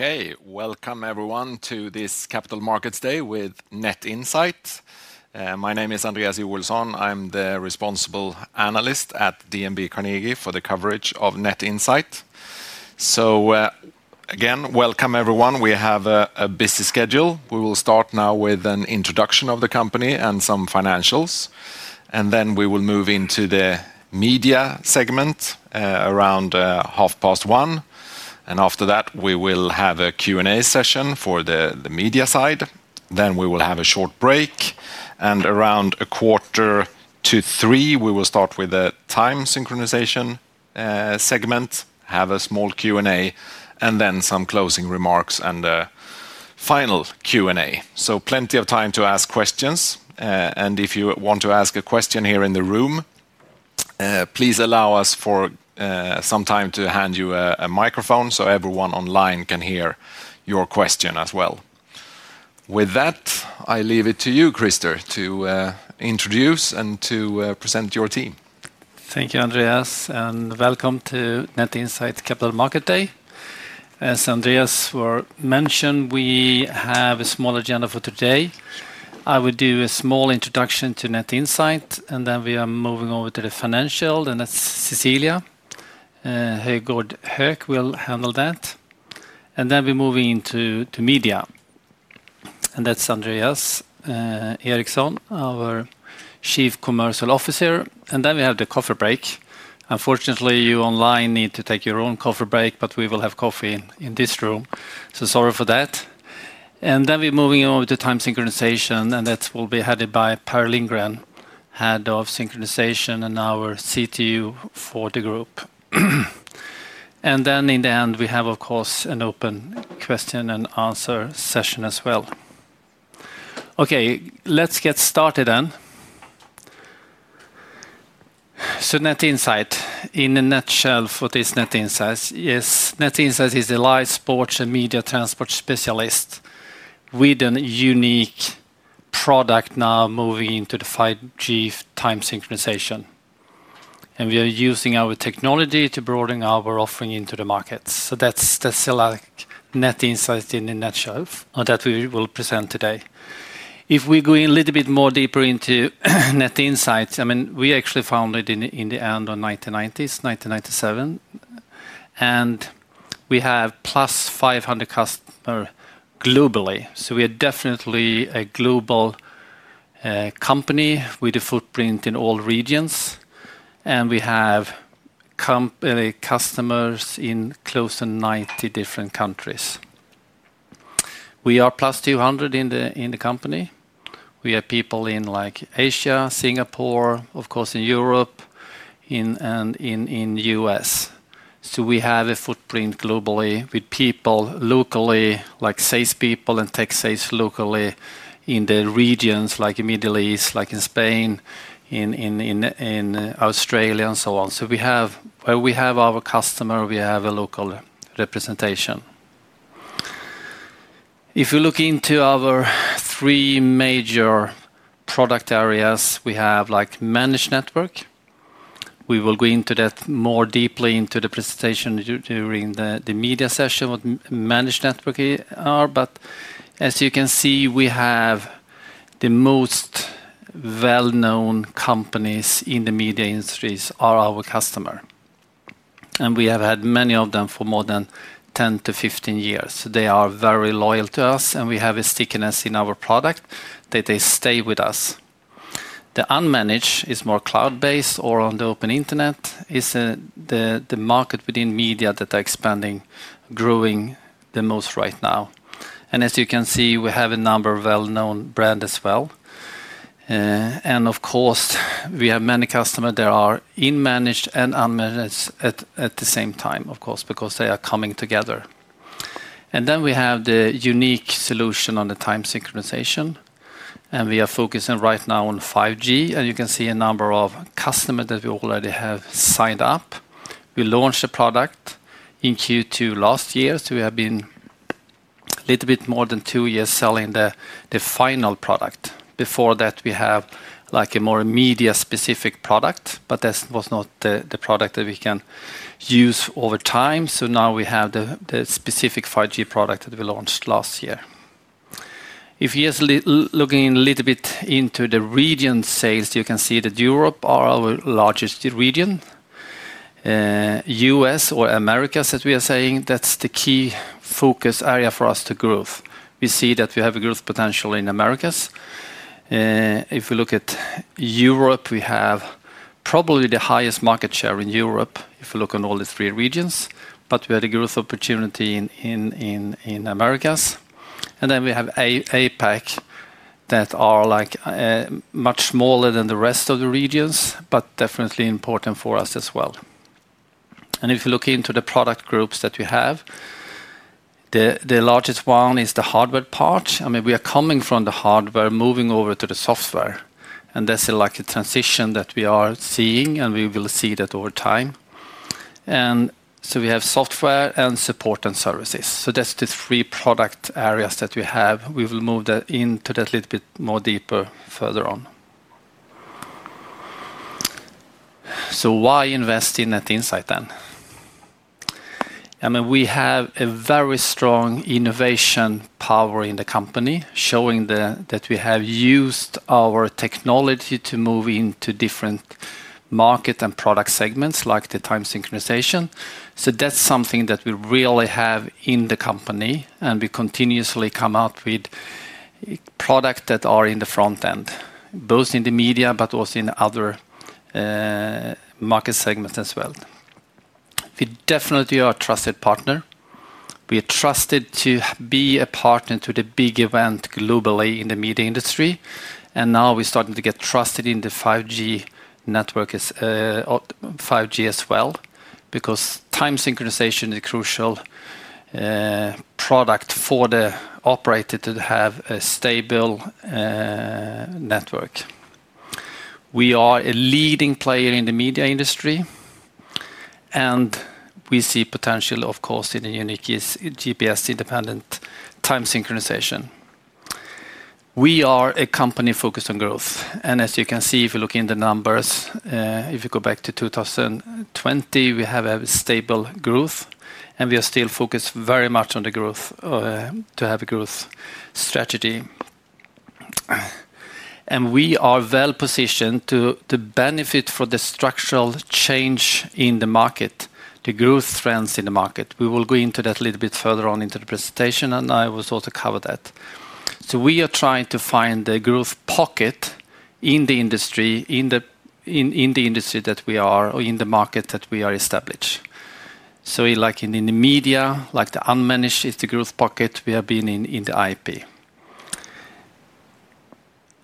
Okay, welcome everyone to this Capital Markets Day with Net Insight. My name is Andreas Iverson. I'm the responsible analyst at DNB Carnegie for the coverage of Net Insight. Again, welcome everyone. We have a busy schedule. We will start now with an introduction of the company and some financials, and then we will move into the media segment around 1:30 P.M. After that, we will have a Q&A session for the media side. We will have a short break, and around 2:45 P.M., we will start with the time synchronization segment, have a small Q&A, and then some closing remarks and a final Q&A. There is plenty of time to ask questions. If you want to ask a question here in the room, please allow us some time to hand you a microphone so everyone online can hear your question as well. With that, I leave it to you, Crister, to introduce and to present your team. Thank you, Andreas, and welcome to Net Insight Capital Markets Day. As Andreas mentioned, we have a small agenda for today. I will do a small introduction to Net Insight, and then we are moving over to the financials, and that's Cecilia Höjgård Höök will handle that. Then we're moving into media, and that's Andreas Eriksson, our Chief Commercial Officer. We have the coffee break. Unfortunately, you online need to take your own coffee break, but we will have coffee in this room. Sorry for that. Then we're moving on to time synchronization, and that will be headed by Per Lindgren, Head of Synchronization and our Chief Technology Officer for the group. In the end, we have, of course, an open question and answer session as well. Okay, let's get started then. Net Insight, in a nutshell, what is Net Insight? Net Insight is a live sports and media transport specialist with a unique product now moving into the 5G time synchronization. We are using our technology to broaden our offering into the markets. That's the select Net Insight in a nutshell that we will present today. If we go a little bit more deeper into Net Insight, I mean, we actually founded it in the end of 1997, and we have plus 500 customers globally. We are definitely a global company with a footprint in all regions, and we have customers in close to 90 different countries. We are plus 200 in the company. We have people in like Asia, Singapore, of course, in Europe, and in the U.S. We have a footprint globally with people locally, like salespeople and tech sales locally in the regions like the Middle East, like in Spain, in Australia, and so on. Where we have our customers, we have a local representation. If you look into our three major product areas, we have like managed network. We will go into that more deeply in the presentation during the media session what managed network are. As you can see, we have the most well-known companies in the media industries as our customers. We have had many of them for more than 10-15 years. They are very loyal to us, and we have a stickiness in our product that they stay with us. The unmanaged is more cloud-based or on the open internet. It's the market within media that is expanding, growing the most right now. As you can see, we have a number of well-known brands as well. Of course, we have many customers that are in managed and unmanaged at the same time, of course, because they are coming together. We have the unique solution on the time synchronization, and we are focusing right now on 5G. You can see a number of customers that we already have signed up. We launched the product in Q2 last year. We have been a little bit more than two years selling the final product. Before that, we had a more media-specific product, but that was not the product that we can use over time. Now we have the specific 5G product that we launched last year. If you're looking a little bit into the region sales, you can see that Europe is our largest region. U.S. or Americas, as we are saying, that's the key focus area for us to grow. We see that we have a growth potential in Americas. If we look at Europe, we have probably the highest market share in Europe if we look at all the three regions, but we have a growth opportunity in Americas. We have APAC that is much smaller than the rest of the regions, but definitely important for us as well. If you look into the product groups that we have, the largest one is the hardware part. I mean, we are coming from the hardware, moving over to the software. That's the transition that we are seeing, and we will see that over time. We have software and support and services. That's the three product areas that we have. We will move into that a little bit more deeper further on. Why invest in Net Insight then? We have a very strong innovation power in the company, showing that we have used our technology to move into different markets and product segments, like the time synchronization. That's something that we really have in the company, and we continuously come out with products that are in the front end, both in the media but also in other market segments as well. We definitely are a trusted partner. We are trusted to be a partner to the big event globally in the media industry. Now we're starting to get trusted in the 5G network as well because time synchronization is a crucial product for the operator to have a stable network. We are a leading player in the media industry, and we see potential, of course, in the unique GPS-resilient time synchronization. We are a company focused on growth. As you can see, if you look in the numbers, if you go back to 2020, we have a stable growth, and we are still focused very much on the growth to have a growth strategy. We are well positioned to benefit from the structural change in the market, the growth trends in the market. We will go into that a little bit further on in the presentation, and I will also cover that. We are trying to find the growth pocket in the industry that we are or in the market that we are established. Like in the media, the unmanaged is the growth pocket we have been in the IP.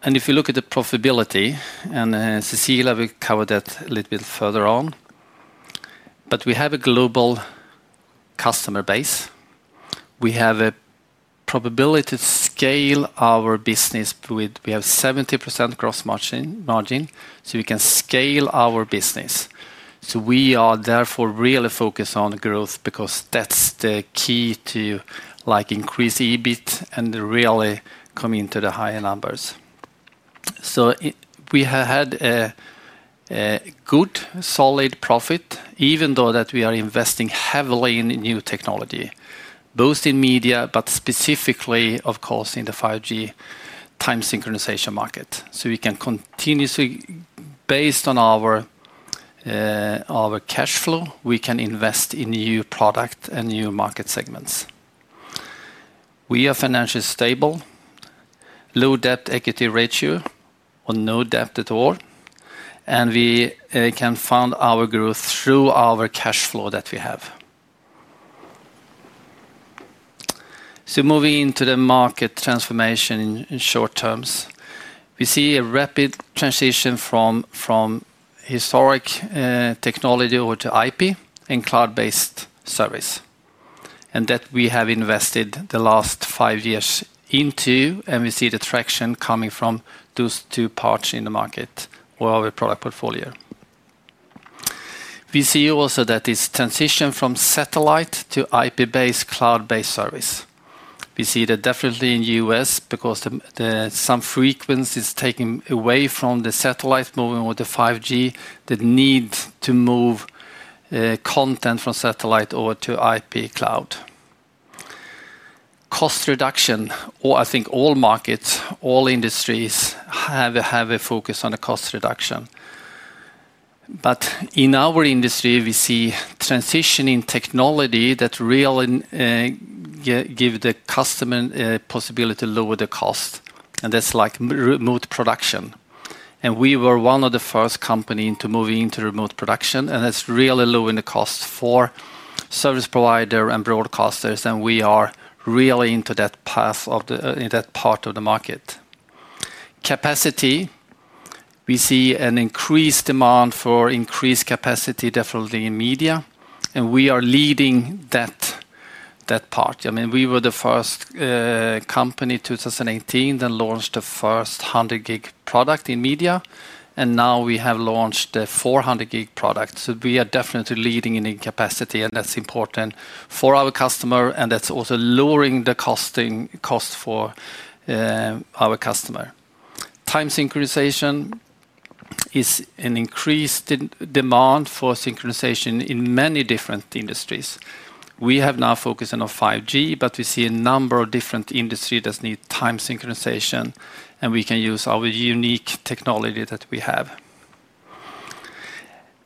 If you look at the profitability, and Cecilia, we covered that a little bit further on, but we have a global customer base. We have a probability to scale our business. We have 70% gross margin, so we can scale our business. We are therefore really focused on growth because that's the key to increase EBIT and really come into the higher numbers. We had a good solid profit, even though we are investing heavily in new technology, both in media, but specifically, of course, in the 5G time synchronization market. We can continuously, based on our cash flow, invest in new products and new market segments. We are financially stable, low debt equity ratio, or no debt at all, and we can fund our growth through our cash flow that we have. Moving into the market transformation in short terms, we see a rapid transition from historic technology over to IP and cloud-based service. We have invested the last five years into that, and we see the traction coming from those two parts in the market or our product portfolio. We see also that this transition from satellite to IP-based cloud-based service. We see that definitely in the U.S. because some frequency is taken away from the satellite moving with the 5G, the need to move content from satellite over to IP cloud. Cost reduction, I think all markets, all industries have a focus on the cost reduction. In our industry, we see transitioning technology that really gives the customer a possibility to lower the cost. That's like remote production. We were one of the first companies to move into remote production, and it's really lowering the cost for service providers and broadcasters. We are really into that path in that part of the market. Capacity, we see an increased demand for increased capacity definitely in media, and we are leading that part. We were the first company in 2018 that launched the first 100G product in media, and now we have launched the 400G product. We are definitely leading in capacity, and that's important for our customer, and that's also lowering the cost for our customer. Time synchronization is an increased demand for synchronization in many different industries. We have now focused on 5G, but we see a number of different industries that need time synchronization, and we can use our unique technology that we have.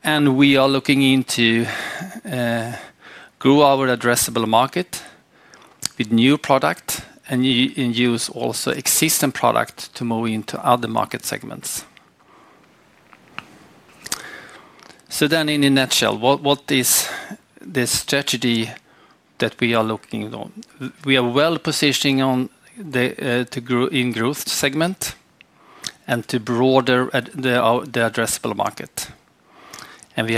We are looking into growing our addressable market with new products and use also existing products to move into other market segments. In a nutshell, what is the strategy that we are looking on? We are well positioned in the growth segment and to broaden the addressable market. We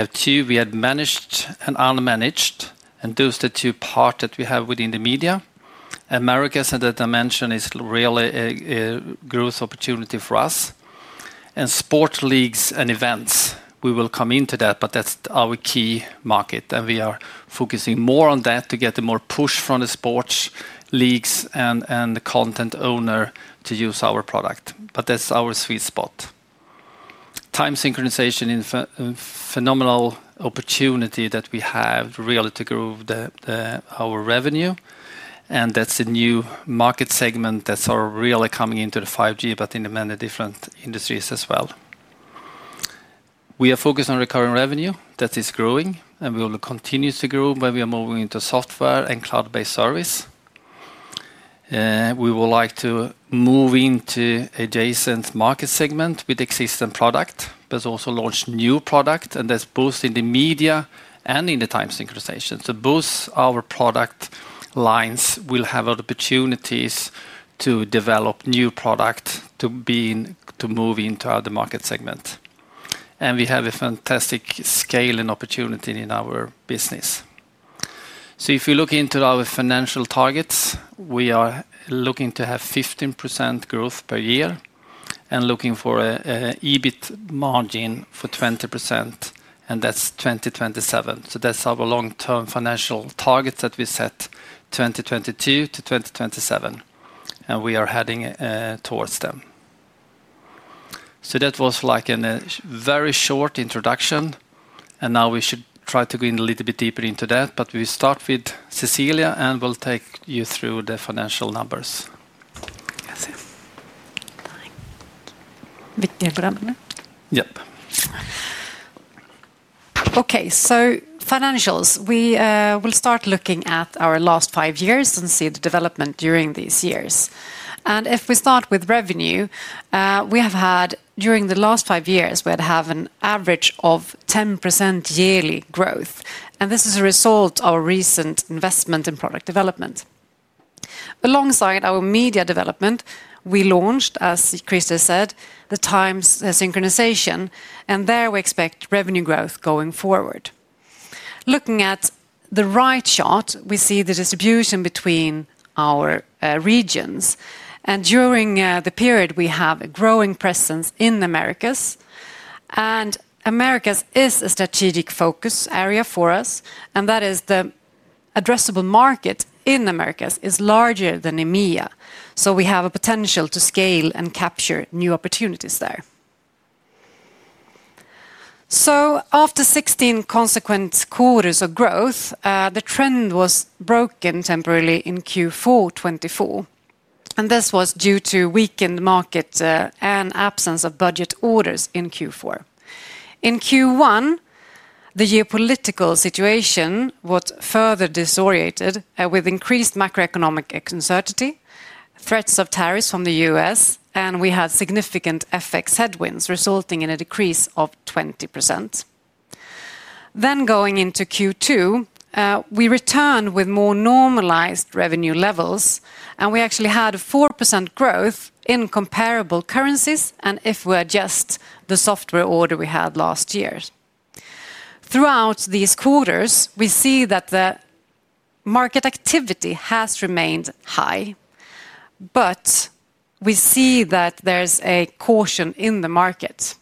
have managed and unmanaged, and those are the two parts that we have within the media. Americas, as I mentioned, is really a growth opportunity for us. Sports leagues and events, we will come into that, but that's our key market, and we are focusing more on that to get more push from the sports leagues and the content owners to use our product. That's our sweet spot. Time synchronization is a phenomenal opportunity that we have really to grow our revenue, and that's a new market segment that's really coming into the 5G, but in many different industries as well. We are focused on recurring revenue that is growing, and we will continue to grow when we are moving into software and cloud-based service. We would like to move into adjacent market segments with existing products, but also launch new products, and that's both in the media and in the time synchronization. Both our product lines will have opportunities to develop new products to move into the market segment. We have a fantastic scaling opportunity in our business. If you look into our financial targets, we are looking to have 15% growth per year and looking for an EBIT margin of 20%, and that's 2027. That's our long-term financial targets that we set for 2022-2027, and we are heading towards them. That was a very short introduction, and now we should try to go a little bit deeper into that, but we start with Cecilia, and we'll take you through the financial numbers. Okay, so financials, we will start looking at our last five years and see the development during these years. If we start with revenue, we have had, during the last five years, we had had an average of 10% yearly growth, and this is a result of our recent investment in product development. Alongside our media development, we launched, as Crister said, the time synchronization, and there we expect revenue growth going forward. Looking at the right chart, we see the distribution between our regions, and during the period, we have a growing presence in Americas, and Americas is a strategic focus area for us, and that is the addressable market in Americas is larger than EMEA. We have a potential to scale and capture new opportunities there. After 16 consequent quarters of growth, the trend was broken temporarily in Q4 2024, and this was due to weakened markets and the absence of budget orders in Q4. In Q1, the geopolitical situation was further disoriented with increased macroeconomic uncertainty, threats of tariffs from the U.S., and we had significant FX headwinds resulting in a decrease of 20%. Going into Q2, we returned with more normalized revenue levels, and we actually had 4% growth in comparable currencies, and if we adjust the software order we had last year. Throughout these quarters, we see that the market activity has remained high, but we see that there's a caution in the market,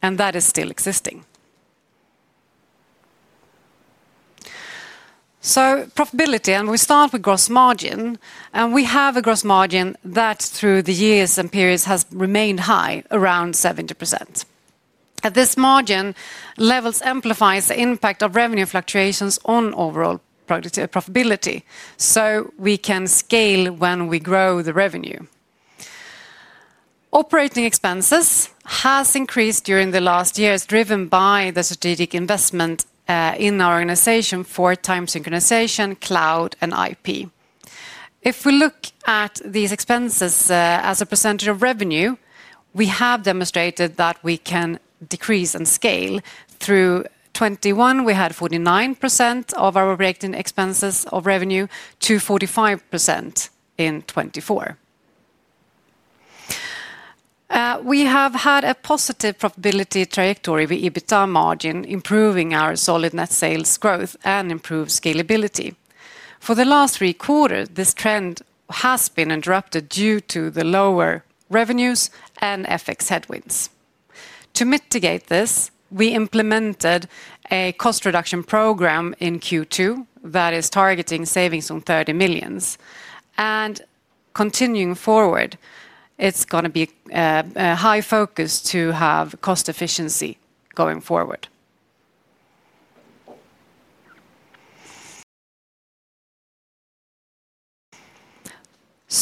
and that is still existing. Profitability, and we start with gross margin, and we have a gross margin that through the years and periods has remained high, around 70%. At this margin, levels amplify the impact of revenue fluctuations on overall profitability, so we can scale when we grow the revenue. Operating expenses have increased during the last years, driven by the strategic investment in our organization for time synchronization, cloud, and IP. If we look at these expenses as a percentage of revenue, we have demonstrated that we can decrease and scale. Through 2021, we had 49% of our operating expenses of revenue to 45% in 2024. We have had a positive profitability trajectory with EBITDA margin improving our solid net sales growth and improved scalability. For the last three quarters, this trend has been interrupted due to the lower revenues and FX headwinds. To mitigate this, we implemented a cost reduction program in Q2 that is targeting savings on $30 million. Continuing forward, it's going to be a high focus to have cost efficiency going forward.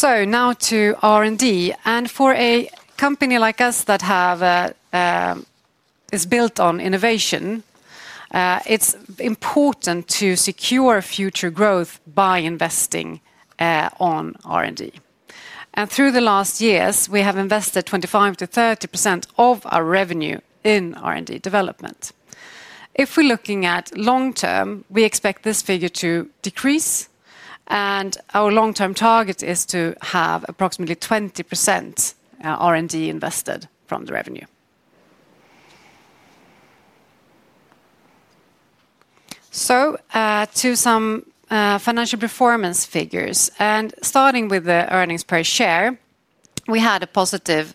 Now to R&D. For a company like us that is built on innovation, it's important to secure future growth by investing in R&D. Through the last years, we have invested 25%-30% of our revenue in R&D development. If we're looking at long term, we expect this figure to decrease, and our long-term target is to have approximately 20% R&D invested from the revenue. To some financial performance figures, and starting with the earnings per share, we had a positive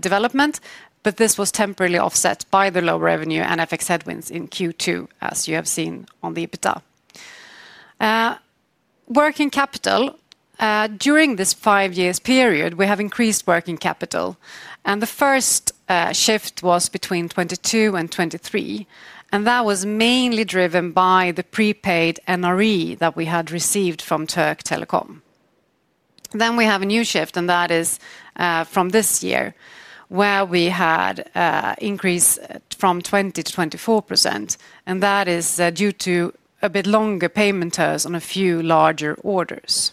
development, but this was temporarily offset by the lower revenue and FX headwinds in Q2, as you have seen on the EBITDA. Working capital, during this five-year period, we have increased working capital, and the first shift was between 2022 and 2023, and that was mainly driven by the prepaid NRE that we had received from Turk Telekom. We have a new shift, and that is from this year, where we had an increase from 20% to 24%, and that is due to a bit longer payment terms on a few larger orders.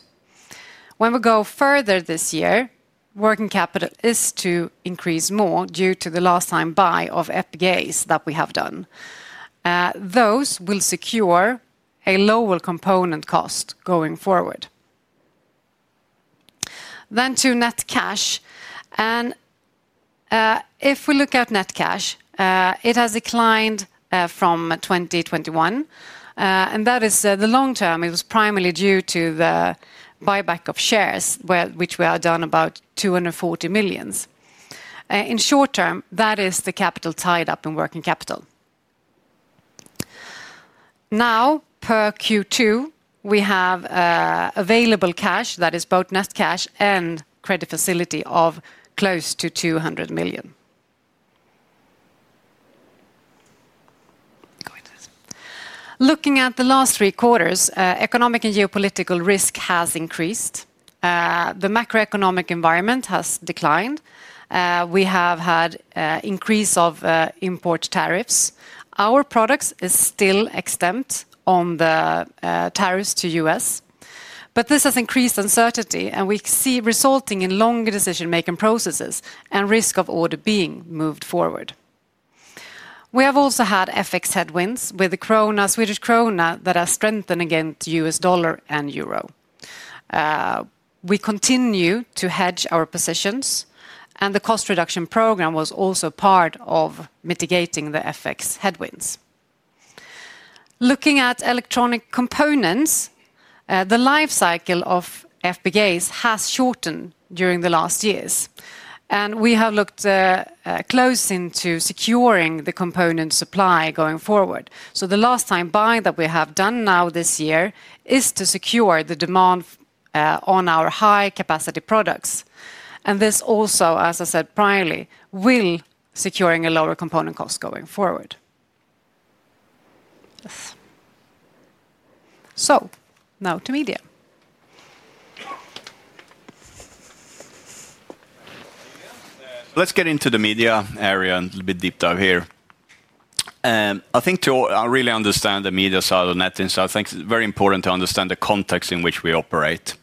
As we go further this year, working capital is to increase more due to the last time buy of FPGAs that we have done. Those will secure a lower component cost going forward. To net cash, and if we look at net cash, it has declined from 2021, and that is the long term. It was primarily due to the buyback of shares, which we have done about 240 million. In short term, that is the capital tied up in working capital. Now, per Q2, we have available cash that is both net cash and credit facility of close to 200 million. Looking at the last three quarters, economic and geopolitical risk has increased. The macroeconomic environment has declined. We have had an increase of import tariffs. Our products are still exempt from the tariffs to the U.S., but this has increased uncertainty, and we see it resulting in longer decision-making processes and the risk of orders being moved forward. We have also had FX headwinds with the Swedish krona that has strengthened against the U.S. dollar and euro. We continue to hedge our positions, and the cost reduction program was also part of mitigating the FX headwinds. Looking at electronic components, the lifecycle of FPGAs has shortened during the last years, and we have looked closely into securing the component supply going forward. The last time buy that we have done now this year is to secure the demand on our high-capacity products. This also, as I said previously, will secure a lower component cost going forward. Now to media. Let's get into the media area a little bit deeper here. I think to really understand the media side of Net Insight, it's very important to understand the context in which we operate.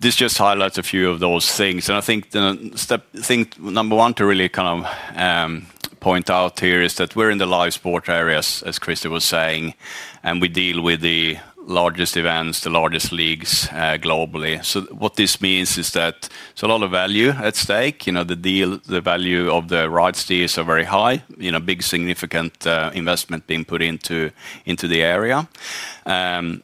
This just highlights a few of those things. I think the step thing number one to really kind of point out here is that we're in the live sports area, as Crister was saying, and we deal with the largest events, the largest leagues globally. What this means is that there's a lot of value at stake. The value of the rights fees are very high. Big significant investment being put into the area, and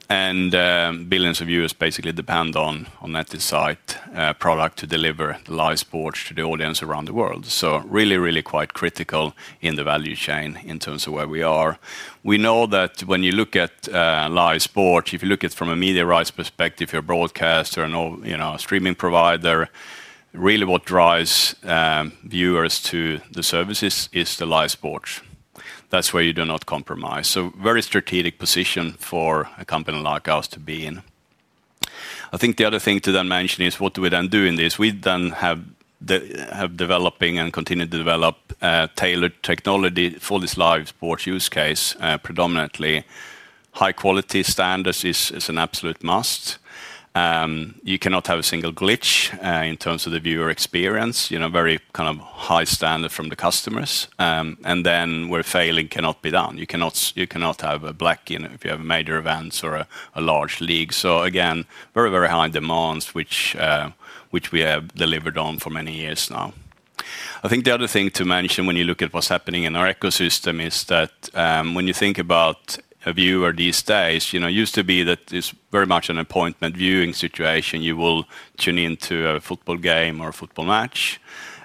billions of viewers basically depend on Net Insight product to deliver the live sports to the audience around the world. Really, really quite critical in the value chain in terms of where we are. We know that when you look at live sports, if you look at it from a media rights perspective, you're a broadcaster and a streaming provider, really what drives viewers to the services is the live sports. That's where you do not compromise. A very strategic position for a company like ours to be in. I think the other thing to then mention is what do we then do in this? We then have developed and continue to develop tailored technology for this live sports use case. Predominantly, high-quality standards are an absolute must. You cannot have a single glitch in terms of the viewer experience. Very kind of high standard from the customers, and then where failing cannot be done. You cannot have a black in if you have major events or a large league. Again, very, very high demands, which we have delivered on for many years now. I think the other thing to mention when you look at what's happening in our ecosystem is that when you think about a viewer these days, it used to be that it's very much an appointment viewing situation. You will tune into a football game or a football match,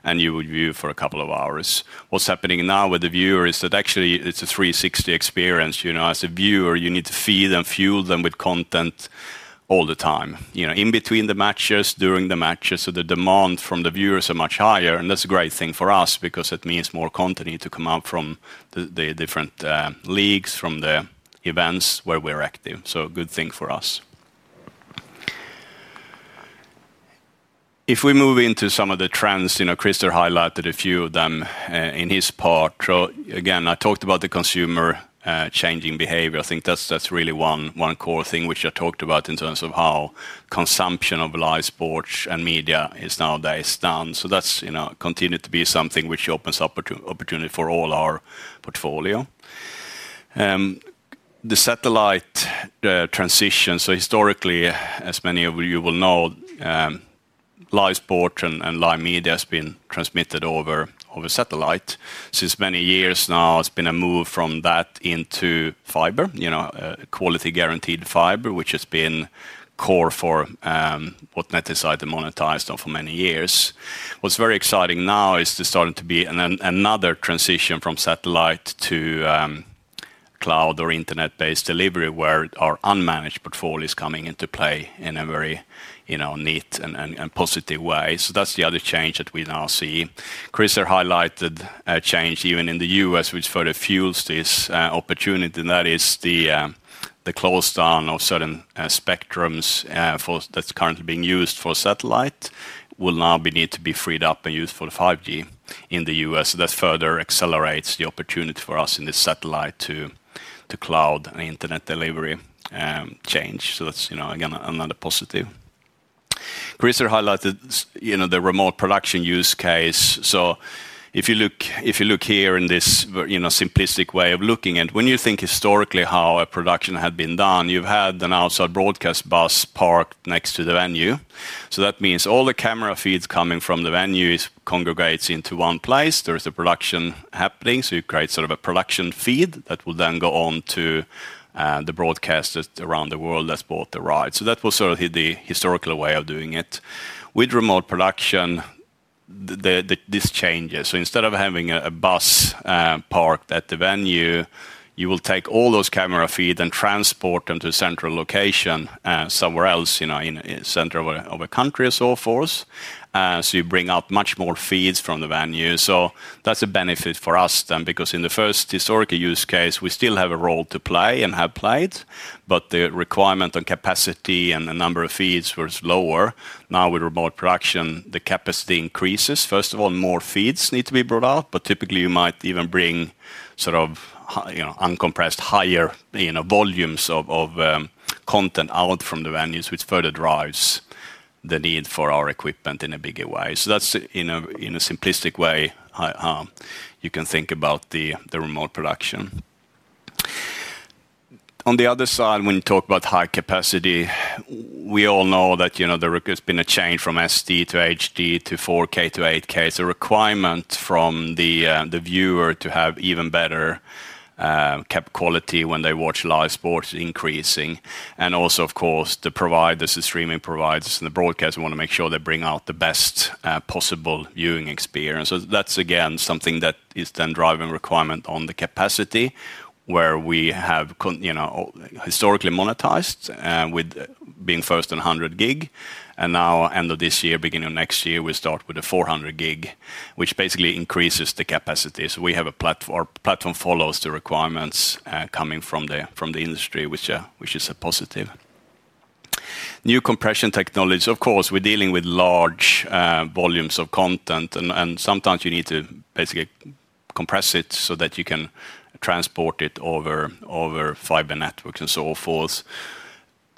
and you would view for a couple of hours. What's happening now with the viewer is that actually it's a 360 experience. As a viewer, you need to feed and fuel them with content all the time, in between the matches, during the matches, so the demand from the viewers is much higher. That's a great thing for us because it means more content needs to come out from the different leagues, from the events where we're active. A good thing for us. If we move into some of the trends, Krister highlighted a few of them in his part. Again, I talked about the consumer changing behavior. I think that's really one core thing which I talked about in terms of how consumption of live sports and media is nowadays done. That's continued to be something which opens up opportunity for all our portfolio. The satellite transition. Historically, as many of you will know, live sports and live media has been transmitted over satellite. For many years now, there's been a move from that into fiber, quality guaranteed fiber, which has been core for what Net Insight has monetized for many years. What's very exciting now is there's starting to be another transition from satellite to cloud or internet-based delivery where our unmanaged portfolio is coming into play in a very neat and positive way. That's the other change that we now see. Crister highlighted a change even in the U.S., which further fuels this opportunity, and that is the close down of certain spectrums that's currently being used for satellite will now need to be freed up and used for 5G in the U.S. That further accelerates the opportunity for us in the satellite to cloud and internet delivery change. That's another positive. Crister highlighted the remote production use case. If you look here in this simplistic way of looking at it, when you think historically how a production had been done, you've had an outside broadcast bus parked next to the venue. That means all the camera feeds coming from the venue congregate into one place. There's a production happening. You create sort of a production feed that will then go on to the broadcasters around the world that's bought the right. That was the historical way of doing it. With remote production, this changes. Instead of having a bus parked at the venue, you will take all those camera feeds and transport them to a central location somewhere else, in the center of a country and so forth. You bring up much more feeds from the venue. That's a benefit for us then because in the first historical use case, we still have a role to play and have played, but the requirement on capacity and the number of feeds was lower. Now, with remote production, the capacity increases. First of all, more feeds need to be brought up, but typically, you might even bring sort of, you know, uncompressed higher, you know, volumes of content out from the venues, which further drives the need for our equipment in a bigger way. That's in a simplistic way how you can think about the remote production. On the other side, when you talk about high capacity, we all know that, you know, there has been a change from SD to HD to 4K to 8K. Requirement from the viewer to have even better quality when they watch live sports is increasing. Also, of course, the providers, the streaming providers, and the broadcasters want to make sure they bring out the best possible viewing experience. That's again something that is then driving requirement on the capacity where we have, you know, historically monetized with being first on 100G. Now, end of this year, beginning of next year, we start with a 400G, which basically increases the capacity. We have a platform, our platform follows the requirements coming from the industry, which is a positive. New compression technologies. Of course, we're dealing with large volumes of content, and sometimes you need to basically compress it so that you can transport it over fiber networks and so forth.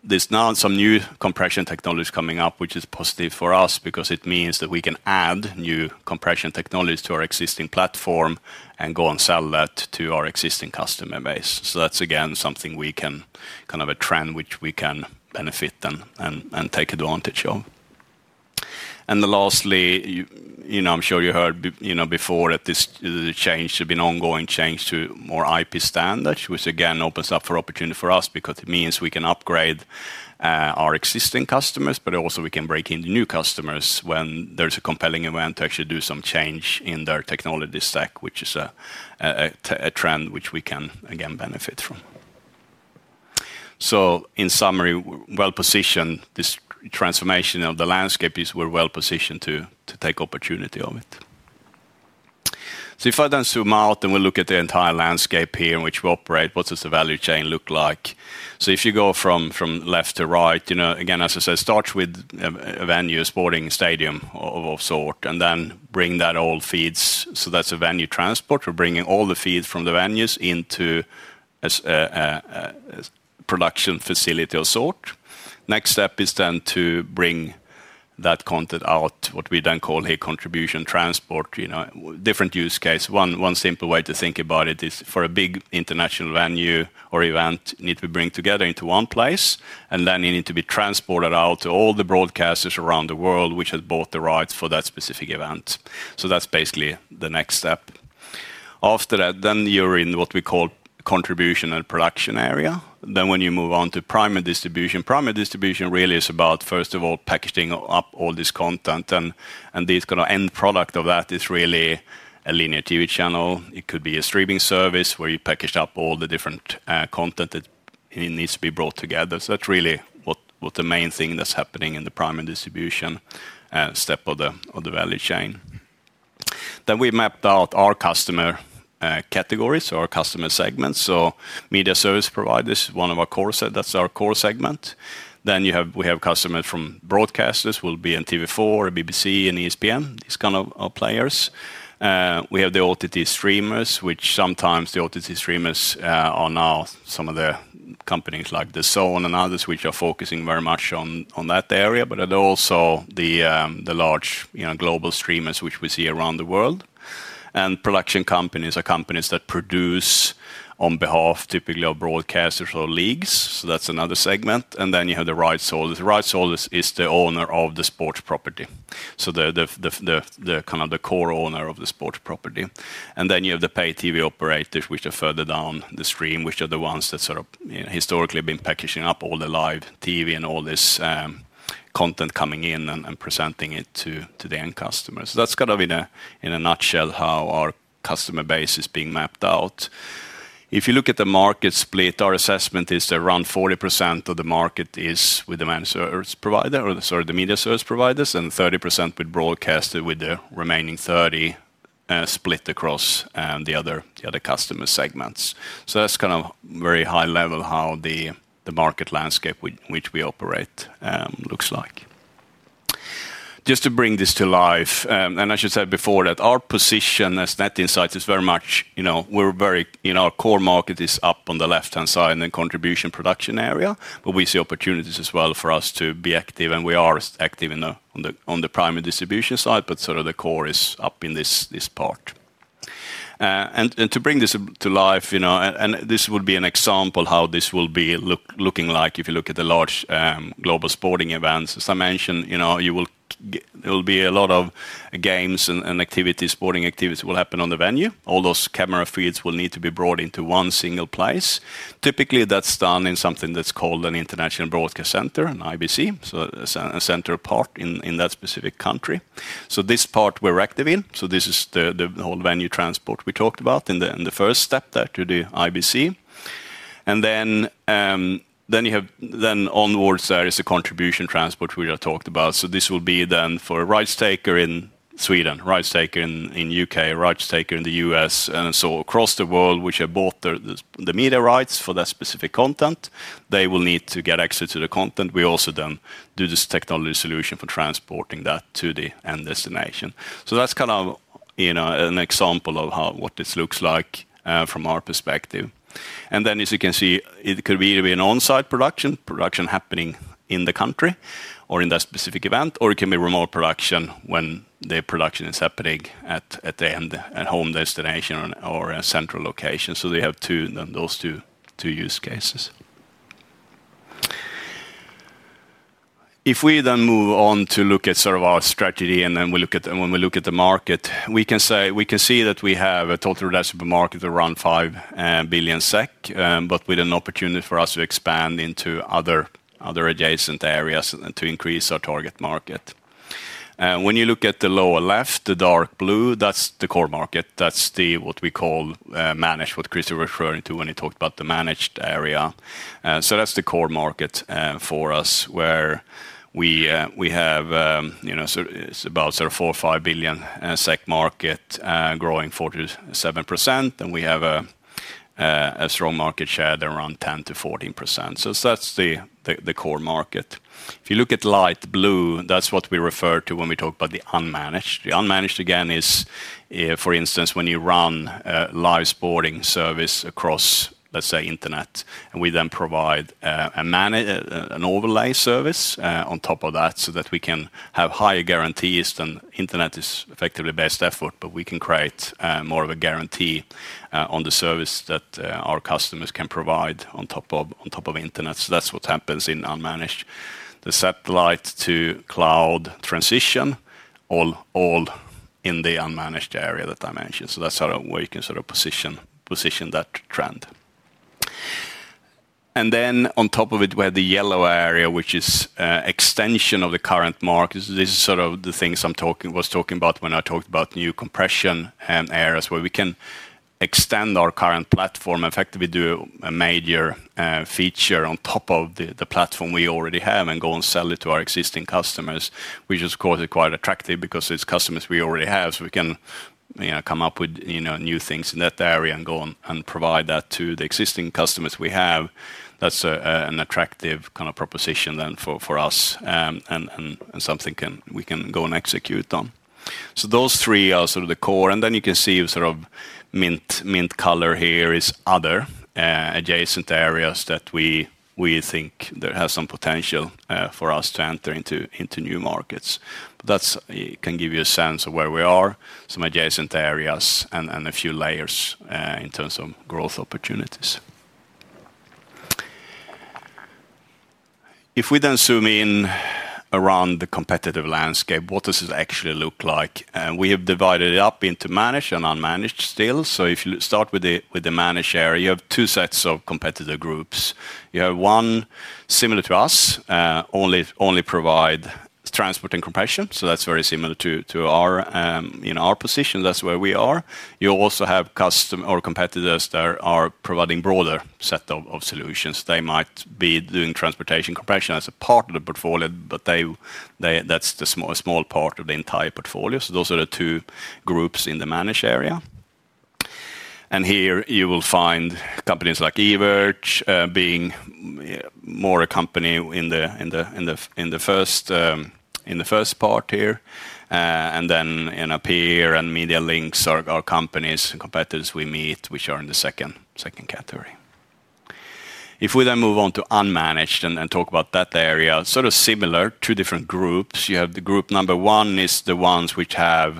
There's now some new compression technologies coming up, which is positive for us because it means that we can add new compression technologies to our existing platform and go and sell that to our existing customer base. That's again something we can, kind of a trend which we can benefit and take advantage of. Lastly, you know, I'm sure you heard, you know, before that this change has been an ongoing change to more IP standards, which again opens up for opportunity for us because it means we can upgrade our existing customers, but also we can break into new customers when there's a compelling event to actually do some change in their technology stack, which is a trend which we can again benefit from. In summary, well-positioned. This transformation of the landscape is we're well-positioned to take opportunity of it. If I then zoom out and we look at the entire landscape here in which we operate, what does the value chain look like? If you go from left to right, you know, again, as I said, starts with a venue, sporting stadium of sort, and then bring that all feeds. That's a venue transport. We're bringing all the feeds from the venues into a production facility of sort. Next step is then to bring that content out, what we then call here contribution transport. Different use case. One simple way to think about it is for a big international venue or event, you need to bring together into one place, and then you need to be transported out to all the broadcasters around the world which have bought the rights for that specific event. That's basically the next step. After that, you're in what we call contribution and production area. When you move on to primary distribution, primary distribution really is about, first of all, packaging up all this content, and the kind of end product of that is really a linear TV channel. It could be a streaming service where you package up all the different content that needs to be brought together. That's really what the main thing that's happening in the primary distribution step of the value chain. We mapped out our customer categories, our customer segments. Media service providers, one of our core sets, that's our core segment. We have customers from broadcasters, will be in TV4, BBC, and ESPN, these kinds of players. We have the OTT streamers, which sometimes the OTT streamers are now some of the companies like DAZN and others which are focusing very much on that area, but also the large global streamers which we see around the world. Production companies are companies that produce on behalf typically of broadcasters or leagues. That's another segment. You have the rights holders. Rights holders is the owner of the sports property, so the kind of the core owner of the sports property. You have the pay TV operators which are further down the stream, which are the ones that sort of historically have been packaging up all the live TV and all this content coming in and presenting it to the end customers. That's kind of in a nutshell how our customer base is being mapped out. If you look at the market split, our assessment is around 40% of the market is with the main service provider or the media service providers, and 30% with broadcasters, with the remaining 30% split across the other customer segments. That's kind of very high level how the market landscape which we operate looks like. Just to bring this to life, and as you said before, our position as Net Insight is very much, you know, we're very, you know, our core market is up on the left-hand side in the contribution production area, but we see opportunities as well for us to be active, and we are active on the primary distribution side. The core is up in this part. To bring this to life, this would be an example of how this will be looking like if you look at the large global sporting events. As I mentioned, there will be a lot of games and activities, sporting activities will happen on the venue. All those camera feeds will need to be brought into one single place. Typically, that's done in something that's called an international broadcast center, an IBC, so a center part in that specific country. This part we're active in. This is the whole venue transport we talked about in the first step there to the IBC. Then onwards there is a contribution transport we just talked about. This will be then for a rights taker in Sweden, rights taker in the UK, rights taker in the U.S., and so across the world which have bought the media rights for that specific content. They will need to get access to the content. We also then do this technology solution for transporting that to the end destination. That's kind of, you know, an example of what this looks like from our perspective. As you can see, it could either be an onsite production, production happening in the country or in that specific event, or it can be remote production when the production is happening at the end, at home destination or a central location. They have two, then those two use cases. If we then move on to look at sort of our strategy and then we look at, when we look at the market, we can say, we can see that we have a total addressable market of around 5 billion SEK, but with an opportunity for us to expand into other adjacent areas and to increase our target market. When you look at the lower left, the dark blue, that's the core market. That's what we call managed, what Crister was referring to when he talked about the managed area. That's the core market for us where we have, you know, about sort of 4 or 5 billion market growing 47%, and we have a strong market share at around 10 to 14%. That's the core market. If you look at light blue, that's what we refer to when we talk about the unmanaged. The unmanaged, again, is, for instance, when you run a live sporting service across, let's say, internet, and we then provide an overlay service on top of that so that we can have higher guarantees. Internet is effectively best effort, but we can create more of a guarantee on the service that our customers can provide on top of internet. That's what happens in unmanaged. The satellite to cloud transition, all in the unmanaged area that I mentioned. That's how we can sort of position that trend. On top of it, we have the yellow area, which is an extension of the current market. This is sort of the things I was talking about when I talked about new compression and areas where we can extend our current platform. In fact, we do a major feature on top of the platform we already have and go and sell it to our existing customers, which is, of course, quite attractive because it's customers we already have. We can come up with new things in that area and go and provide that to the existing customers we have. That's an attractive kind of proposition then for us, and something we can go and execute on. Those three are sort of the core. You can see sort of mint color here is other adjacent areas that we think have some potential for us to enter into new markets. That can give you a sense of where we are, some adjacent areas, and a few layers in terms of growth opportunities. If we then zoom in around the competitive landscape, what does it actually look like? We have divided it up into managed and unmanaged still. If you start with the managed area, you have two sets of competitor groups. You have one similar to us, only provide transport and compression. That's very similar to our position. That's where we are. You also have customers or competitors that are providing a broader set of solutions. They might be doing transport and compression as a part of the portfolio, but that's a small part of the entire portfolio. Those are the two groups in the managed area. Here you will find companies like Aperi, being more a company in the first part here. NPR and MediaLinks are companies and competitors we meet, which are in the second category. If we then move on to unmanaged and talk about that area, sort of similar to different groups, you have the group number one is the ones which have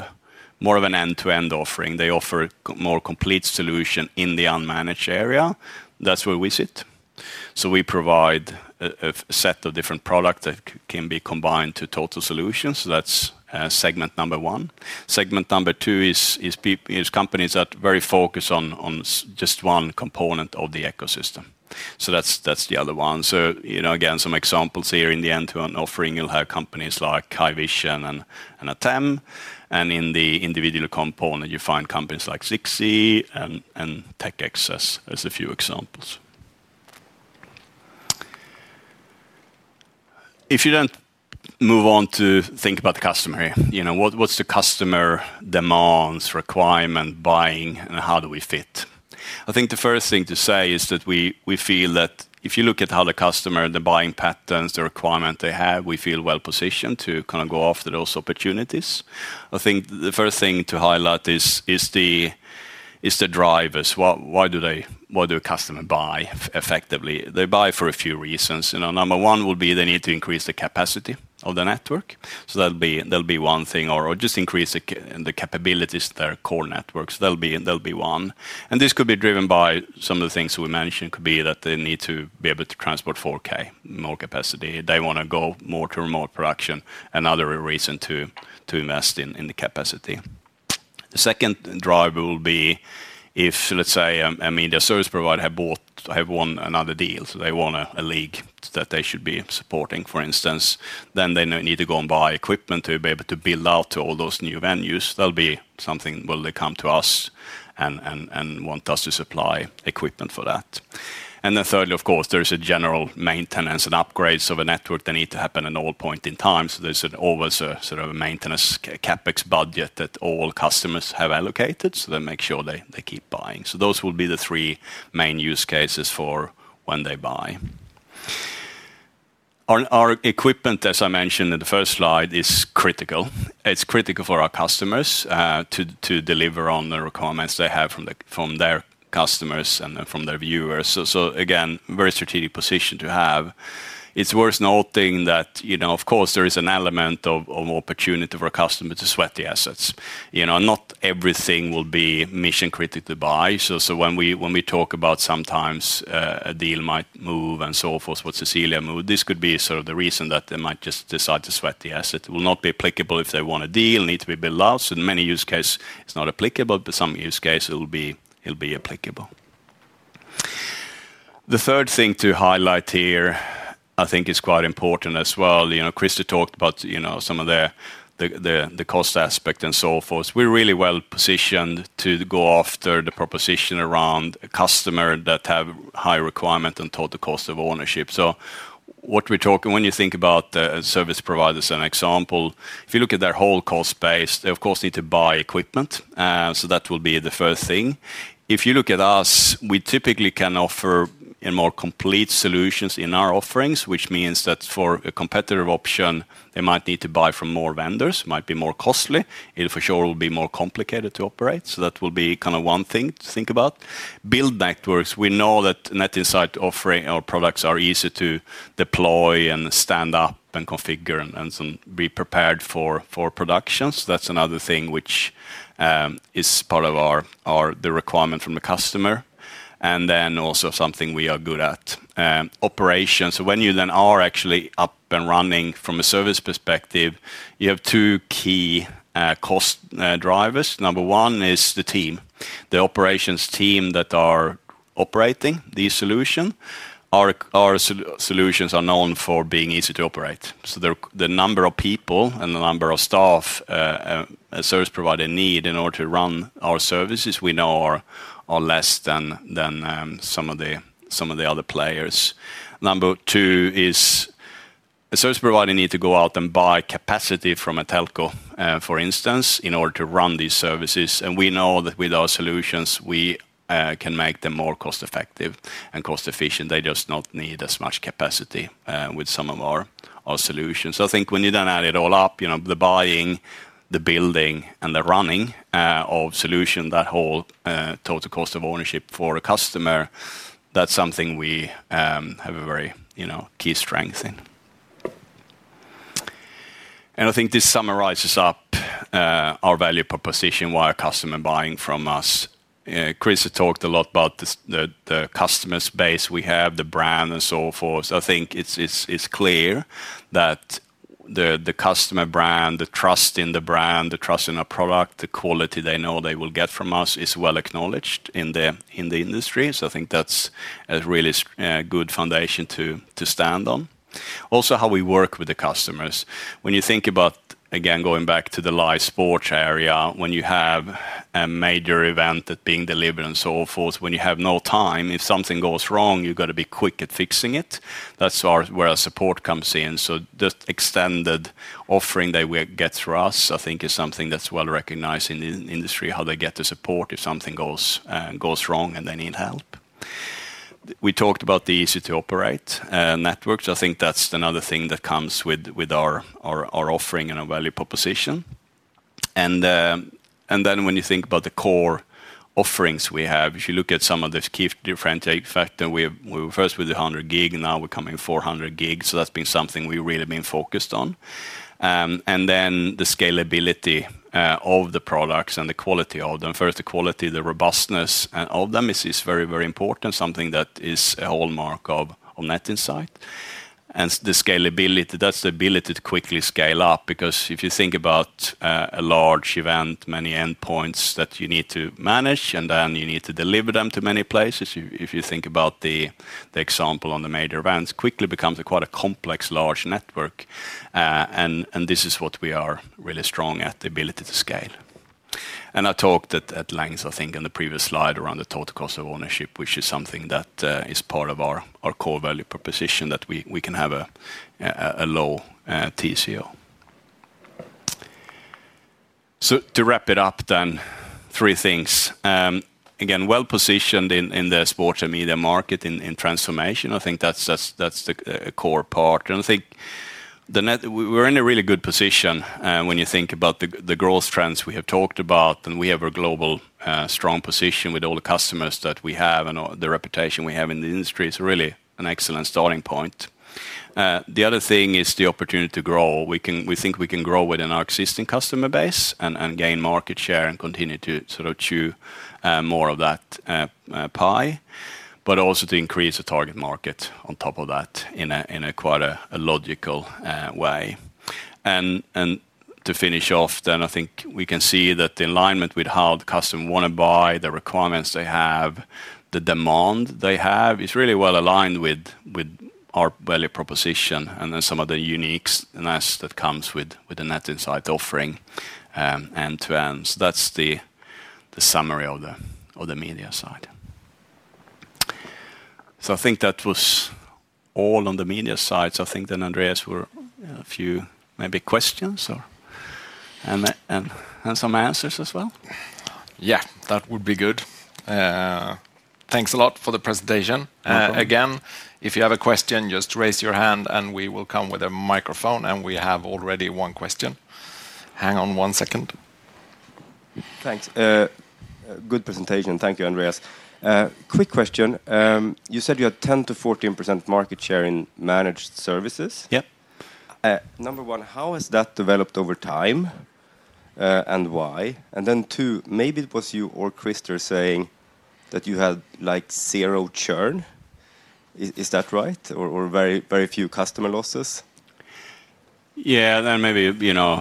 more of an end-to-end offering. They offer a more complete solution in the unmanaged area. That's where we sit. We provide a set of different products that can be combined to total solutions. That's segment number one. Segment number two is companies that are very focused on just one component of the ecosystem. That's the other one. For example, in the end-to-end offering, you'll have companies like Haivision and Ateme. In the individual component, you find companies like Zixi and TAG as a few examples. If you then move on to think about the customer, what's the customer demands, requirements, buying, and how do we fit? I think the first thing to say is that we feel that if you look at how the customer, the buying patterns, the requirements they have, we feel well positioned to go after those opportunities. The first thing to highlight is the drivers. Why do the customers buy effectively? They buy for a few reasons. Number one will be they need to increase the capacity of the network. That'll be one thing, or just increase the capabilities of their core network. That'll be one. This could be driven by some of the things we mentioned. It could be that they need to be able to transport 4K, more capacity. They want to go more to remote production, another reason to invest in the capacity. The second driver will be if, let's say, a media service provider had won another deal. They want a league that they should be supporting, for instance. Then they need to go and buy equipment to be able to build out to all those new venues. That'll be something, will they come to us and want us to supply equipment for that. Thirdly, of course, there is a general maintenance and upgrades of a network that need to happen at all points in time. There's always a sort of a maintenance CapEx budget that all customers have allocated. They make sure they keep buying. Those will be the three main use cases for when they buy. Our equipment, as I mentioned in the first slide, is critical. It's critical for our customers to deliver on the requirements they have from their customers and from their viewers. Again, a very strategic position to have. It's worth noting that, of course, there is an element of opportunity for a customer to sweat the assets. Not everything will be mission-critical to buy. When we talk about sometimes a deal might move and so forth, what Cecilia moved, this could be sort of the reason that they might just decide to sweat the asset. It will not be applicable if they want a deal, need to be built out. In many use cases, it's not applicable, but some use cases, it'll be applicable. The third thing to highlight here, I think, is quite important as well. You know, Crister talked about some of the cost aspects and so forth. We're really well positioned to go after the proposition around a customer that has a high requirement on total cost of ownership. What we're talking about, when you think about the service providers as an example, if you look at their whole cost base, they, of course, need to buy equipment. That will be the first thing. If you look at us, we typically can offer more complete solutions in our offerings, which means that for a competitive option, they might need to buy from more vendors. It might be more costly. It for sure will be more complicated to operate. That will be kind of one thing to think about. Build networks. We know that Net Insight offering our products are easy to deploy and stand up and configure and be prepared for production. That's another thing which is part of the requirement from the customer. Also, something we are good at, operations. When you then are actually up and running from a service perspective, you have two key cost drivers. Number one is the team, the operations team that are operating these solutions. Our solutions are known for being easy to operate. The number of people and the number of staff a service provider needs in order to run our services, we know, are less than some of the other players. Number two is a service provider needs to go out and buy capacity from a telco, for instance, in order to run these services. We know that with our solutions, we can make them more cost-effective and cost-efficient. They just don't need as much capacity with some of our solutions. I think when you then add it all up, the buying, the building, and the running of solutions, that whole total cost of ownership for a customer, that's something we have a very key strength in. I think this summarizes up our value proposition, why a customer is buying from us. Crister talked a lot about the customer base we have, the brand, and so forth. I think it's clear that the customer brand, the trust in the brand, the trust in our product, the quality they know they will get from us is well acknowledged in the industry. I think that's a really good foundation to stand on. Also, how we work with the customers. When you think about, again, going back to the live sports area, when you have a major event that's being delivered and so forth, when you have no time, if something goes wrong, you've got to be quick at fixing it. That's where our support comes in. The extended offering that we get for us, I think, is something that's well recognized in the industry, how they get the support if something goes wrong and they need help. We talked about the easy-to-operate networks. I think that's another thing that comes with our offering and our value proposition. When you think about the core offerings we have, if you look at some of the key differentiating factors, we were first with 100G, now we're coming to 400G. That's been something we've really been focused on. The scalability of the products and the quality of them. First, the quality, the robustness of them is very, very important, something that is a hallmark of Net Insight. The scalability, that's the ability to quickly scale up because if you think about a large event, many endpoints that you need to manage, and then you need to deliver them to many places. If you think about the example on the major events, it quickly becomes quite a complex, large network. This is what we are really strong at, the ability to scale. I talked at length, I think, on the previous slide around the total cost of ownership, which is something that is part of our core value proposition, that we can have a low TCO. To wrap it up, then three things. Again, well positioned in the sports and media market in transformation. I think that's the core part. I think we're in a really good position when you think about the growth trends we have talked about, and we have a global strong position with all the customers that we have, and the reputation we have in the industry is really an excellent starting point. The other thing is the opportunity to grow. We think we can grow within our existing customer base and gain market share and continue to sort of chew more of that pie, but also to increase the target market on top of that in quite a logical way. To finish off, I think we can see that the alignment with how the customers want to buy, the requirements they have, the demand they have is really well aligned with our value proposition and some of the uniqueness that comes with the Net Insight offering end to end. That's the summary of the media side. I think that was all on the media side. I think then, Andreas, a few maybe questions or some answers as well? Yeah, that would be good. Thanks a lot for the presentation. Again, if you have a question, just raise your hand and we will come with a microphone, and we have already one question. Hang on one second. Thanks. Good presentation. Thank you, Andreas. Quick question. You said you had 10% to 14% markeumber one, how has that developed over time and why? Two, maybe it was you or Crister saying that you had like zero churn. Is that right? Or very few customer losses? Maybe,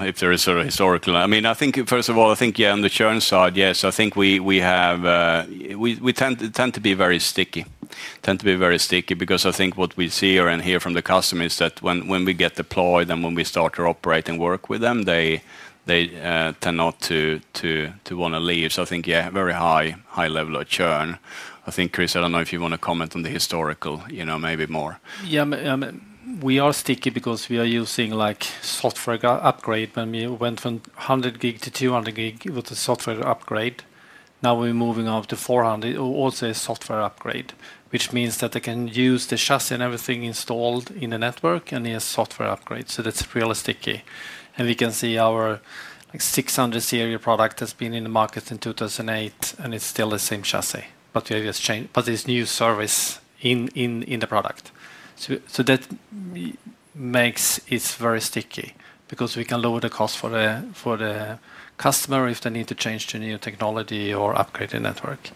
if there is sort of a historical, I mean, first of all, on the churn side, yes, we tend to be very sticky because what we see and hear from the customers is that when we get deployed and when we start to operate and work with them, they tend not to want to leave. Very high level of churn. Krister, I don't know if you want to comment on the historical, maybe more. Yeah, I mean, we are sticky because we are using like software upgrade. When we went from 100G-200G with a software upgrade, now we're moving on to 400G, also a software upgrade, which means that they can use the chassis and everything installed in the network and need a software upgrade. That's really sticky. We can see our 600-series product has been in the market since 2008 and it's still the same chassis, but we have just changed, but it's a new service in the product. That makes it very sticky because we can lower the cost for the customer if they need to change to new technology or upgrade the network.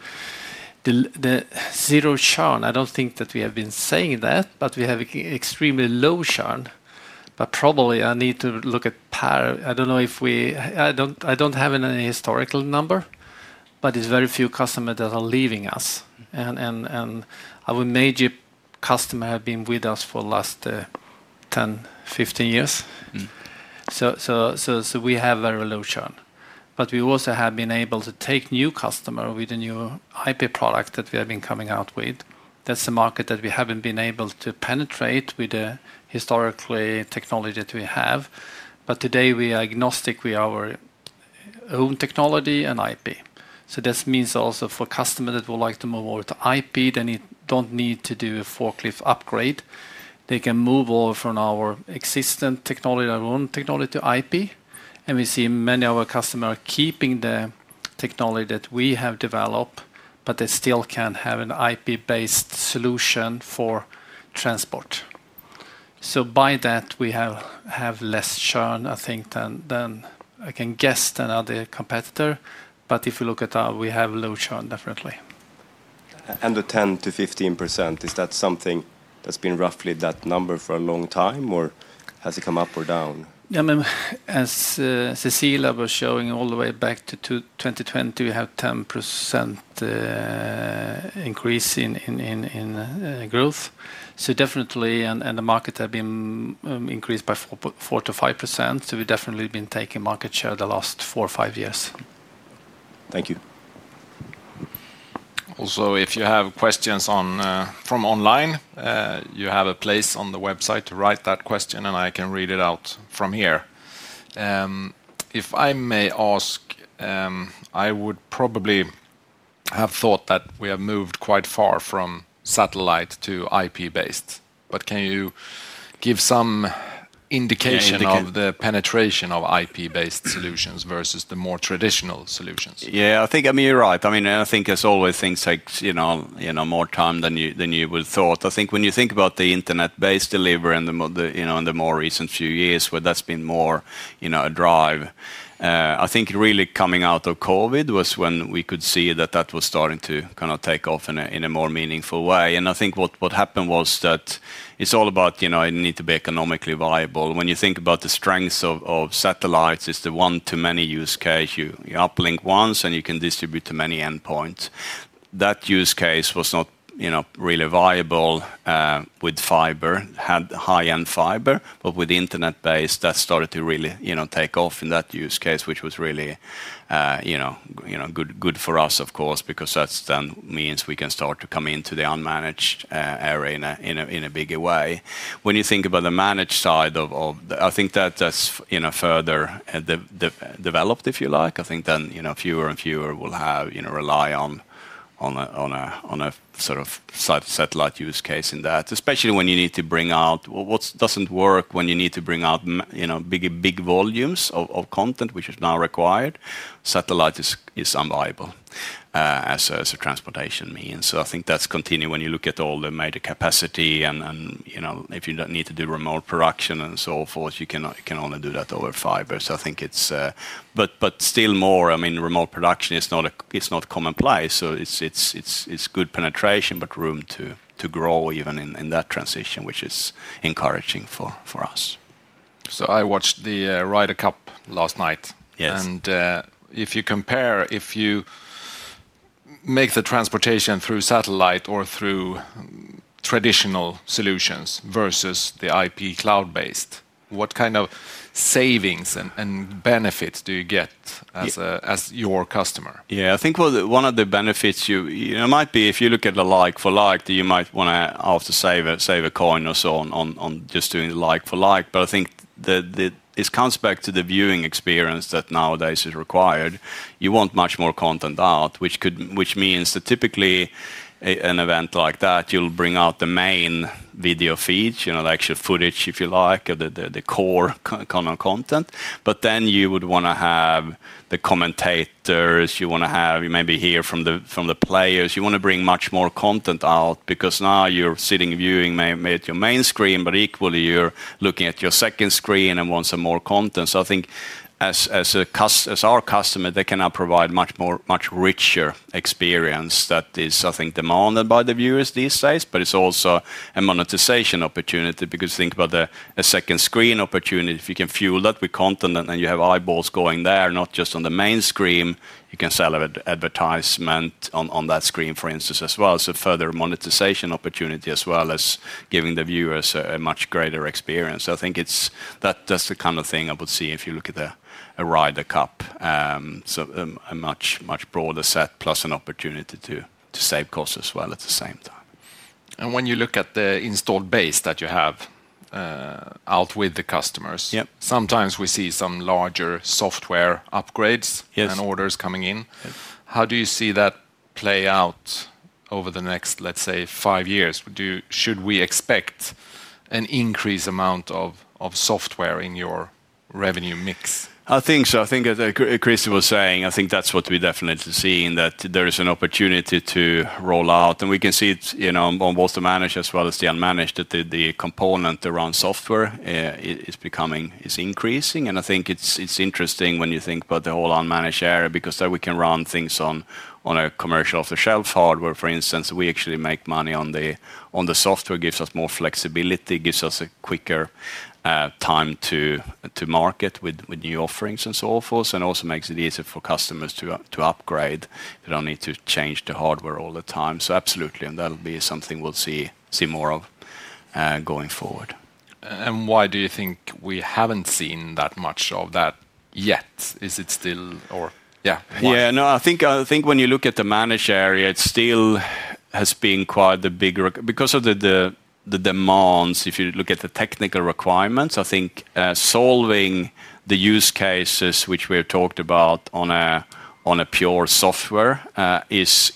The zero churn, I don't think that we have been saying that, but we have extremely low churn. Probably I need to look at, I don't know if we, I don't have any historical number, but it's very few customers that are leaving us. Our major customers have been with us for the last 10, 15 years. We have very low churn. We also have been able to take new customers with a new IP product that we have been coming out with. That's a market that we haven't been able to penetrate with the historical technology that we have. Today we are agnostic with our own technology and IP. This means also for customers that would like to move over to IP, they don't need to do a forklift upgrade. They can move over from our existing technology, our own technology to IP. We see many of our customers are keeping the technology that we have developed, but they still can have an IP-based solution for transport. By that, we have less churn, I think, than I can guess than other competitors. If you look at our, we have low churn, definitely. Is the 10 to 15% something that's been roughly that number for a long time, or has it come up or down? Yeah, I mean, as Cecilia was showing, all the way back to 2020, we had a 10% increase in growth. Definitely, and the market has been increased by 4-5%. We've definitely been taking market share the last four or five years. Thank you. Also, if you have questions from online, you have a place on the website to write that question, and I can read it out from here. If I may ask, I would probably have thought that we have moved quite far from satellite to IP-based. Can you give some indication of the penetration of IP-based solutions versus the more traditional solutions? Yeah, I think, I mean, you're right. I think as always, things take more time than you would have thought. I think when you think about the internet-based delivery in the more recent few years, where that's been more a drive, I think really coming out of COVID was when we could see that that was starting to take off in a more meaningful way. I think what happened was that it's all about, it needs to be economically viable. When you think about the strengths of satellites, it's the one-to-many use case. You uplink once, and you can distribute to many endpoints. That use case was not really viable with fiber, had high-end fiber, but with internet-based, that started to really take off in that use case, which was really good for us, of course, because that then means we can start to come into the unmanaged area in a bigger way. When you think about the managed side, I think that that's further developed, if you like. I think then, fewer and fewer will rely on a sort of satellite use case in that, especially when you need to bring out what doesn't work when you need to bring out big volumes of content, which is now required. Satellite is unviable as a transportation means. I think that's continued when you look at all the major capacity and if you need to do remote production and so forth, you can only do that over fiber. I think it's, but still more, I mean, remote production is not commonplace. It's good penetration, but room to grow even in that transition, which is encouraging for us. I watched the Ryder Cup last night. Yes. If you compare, if you make the transportation through satellite or through traditional solutions versus the IP cloud-based, what kind of savings and benefits do you get as your customer? Yeah, I think one of the benefits, you know, might be if you look at the like for like, you might want to have to save a coin or so on just doing the like for like. I think that this comes back to the viewing experience that nowadays is required. You want much more content out, which means that typically an event like that, you'll bring out the main video feed, you know, the actual footage, if you like, the core kind of content. Then you would want to have the commentators, you want to have, you maybe hear from the players, you want to bring much more content out because now you're sitting viewing maybe at your main screen, but equally you're looking at your second screen and want some more content. I think as our customer, they can now provide much more, much richer experience that is, I think, demanded by the viewers these days. It's also a monetization opportunity because think about a second screen opportunity. If you can fuel that with content and then you have eyeballs going there, not just on the main screen, you can sell advertisement on that screen, for instance, as well. Further monetization opportunity as well as giving the viewers a much greater experience. I think that's the kind of thing I would see if you look at a Ryder Cup. A much, much broader set plus an opportunity to save costs as well at the same time. When you look at the installed base that you have out with the customers, sometimes we see some larger software upgrades and orders coming in. How do you see that play out over the next, let's say, five years? Should we expect an increased amount of software in your revenue mix? I think so. I think, as Crister was saying, I think that's what we definitely see in that there is an opportunity to roll out. We can see it on both the managed as well as the unmanaged, that the component around software is becoming, is increasing. I think it's interesting when you think about the whole unmanaged area because then we can run things on commercial off-the-shelf hardware, for instance. We actually make money on the software, gives us more flexibility, gives us a quicker time to market with new offerings and so forth. It also makes it easier for customers to upgrade. They don't need to change the hardware all the time. Absolutely. That'll be something we'll see more of going forward. Why do you think we haven't seen that much of that yet? Is it still, or yeah? Yeah, no, I think when you look at the managed area, it still has been quite a big because of the demands. If you look at the technical requirements, I think solving the use cases which we've talked about on a pure software has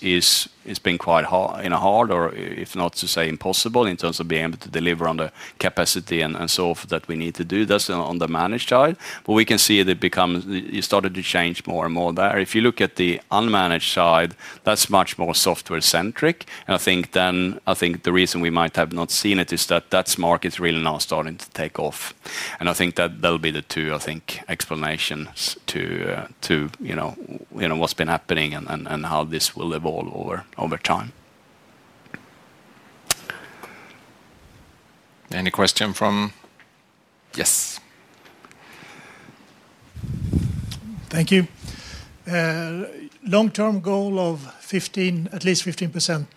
been quite hard, or if not to say impossible in terms of being able to deliver on the capacity and so forth that we need to do. That's on the managed side. We can see that it becomes, you started to change more and more there. If you look at the unmanaged side, that's much more software-centric. I think the reason we might have not seen it is that that market is really now starting to take off. I think that they'll be the two, I think, explanations to, you know, what's been happening and how this will evolve over time. Any questions from? Yes. Thank you. Long-term goal of at least 15%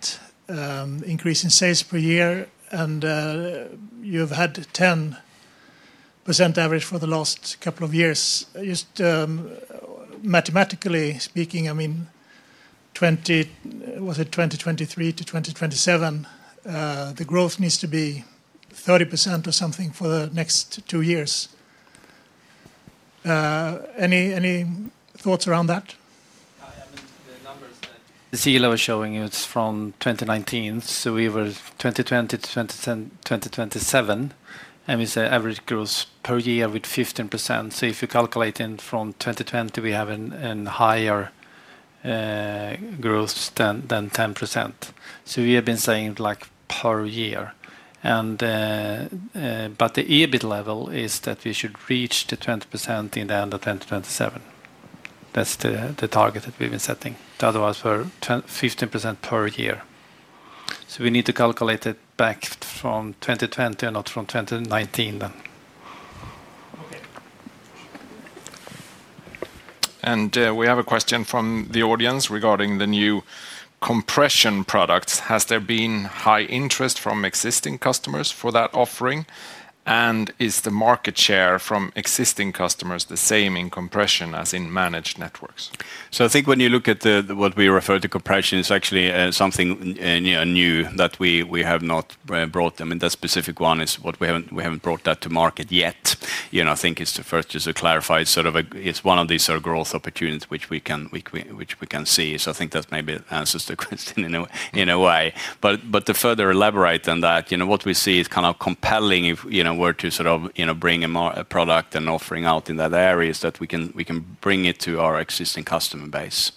increase in sales per year. You have had 10% average for the last couple of years. Just mathematically speaking, was it 2023-2027? The growth needs to be 30% or something for the next two years. Any thoughts around that? Cecilia was showing it from 2019. We were 2020 to 2027, and we said average growth per year with 15%. If you calculate it from 2020, we have a higher growth than 10%. We have been saying like per year. The EBIT level is that we should reach the 20% in the end of 2027. That's the target that we've been setting. The other ones were 15% per year. We need to calculate it back from 2020 and not from 2019 then. We have a question from the audience regarding the new compression products. Has there been high interest from existing customers for that offering? Is the market share from existing customers the same in compression as in managed networks? When you look at what we refer to as compression, it's actually something new that we have not brought. That specific one is what we haven't brought to market yet. It's the first, just to clarify, it's one of these growth opportunities which we can see. That maybe answers the question in a way. To further elaborate on that, what we see is kind of compelling if we're to bring a product and offering out in that area, we can bring it to our existing customer base,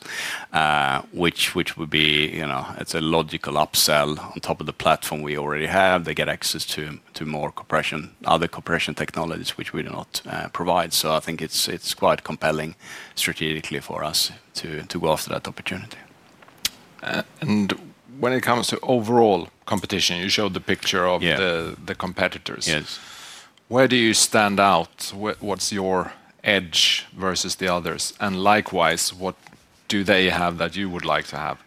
which would be a logical upsell on top of the platform we already have. They get access to more compression, other compression technologies which we do not provide. It's quite compelling strategically for us to go after that opportunity. When it comes to overall competition, you showed the picture of the competitors. Yes. Where do you stand out? What's your edge versus the others? Likewise, what do they have that you would like to have?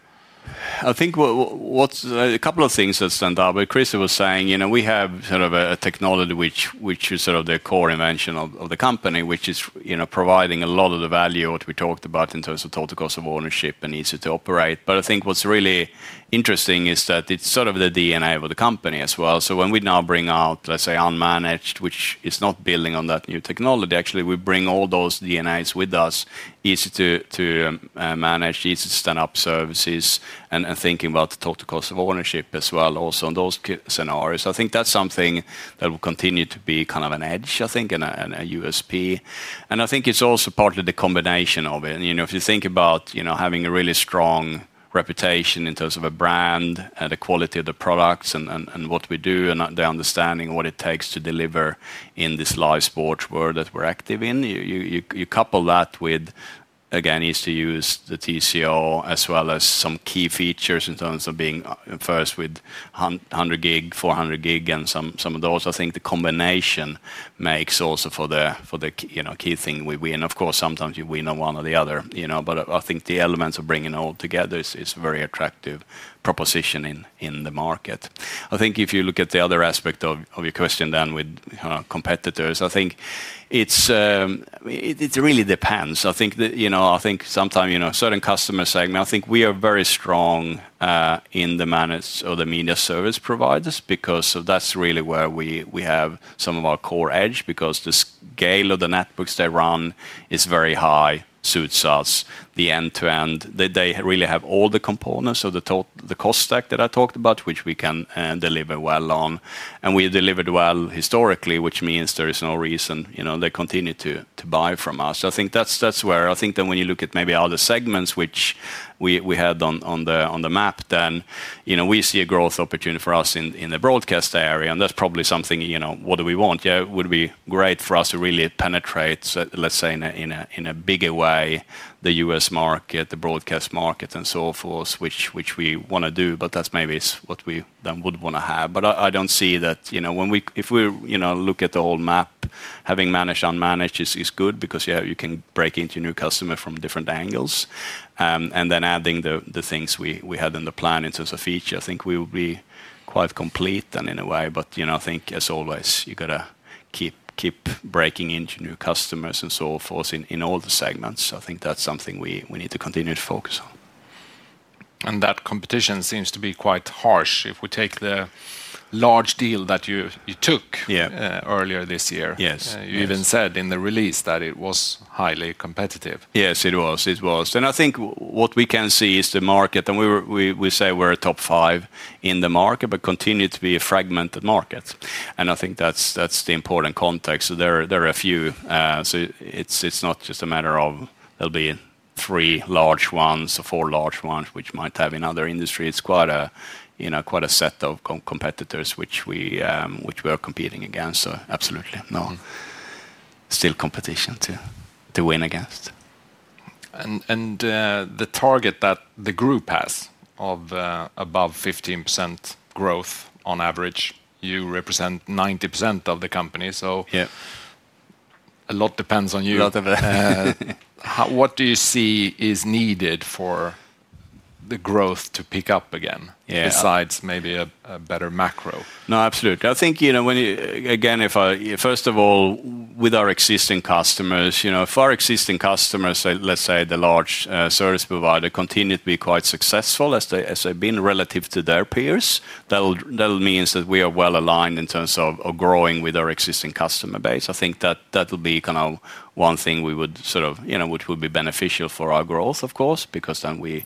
I think what's a couple of things that stand out. Krister was saying, you know, we have sort of a technology which is sort of the core invention of the company, which is, you know, providing a lot of the value of what we talked about in terms of total cost of ownership and easy to operate. I think what's really interesting is that it's sort of the DNA of the company as well. When we now bring out, let's say, unmanaged, which is not building on that new technology, actually we bring all those DNAs with us, easy to manage, easy to stand up services, and thinking about the total cost of ownership as well also in those scenarios. I think that's something that will continue to be kind of an edge, I think, in a USP. I think it's also partly the combination of it. You know, if you think about having a really strong reputation in terms of a brand and the quality of the products and what we do and the understanding of what it takes to deliver in this live sports world that we're active in, you couple that with, again, easy to use the TCO as well as some key features in terms of being first with 100G, 400G, and some of those. I think the combination makes also for the key thing we win. Of course, sometimes you win on one or the other, you know, but I think the elements of bringing it all together is a very attractive proposition in the market. If you look at the other aspect of your question then with competitors, I think it really depends. Sometimes, you know, certain customers say, I think we are very strong in the managed or the media service providers because that's really where we have some of our core edge because the scale of the networks they run is very high, suits us. The end-to-end, they really have all the components of the cost stack that I talked about, which we can deliver well on. We delivered well historically, which means there is no reason, you know, they continue to buy from us. I think that's where, I think then when you look at maybe other segments which we had on the map then, we see a growth opportunity for us in the broadcast area. That's probably something, you know, what do we want? Yeah, it would be great for us to really penetrate, let's say, in a bigger way, the U.S. market, the broadcast market, and so forth, which we want to do. That's maybe what we then would want to have. I don't see that, you know, if we look at the whole map, having managed and unmanaged is good because you can break into new customers from different angles. Adding the things we had in the plan in terms of features, I think we would be quite complete in a way. I think as always, you've got to keep breaking into new customers and so forth in all the segments. I think that's something we need to continue to focus on. That competition seems to be quite harsh if we take the large deal that you took earlier this year. Yes. You even said in the release that it was highly competitive. Yes, it was. I think what we can see is the market, and we say we're a top five in the market, but it continues to be a fragmented market. I think that's the important context. There are a few. It's not just a matter of there being three large ones or four large ones, which you might have in other industries. It's quite a set of competitors which we are competing against. Absolutely, no, still competition to win against. The target that the group has of above 15% growth on average, you represent 90% of the company. A lot depends on you. What do you see is needed for the growth to pick up again, besides maybe a better macro? No, absolutely. I think, you know, when you, again, if I, first of all, with our existing customers, you know, if our existing customers, let's say the large service provider, continue to be quite successful as they've been relative to their peers, that means that we are well aligned in terms of growing with our existing customer base. I think that that'll be kind of one thing we would sort of, you know, which would be beneficial for our growth, of course, because then we,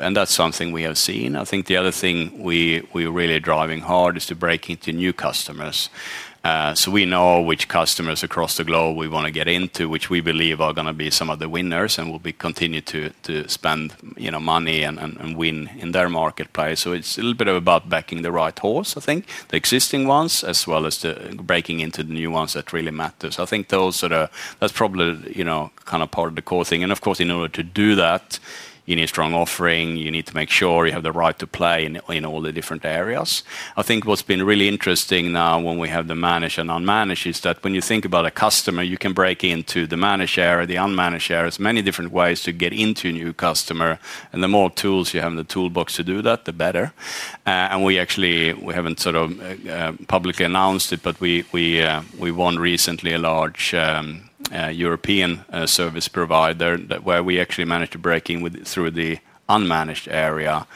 and that's something we have seen. I think the other thing we're really driving hard is to break into new customers. We know which customers across the globe we want to get into, which we believe are going to be some of the winners and will continue to spend, you know, money and win in their marketplace. It's a little bit about backing the right horse, I think, the existing ones as well as breaking into the new ones that really matter. I think those are the, that's probably, you know, kind of part of the core thing. Of course, in order to do that, you need a strong offering. You need to make sure you have the right to play in all the different areas. I think what's been really interesting now when we have the managed and unmanaged is that when you think about a customer, you can break into the managed area, the unmanaged area. There are many different ways to get into a new customer. The more tools you have in the toolbox to do that, the better. We actually, we haven't sort of publicly announced it, but we won recently a large European service provider where we actually managed to break in through the unmanaged area.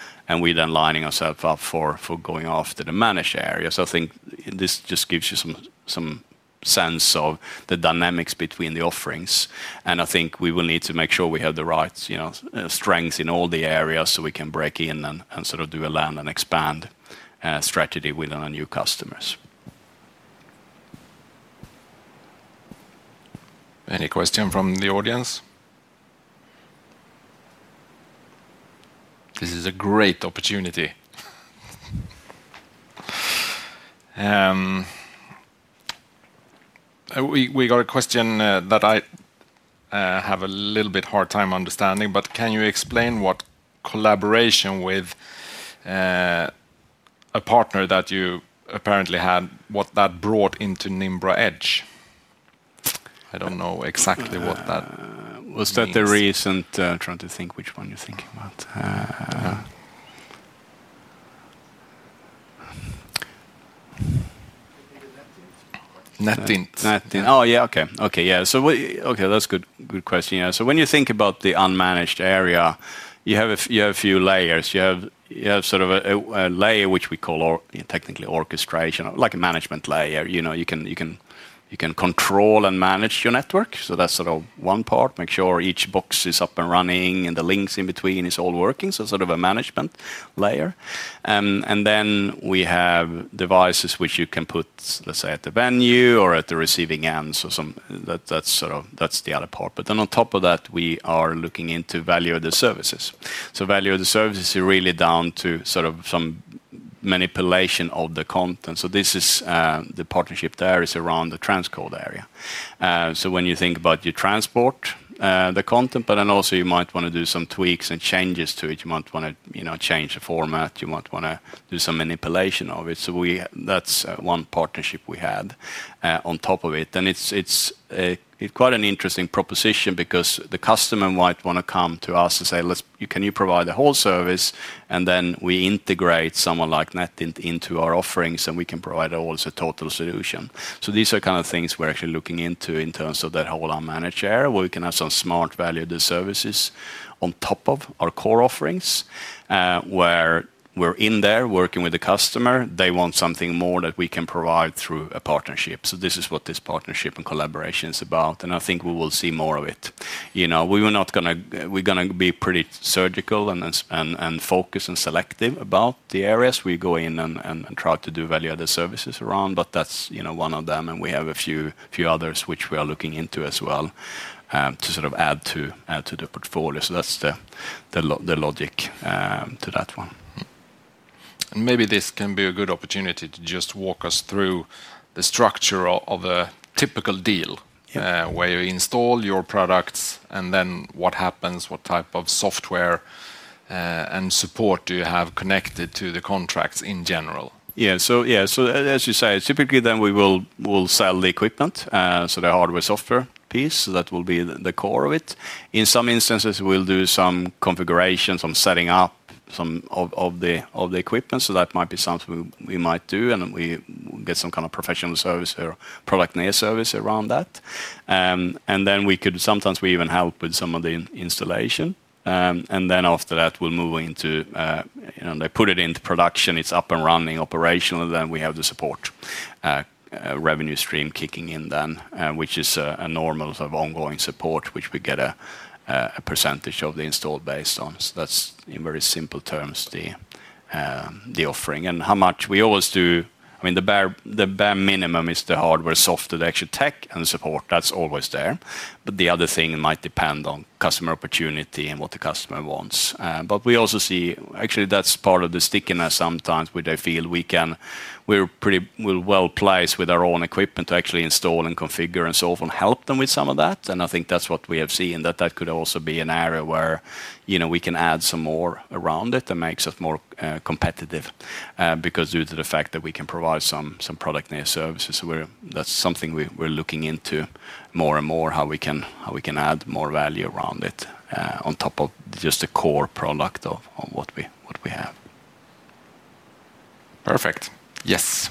We then lined ourselves up for going after the managed area. I think this just gives you some sense of the dynamics between the offerings. I think we will need to make sure we have the right, you know, strengths in all the areas so we can break in and sort of do a land and expand strategy with our new customers. Any question from the audience? This is a great opportunity. We got a question that I have a little bit hard time understanding, but can you explain what collaboration with a partner that you apparently had, what that brought into Nimbra Edge? I don't know exactly what that. Was that the recent, trying to think which one you're thinking about? Nothing. Oh, yeah. Okay. That's a good question. When you think about the unmanaged area, you have a few layers. You have sort of a layer which we call technically orchestration, like a management layer. You can control and manage your network. That's sort of one part. Make sure each box is up and running and the links in between are all working, so sort of a management layer. Then we have devices which you can put, let's say, at the venue or at the receiving end. That's the other part. On top of that, we are looking into value of the services. Value of the services is really down to some manipulation of the content. This is the partnership there is around the Transcode area. When you think about your transport, the content that, also, you might want to do some tweaks and changes to it. You might want to change the format. You might want to do some manipulation of it. That's one partnership we had, on top of it. It's quite an interesting proposition because the customer might want to come to us and say, "Can you provide the whole service?" Then we integrate someone like Net into our offerings, and we can provide a whole total solution. These are kind of things we're actually looking into in terms of that whole unmanaged area where we can have some smart value of the services on top of our core offerings, where we're in there working with the customer. They want something more that we can provide through a partnership. This is what this partnership and collaboration is about. I think we will see more of it. We are going to be pretty surgical and focused and selective about the areas we go in and try to do value-added services around. That's one of them. We have a few others which we are looking into as well, to sort of add to the portfolio. That's the logic to that one. Maybe this can be a good opportunity to just walk us through the structure of a typical deal, where you install your products and then what happens, what type of software and support do you have connected to the contracts in general? Yeah. As you say, typically then we will sell the equipment, so the hardware software piece, so that will be the core of it. In some instances, we'll do some configuration, some setting up, some of the equipment. That might be something we might do, and we get some kind of professional service or product-near service around that. Sometimes we even help with some of the installation. After that, we'll move into, you know, they put it into production, it's up and running operationally. We have the support revenue stream kicking in then, which is a normal sort of ongoing support, which we get a % of the install based on. That's in very simple terms the offering and how much we always do. I mean, the bare minimum is the hardware software that you take and support. That's always there. The other thing might depend on customer opportunity and what the customer wants. We also see actually that's part of the stickiness sometimes where they feel we're pretty, we're well placed with our own equipment to actually install and configure and so on, help them with some of that. I think that's what we have seen, that could also be an area where we can add some more around it that makes us more competitive, because due to the fact that we can provide some product-near services. That's something we're looking into more and more, how we can add more value around it, on top of just the core product of what we have. Perfect. Yes.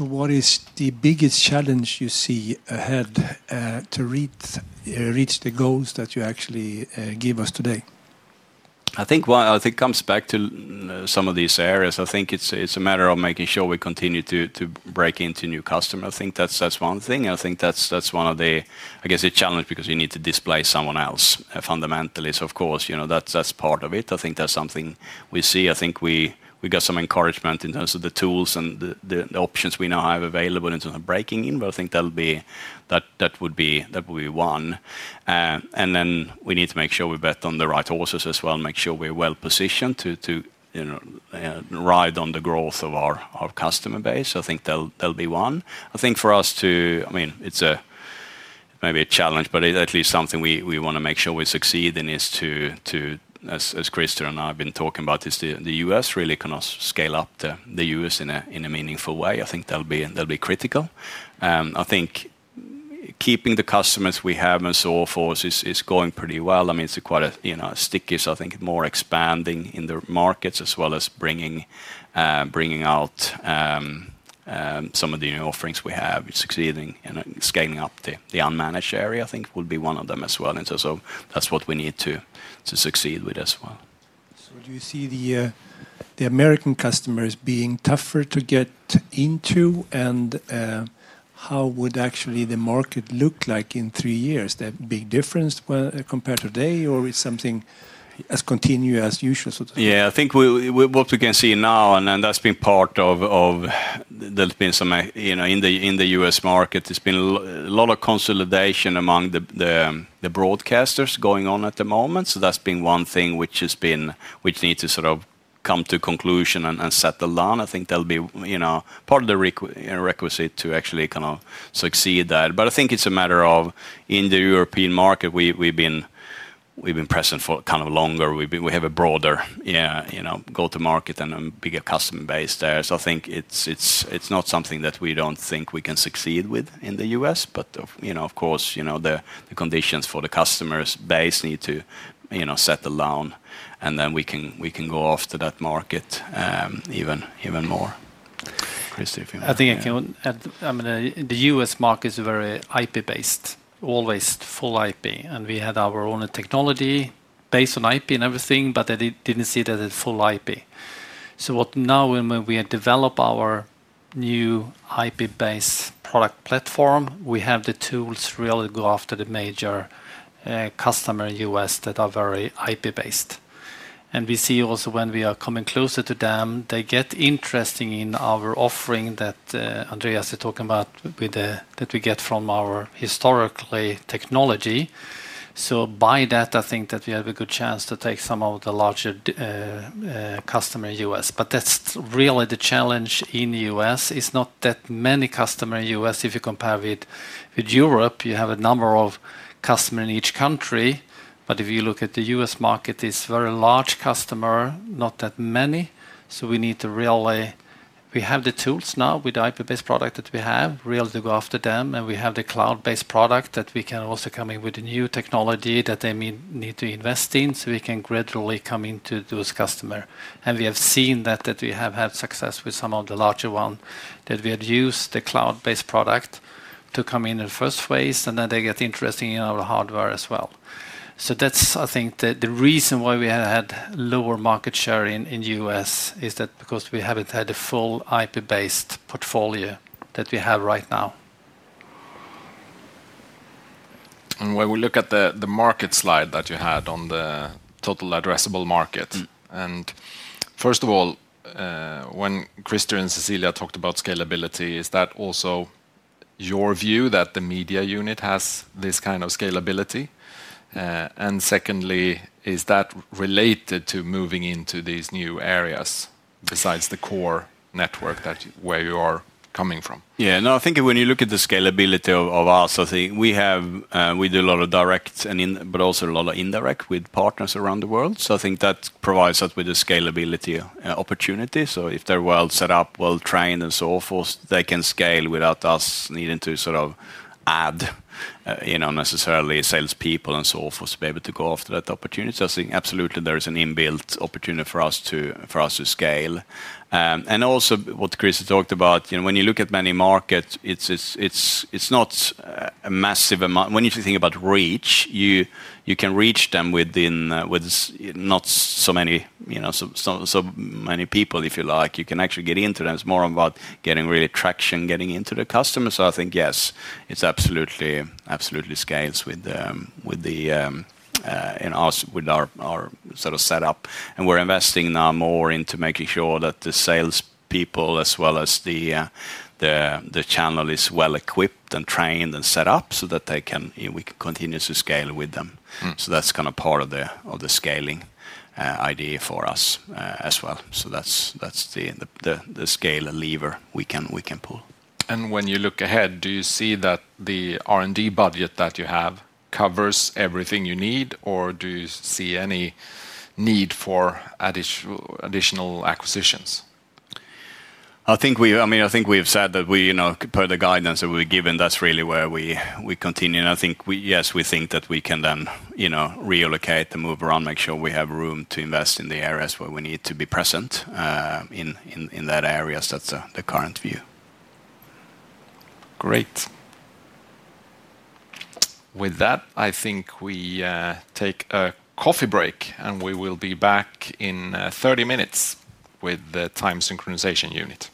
What is the biggest challenge you see ahead to reach the goals that you actually give us today? I think it comes back to some of these areas. I think it's a matter of making sure we continue to break into new customers. I think that's one thing. I think that's one of the, I guess, a challenge because you need to displace someone else. Fundamentally, of course, that's part of it. I think that's something we see. I think we got some encouragement in terms of the tools and the options we now have available in terms of breaking in. I think that would be one. We need to make sure we bet on the right horses as well and make sure we're well positioned to ride on the growth of our customer base. I think that will be one. I think for us, maybe a challenge, but it's at least something we want to make sure we succeed in is to, as Crister and I have been talking about, is the U.S. really kind of scale up the U.S. in a meaningful way. I think that will be critical. I think keeping the customers we have and so forth is going pretty well. I mean, it's quite a sticky. I think it's more expanding in the markets as well as bringing out some of the new offerings we have, succeeding and scaling up the unmanaged area. I think it would be one of them as well. That's what we need to succeed with as well. Do you see the American customers being tougher to get into, and how would actually the market look like in three years? Is that a big difference compared to today, or is something as continuous as usual? Yeah, I think what we can see now, and that's been part of, there's been some, you know, in the U.S. market, there's been a lot of consolidation among the broadcasters going on at the moment. That's been one thing which has been, which needs to sort of come to conclusion and settle down. I think that'll be part of the requisite to actually kind of succeed at that. I think it's a matter of in the European market, we've been present for kind of longer. We have a broader, yeah, you know, go-to-market and a bigger customer base there. I think it's not something that we don't think we can succeed with in the U.S., but, you know, of course, the conditions for the customer base need to settle down and then we can go after that market even more. I think, you know, the U.S. market is very IP-based, always full IP, and we had our own technology based on IP and everything, but they didn't see that as full IP. Now, when we develop our new IP-based product platform, we have the tools really to go after the major customer in the U.S. that are very IP-based. We see also when we are coming closer to them, they get interested in our offering that Andreas is talking about, with the, that we get from our historically technology. By that, I think that we have a good chance to take some of the larger customer in the U.S. That's really the challenge in the U.S. It's not that many customers in the U.S. If you compare with Europe, you have a number of customers in each country. If you look at the U.S. market, it's a very large customer, not that many. We need to really, we have the tools now with the IP-based product that we have really to go after them. We have the cloud-based product that we can also come in with a new technology that they need to invest in so we can gradually come into those customers. We have seen that we have had success with some of the larger ones that we had used the cloud-based product to come in in the first phase, and then they get interested in our hardware as well. I think the reason why we had lower market share in the U.S. is that because we haven't had a full IP-based portfolio that we have right now. When we look at the market slide that you had on the total addressable market, first of all, when Crister and Cecilia talked about scalability, is that also your view that the media unit has this kind of scalability? Is that related to moving into these new areas besides the core network that you are coming from? Yeah, no, I think when you look at the scalability of us, I think we have, we do a lot of direct and in, but also a lot of indirect with partners around the world. I think that provides us with a scalability opportunity. If they're well set up, well trained, and so forth, they can scale without us needing to sort of add, you know, necessarily salespeople and so forth to be able to go after that opportunity. I think absolutely there is an inbuilt opportunity for us to scale. Also, what Crister talked about, you know, when you look at many markets, it's not a massive amount. When you think about reach, you can reach them with not so many, you know, so many people, if you like, you can actually get into them. It's more about getting really traction, getting into the customer. I think, yes, it absolutely scales with us, with our sort of setup. We're investing now more into making sure that the salespeople, as well as the channel, is well equipped and trained and set up so that they can, we can continuously scale with them. That's kind of part of the scaling idea for us as well. That's the scale lever we can pull. When you look ahead, do you see that the R&D budget that you have covers everything you need, or do you see any need for additional acquisitions? I think we've said that, per the guidance that we're given, that's really where we continue. I think we think that we can then reallocate, move around, and make sure we have room to invest in the areas where we need to be present in that area. That's the current view. Great. With that, I think we take a coffee break, and we will be back in 30 minutes with the time synchronization unit.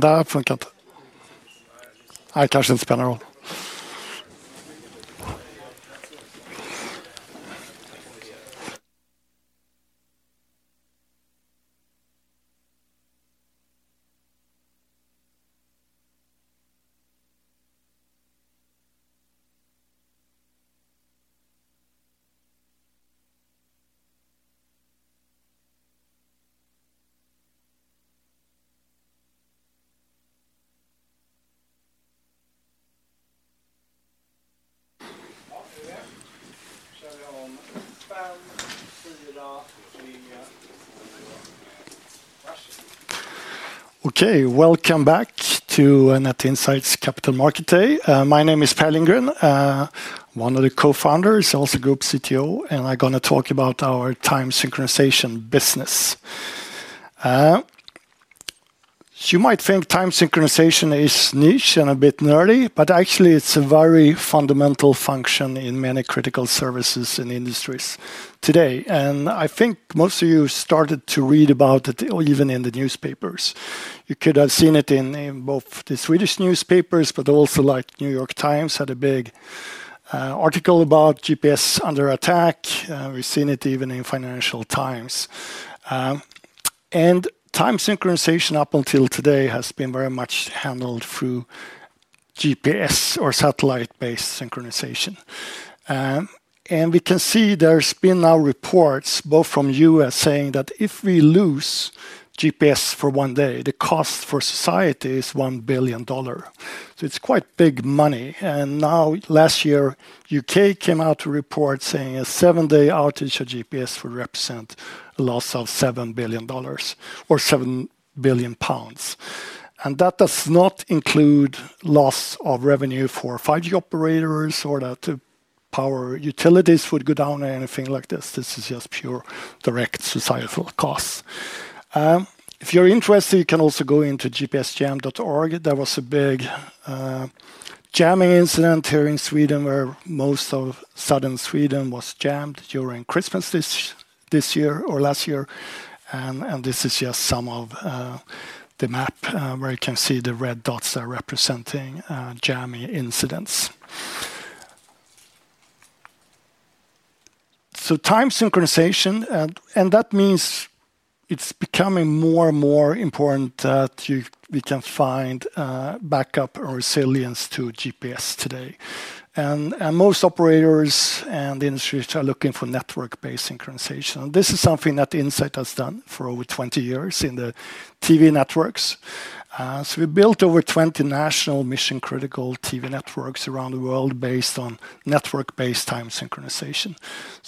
Thankyou. Okay, welcome back to Net Insight's Capital Market Day. My name is Per Lindgren, one of the co-founders, also Group CTO, and I'm going to talk about our time synchronization business. You might think time synchronization is niche and a bit nerdy, but actually it's a very fundamental function in many critical services and industries today. I think most of you started to read about it even in the newspapers. You could have seen it in both the Swedish newspapers, but also like New York Times had a big article about GPS under attack. We've seen it even in Financial Times. Time synchronization up until today has been very much handled through GPS or satellite-based synchronization. We can see there's been now reports both from the U.S. saying that if we lose GPS for one day, the cost for society is $1 billion. It's quite big money. Last year, the UK came out with a report saying a seven-day outage of GPS would represent a loss of $7 billion or £7 billion. That does not include loss of revenue for 5G operators or that power utilities would go down or anything like this. This is just pure direct societal costs. If you're interested, you can also go into gpsjam.org. There was a big jamming incident here in Sweden where most of southern Sweden was jammed during Christmas this year or last year. This is just some of the map where you can see the red dots are representing jamming incidents. Time synchronization, and that means it's becoming more and more important that we can find backup or resilience to GPS today. Most operators and industries are looking for network-based synchronization. This is something that Net Insight has done for over 20 years in the TV networks. We built over 20 national mission-critical TV networks around the world based on network-based time synchronization.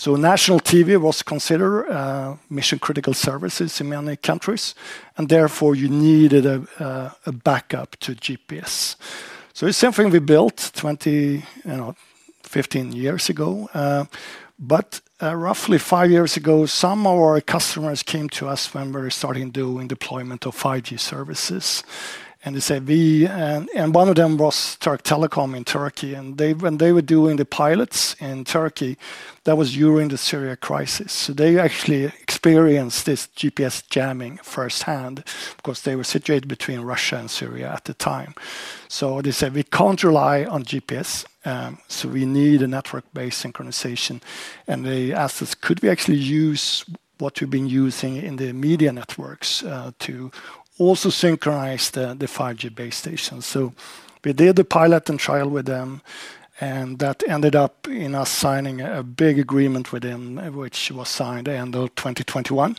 National TV was considered mission-critical services in many countries, and therefore you needed a backup to GPS. It's something we built 20, you know, 15 years ago. Roughly five years ago, some of our customers came to us when we were starting to do deployment of 5G services. They said we, and one of them was Turk Telekom in Turkey. When they were doing the pilots in Turkey, that was during the Syria crisis. They actually experienced this GPS jamming firsthand because they were situated between Russia and Syria at the time. They said we can't rely on GPS. We need a network-based synchronization. They asked us, could we actually use what we've been using in the media networks to also synchronize the 5G base stations? We did the pilot and trial with them. That ended up in us signing a big agreement with them, which was signed end of 2021.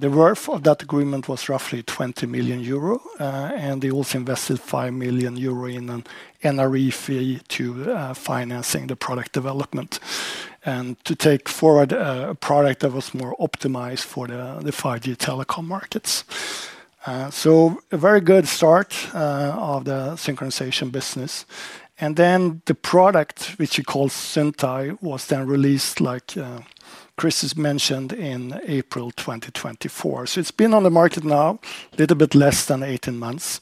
The worth of that agreement was roughly €20 million. They also invested €5 million in an NRE fee to finance the product development and to take forward a product that was more optimized for the 5G telecom markets. A very good start of the synchronization business. The product, which we call Syntyc, was then released, like Crister has mentioned, in April 2024. It's been on the market now a little bit less than 18 months.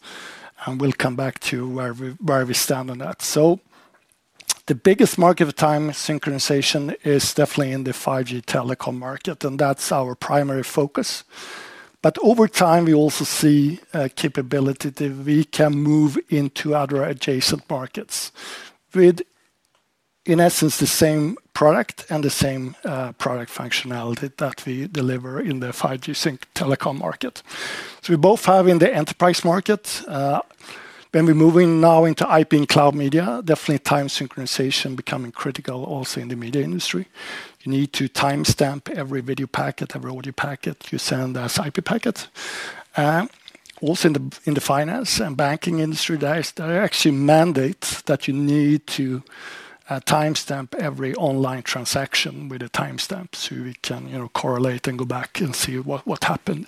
We'll come back to where we stand on that. The biggest market for time synchronization is definitely in the 5G telecom market, and that's our primary focus. Over time, we also see a capability that we can move into other adjacent markets with, in essence, the same product and the same product functionality that we deliver in the 5G sync telecom market. We both have in the enterprise market. We're moving now into IP and cloud media. Definitely, time synchronization is becoming critical also in the media industry. You need to timestamp every video packet, every audio packet you send as IP packets. In the finance and banking industry, there is actually a mandate that you need to timestamp every online transaction with a timestamp so we can correlate and go back and see what happened.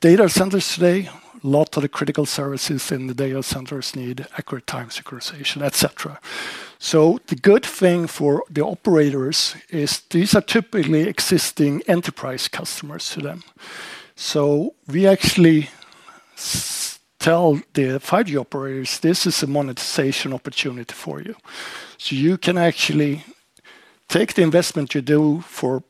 Data centers today, a lot of the critical services in the data centers need accurate time synchronization, etc. The good thing for the operators is these are typically existing enterprise customers to them. We actually tell the 5G operators, this is a monetization opportunity for you. You can actually take the investment you do for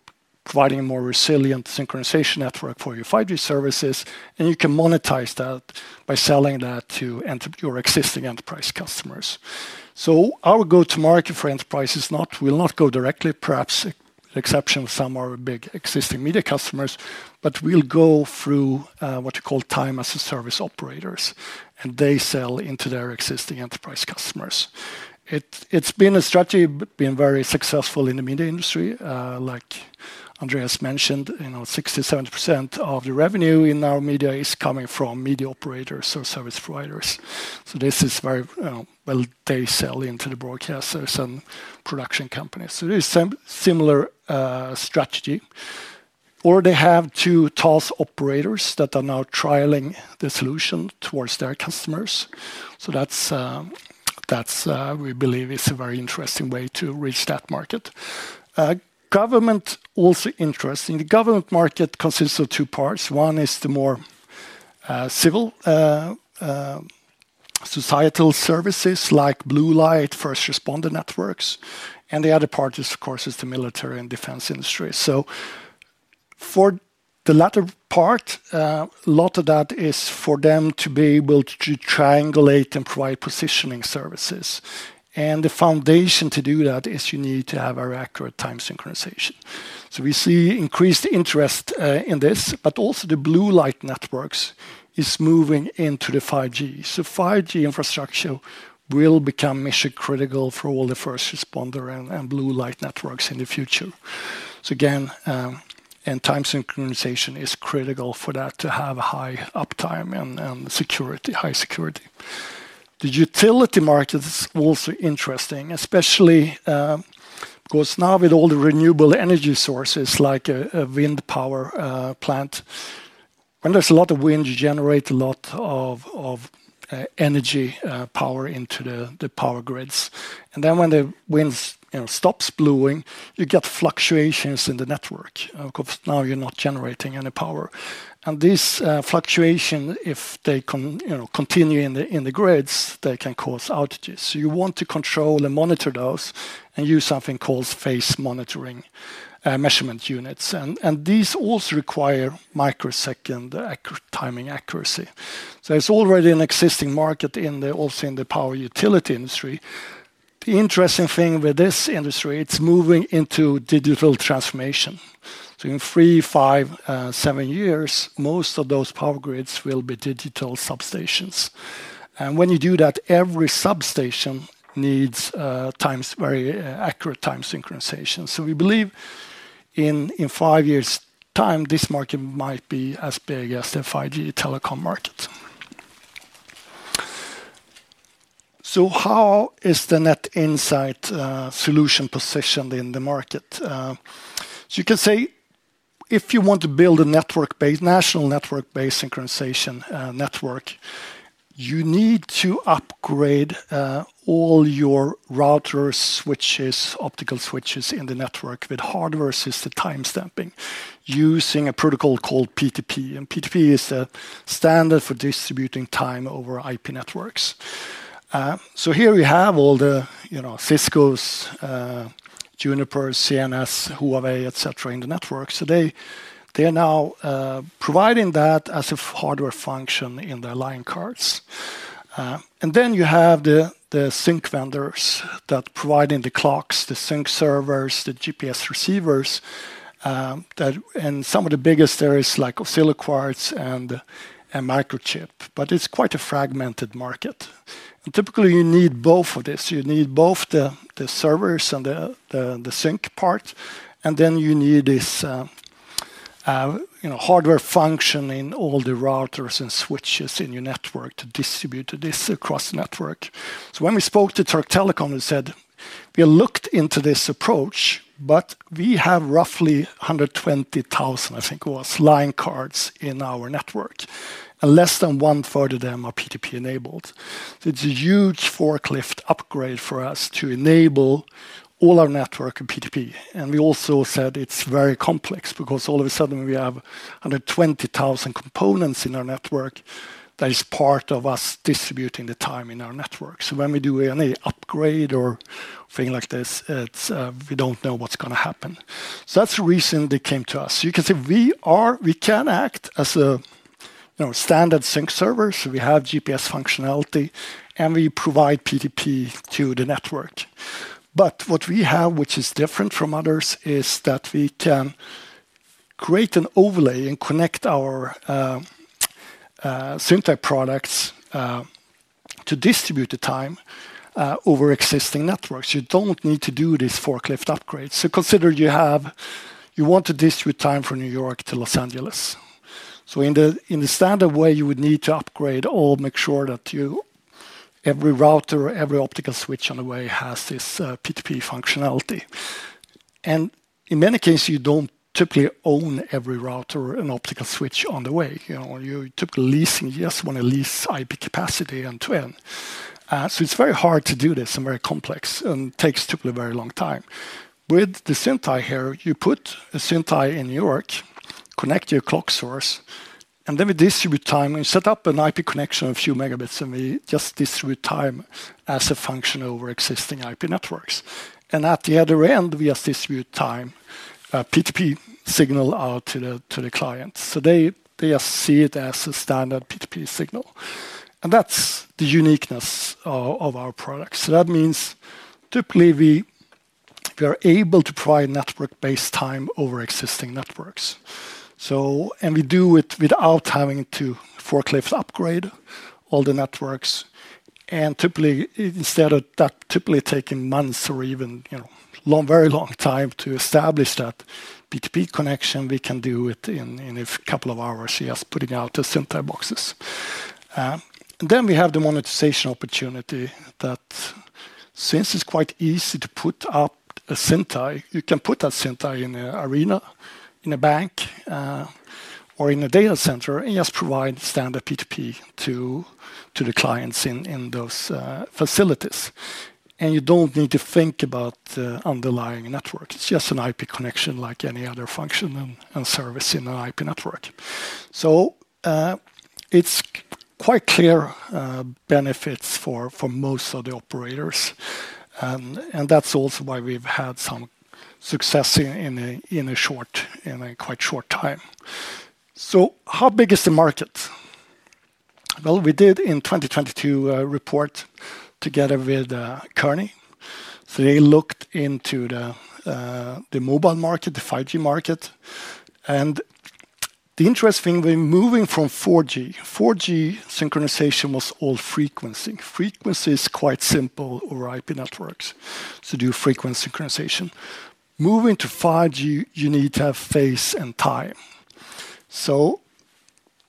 providing a more resilient synchronization network for your 5G services, and you can monetize that by selling that to your existing enterprise customers. Our go-to-market for enterprises will not go directly, perhaps with the exception of some of our big existing media customers, but we'll go through what we call time as a service operators, and they sell into their existing enterprise customers. It's been a strategy that's been very successful in the media industry. Like Andreas mentioned, 60%-70% of the revenue in our media is coming from media operators or service providers. This is very, you know, they sell into the broadcasters and production companies. It's a similar strategy. They have two TAS operators that are now trialing the solution towards their customers. We believe this is a very interesting way to reach that market. Government is also interesting. The government market consists of two parts. One is the more civil, societal services like blue light, first responder networks. The other part is, of course, the military and defense industry. For the latter part, a lot of that is for them to be able to triangulate and provide positioning services. The foundation to do that is you need to have a very accurate time synchronization. We see increased interest in this, but also the blue light networks are moving into 5G. 5G infrastructure will become mission critical for all the first responder and blue light networks in the future. Time synchronization is critical for that to have a high uptime and high security. The utility market is also interesting, especially because now with all the renewable energy sources like a wind power plant, when there's a lot of wind, you generate a lot of energy power into the power grids. When the wind stops blowing, you get fluctuations in the network because now you're not generating any power. These fluctuations, if they continue in the grids, can cause outages. You want to control and monitor those and use something called phase monitoring measurement units. These also require microsecond timing accuracy. There's already an existing market in the power utility industry. The interesting thing with this industry is it's moving into digital transformation. In three, five, seven years, most of those power grids will be digital substations. When you do that, every substation needs very accurate time synchronization. We believe in five years' time, this market might be as big as the 5G telecom market. How is the Net Insight solution positioned in the market? You can say if you want to build a network-based, national network-based synchronization network, you need to upgrade all your routers, switches, optical switches in the network with hardware-assisted timestamping, using a protocol called PTP. PTP is a standard for distributing time over IP networks. Here we have all the Cisco's, Juniper, CNS, Huawei, etc., in the network. They are now providing that as a hardware function in their line cards. Then you have the sync vendors that are providing the clocks, the sync servers, the GPS receivers, and some of the biggest areas like Ocelot Quartz and Microchip. It's quite a fragmented market. Typically, you need both of this. You need both the servers and the sync part. Then you need this hardware function in all the routers and switches in your network to distribute this across the network. When we spoke to Turk Telekom, they said, we looked into this approach, but we have roughly 120,000, I think it was, line cards in our network, and less than one third of them are PTP-enabled. It's a huge forklift upgrade for us to enable all our network in PTP. They also said it's very complex because all of a sudden we have 120,000 components in our network that are part of us distributing the time in our network. When we do any upgrade or thing like this, we don't know what's going to happen. That's the reason they came to us. You can see we can act as a standard sync server. We have GPS functionality and we provide PTP to the network. What we have, which is different from others, is that we can create an overlay and connect our Syntyc products to distribute the time over existing networks. You don't need to do this forklift upgrade. Consider you want to distribute time from New York to Los Angeles. In the standard way, you would need to upgrade or make sure that every router, every optical switch on the way has this PTP functionality. In many cases, you don't typically own every router or an optical switch on the way. You're typically leasing. You just want to lease IP capacity end to end. It's very hard to do this and very complex and takes typically a very long time. With the Syntyc here, you put a Syntyc in New York, connect to your clock source, and then we distribute time. We set up an IP connection of a few megabits and we just distribute time as a function over existing IP networks. At the other end, we distribute time PTP signal out to the client. They just see it as a standard PTP signal. That's the uniqueness of our products. That means typically we are able to provide network-based time over existing networks, and we do it without having to forklift upgrade all the networks. Typically, instead of that typically taking months or even a very long time to establish that PTP connection, we can do it in a couple of hours, just putting out the Syntyc boxes. Then we have the monetization opportunity that since it's quite easy to put up a Syntyc, you can put a Syntyc in an arena, in a bank, or in a data center and just provide standard PTP to the clients in those facilities. You don't need to think about the underlying network. It's just an IP connection like any other function and service in an IP network. There are quite clear benefits for most of the operators. That's also why we've had some success in a quite short time. How big is the market? In 2022, we did a report together with Kearney. They looked into the mobile market, the 5G market. The interesting thing is we're moving from 4G. 4G synchronization was all frequency. Frequency is quite simple over IP networks, so do frequent synchronization. Moving to 5G, you need to have phase and time.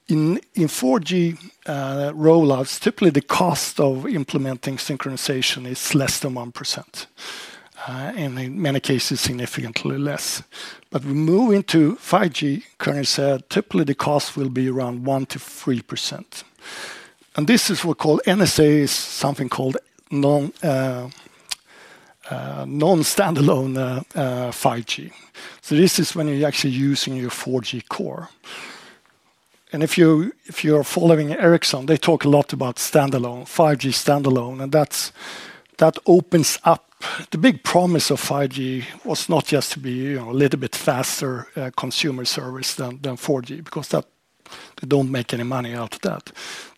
In 4G rollouts, typically the cost of implementing synchronization is less than 1%. In many cases, significantly less. As we move into 5G, Kearney said typically the cost will be around 1%-3%. This is what's called NSA, something called non-standalone 5G. This is when you're actually using your 4G core. If you're following Ericsson, they talk a lot about standalone, 5G standalone. That opens up the big promise of 5G, which was not just to be a little bit faster consumer service than 4G because they don't make any money out of that.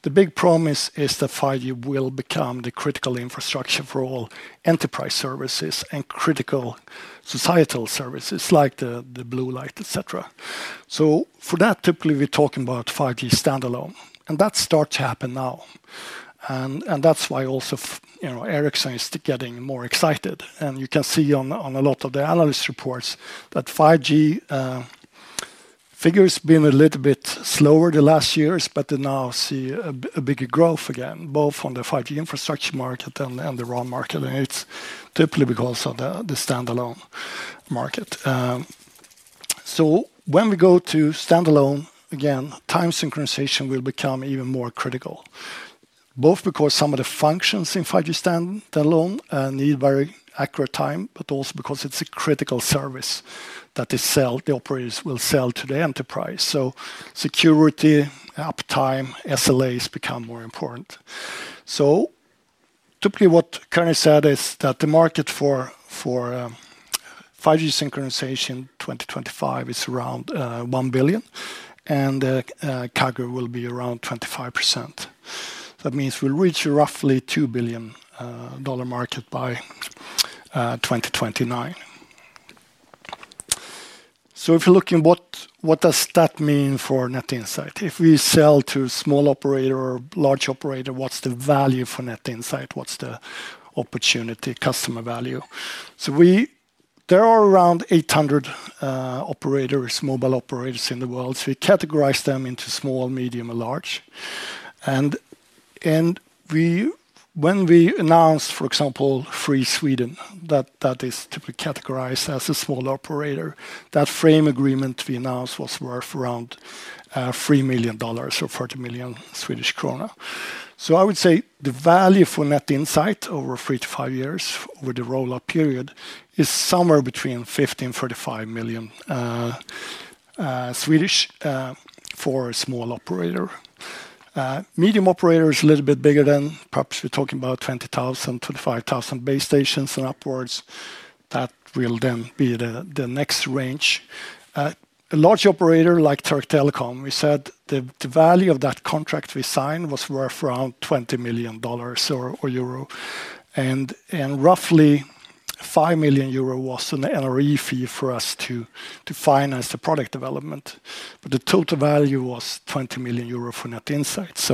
The big promise is that 5G will become the critical infrastructure for all enterprise services and critical societal services like the blue light, etc. For that, typically we're talking about 5G standalone. That starts to happen now. That's why also Ericsson is getting more excited. You can see on a lot of the analyst reports that 5G figures have been a little bit slower the last years, but they now see a bigger growth again, both on the 5G infrastructure market and the RAN market. It's typically because of the standalone market. When we go to standalone, again, time synchronization will become even more critical, both because some of the functions in 5G standalone need very accurate time, but also because it's a critical service that the operators will sell to the enterprise. Security, uptime, SLAs become more important. Typically what Kearney said is that the market for 5G synchronization in 2025 is around $1 billion, and CAGR will be around 25%. That means we'll reach a roughly $2 billion market by 2029. If you're looking, what does that mean for Net Insight? If we sell to a small operator or a large operator, what's the value for Net Insight? What's the opportunity, customer value? There are around 800 operators, mobile operators in the world. We categorize them into small, medium, and large. When we announced, for example, Free Sweden, that is typically categorized as a smaller operator. That frame agreement we announced was worth around $3 million or SEK 30 million. I would say the value for Net Insight over three to five years with the rollout period is somewhere between 15 million and 35 million for a small operator. Medium operator is a little bit bigger, perhaps we're talking about 20,000, 25,000 base stations and upwards. That will then be the next range. A large operator like Turk Telekom, we said the value of that contract we signed was worth around €20 million. Roughly €5 million was an NRE fee for us to finance the product development, but the total value was €20 million for Net Insight.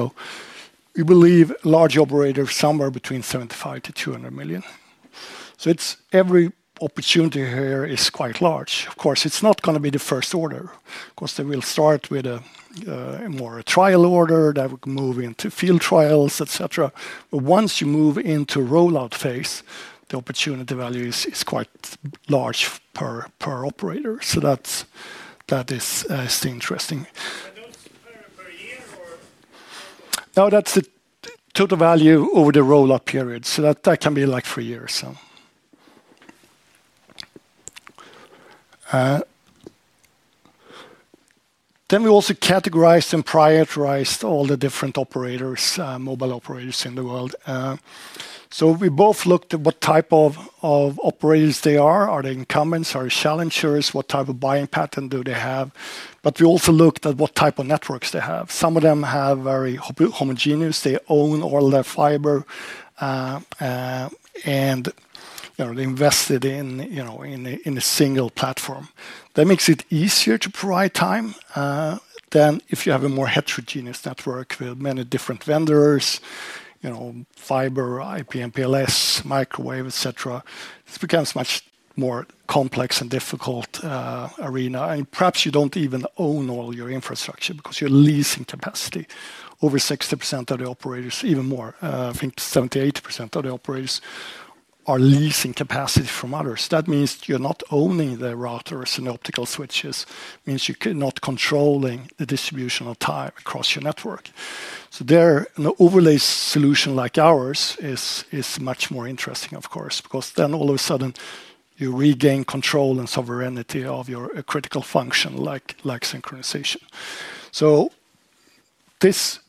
We believe large operators are somewhere between 75 million-200 million. Every opportunity here is quite large. Of course, it's not going to be the first order because they will start with a more trial order that will move into field trials, et cetera. Once you move into a rollout phase, the opportunity value is quite large per operator. That is interesting. Now that's the total value over the rollout period, so that can be like three years. We also categorized and prioritized all the different operators, mobile operators in the world. We both looked at what type of operators they are. Are they incumbents? Are they challengers? What type of buying pattern do they have? We also looked at what type of networks they have. Some of them are very homogeneous. They own all their fiber and invested in a single platform. That makes it easier to provide time than if you have a more heterogeneous network with many different vendors, you know, fiber, IP, MPLS, microwave, et cetera. This becomes a much more complex and difficult arena, and perhaps you don't even own all your infrastructure because you're leasing capacity. Over 60% of the operators, even more, I think 70% to 80% of the operators are leasing capacity from others. That means you're not owning the routers and optical switches. It means you're not controlling the distribution of time across your network. There, an overlay solution like ours is much more interesting, of course, because then all of a sudden you regain control and sovereignty of your critical function like synchronization.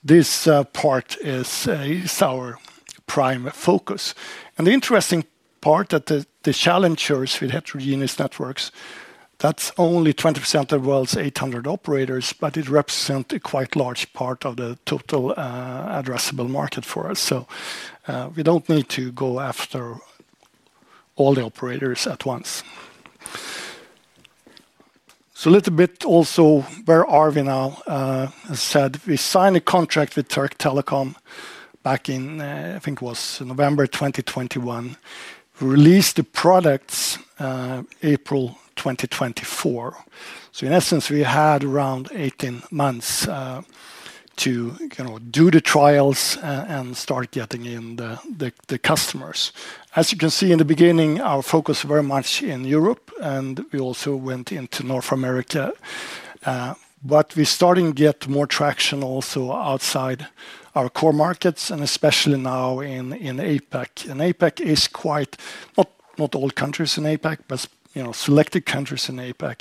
This part is our prime focus. The interesting part is that the challengers with heterogeneous networks, that's only 20% of the world's 800 operators, but it represents a quite large part of the total addressable market for us. We don't need to go after all the operators at once. A little bit also where are we now? I said we signed a contract with Turk Telekom back in, I think it was November 2021. We released the products in April 2024. In essence, we had around 18 months to do the trials and start getting in the customers. As you can see in the beginning, our focus is very much in Europe, and we also went into North America. We're starting to get more traction also outside our core markets, especially now in APAC. APAC is quite, not all countries in APAC, but selected countries in APAC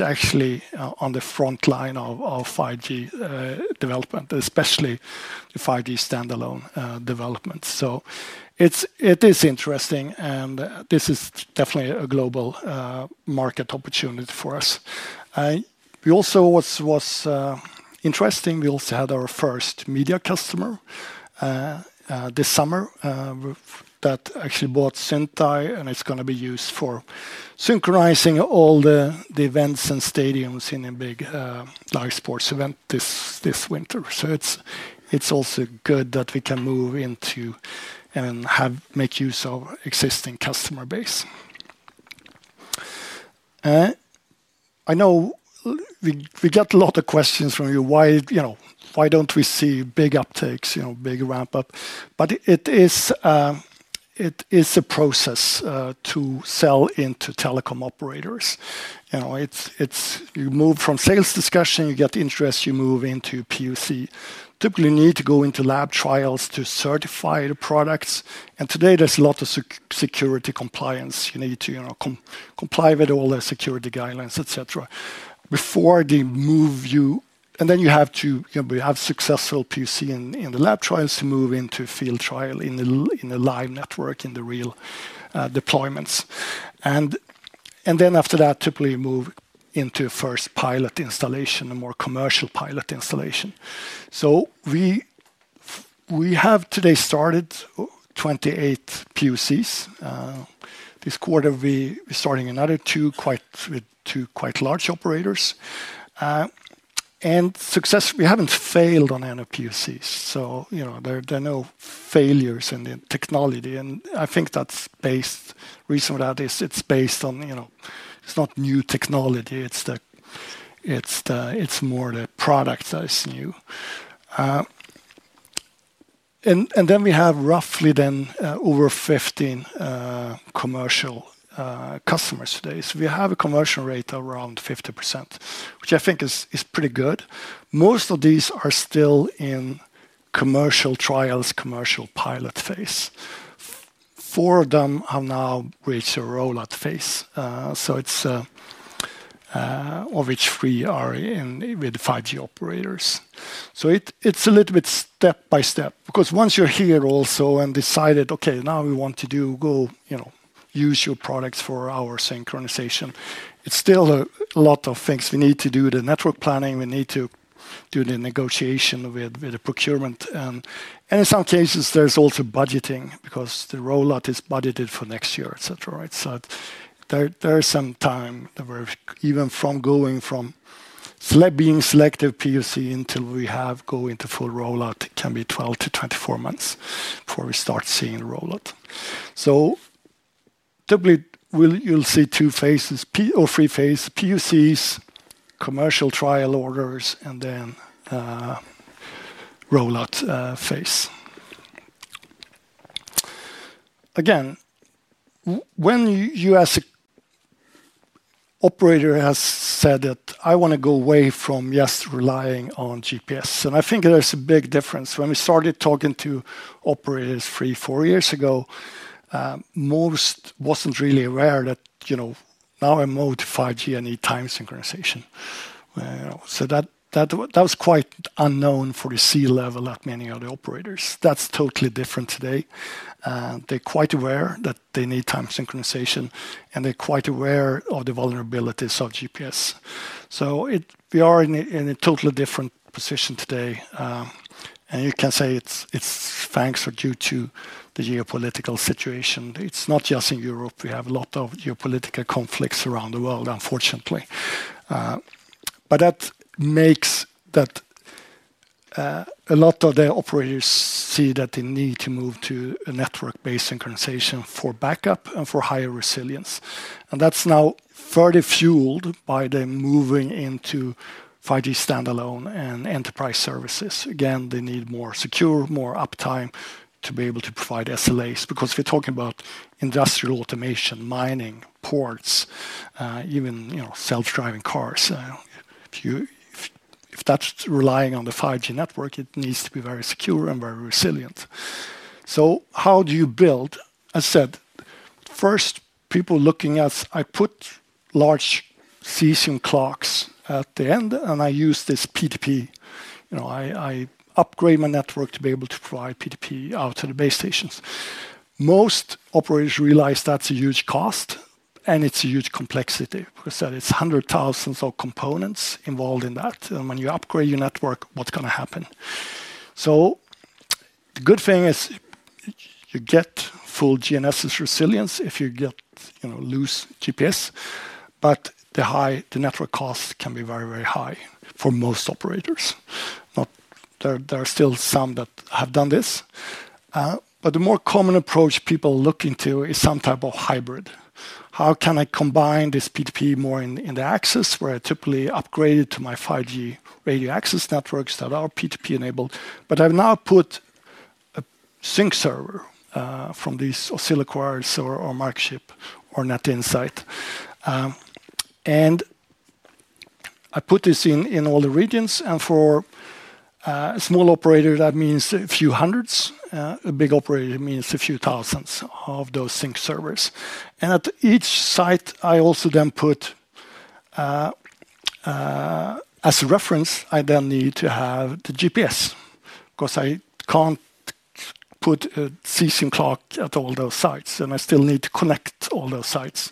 are actually on the front line of 5G development, especially the 5G standalone development. It is interesting, and this is definitely a global market opportunity for us. What was interesting, we also had our first media customer this summer that actually bought Syntyc, and it's going to be used for synchronizing all the events and stadiums in a big live sports event this winter. It's also good that we can move into and make use of existing customer base. I know we get a lot of questions from you, why don't we see big uptakes, big ramp up? It is a process to sell into telecom operators. You move from sales discussion, you get interest, you move into POC. Typically, you need to go into lab trials to certify the products. Today, there's a lot of security compliance. You need to comply with all the security guidelines, et cetera, before they move you. You have successful POC in the lab trials to move into field trial in the live network, in the real deployments. After that, typically you move into a first pilot installation, a more commercial pilot installation. We have today started 28 POCs. This quarter, we're starting another two, with two quite large operators. We haven't failed on any POCs, so there are no failures in the technology. I think the reason for that is it's based on, you know, it's not new technology. It's more the product that is new. We have roughly over 15 commercial customers today, so we have a conversion rate around 50%, which I think is pretty good. Most of these are still in commercial trials, commercial pilot phase. Four of them have now reached a rollout phase, of which we are in with 5G operators. It's a little bit step by step because once you're here also and decided, okay, now we want to go, you know, use your products for our syncing session, it's still a lot of things we need to do: the network planning, we need to do the negotiation with the procurement, and in some cases there's also budgeting because the rollout is budgeted for next year, etc. There is some time that even from going from being selected POC until we go into full rollout, it can be 12 to 24 months before we start seeing the rollout. Typically you'll see two phases or three phases: POCs, commercial trial orders, and then the rollout phase. When you as an operator have said that I want to go away from just relying on GPS, I think there's a big difference. When we started talking to operators three, four years ago, most weren't really aware that, you know, now I'm modifying time synchronization. That was quite unknown for the C-level at many other operators. That's totally different today. They're quite aware that they need time synchronization and they're quite aware of the vulnerabilities of GPS. We are in a totally different position today. You can say it's thanks or due to the geopolitical situation. It's not just in Europe. We have a lot of geopolitical conflicts around the world, unfortunately. That makes a lot of the operators see that they need to move to a network-based synchronization for backup and for higher resilience. That's now further fueled by moving into 5G standalone and enterprise services. They need more secure, more uptime to be able to provide SLAs because we're talking about industrial automation, mining, ports, even self-driving cars. If that's relying on the 5G network, it needs to be very secure and very resilient. How do you build? I said first, people looking at, I put large cesium clocks at the end and I use this P2P. You know, I upgrade my network to be able to provide P2P out to the base stations. Most operators realize that's a huge cost and it's a huge complexity. We said it's hundreds of thousands of components involved in that. When you upgrade your network, what's going to happen? The good thing is you get full GNSS resilience if you lose GPS, but the network costs can be very, very high for most operators. There are still some that have done this. The more common approach people look into is some type of hybrid. How can I combine this P2P more in the access where I typically upgraded to my 5G radio access networks that are P2P enabled, but I've now put a sync server from these Ocelot Query Server or Meinberg or Net Insight. I put this in all the regions. For a small operator, that means a few hundred. A big operator means a few thousand of those sync servers. At each site, I also then put as a reference, I then need to have the GPS because I can't put a cesium clock at all those sites. I still need to connect all those sites.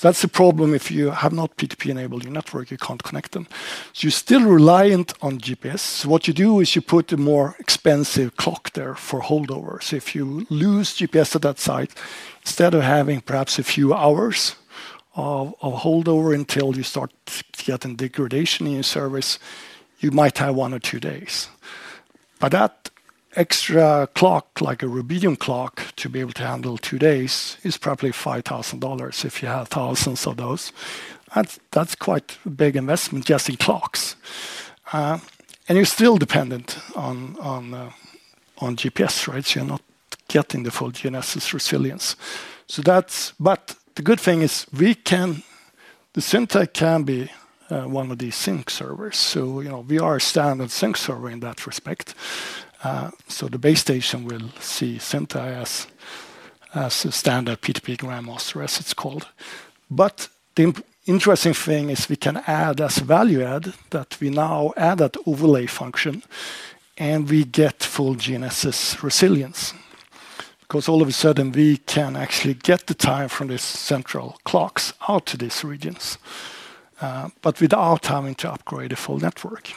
That's a problem. If you have not P2P enabled your network, you can't connect them. You're still reliant on GPS. What you do is you put a more expensive clock there for holdover. If you lose GPS at that site, instead of having perhaps a few hours of holdover until you start getting degradation in your service, you might have one or two days. That extra clock, like a Rubidium clock, to be able to handle two days is probably $5,000 if you have thousands of those. That's quite a big investment, just the clocks. You're still dependent on GPS, right? You're not getting the full GNSS resilience. The good thing is we can, the Syntyc can be one of these sync servers. We are a standard sync server in that respect. The base station will see Syntyc as a standard P2P grandmaster as it's called. The interesting thing is we can add as a value add that we now add that overlay function and we get full GNSS resilience because all of a sudden we can actually get the time from these central clocks out to these regions, but without having to upgrade the full network.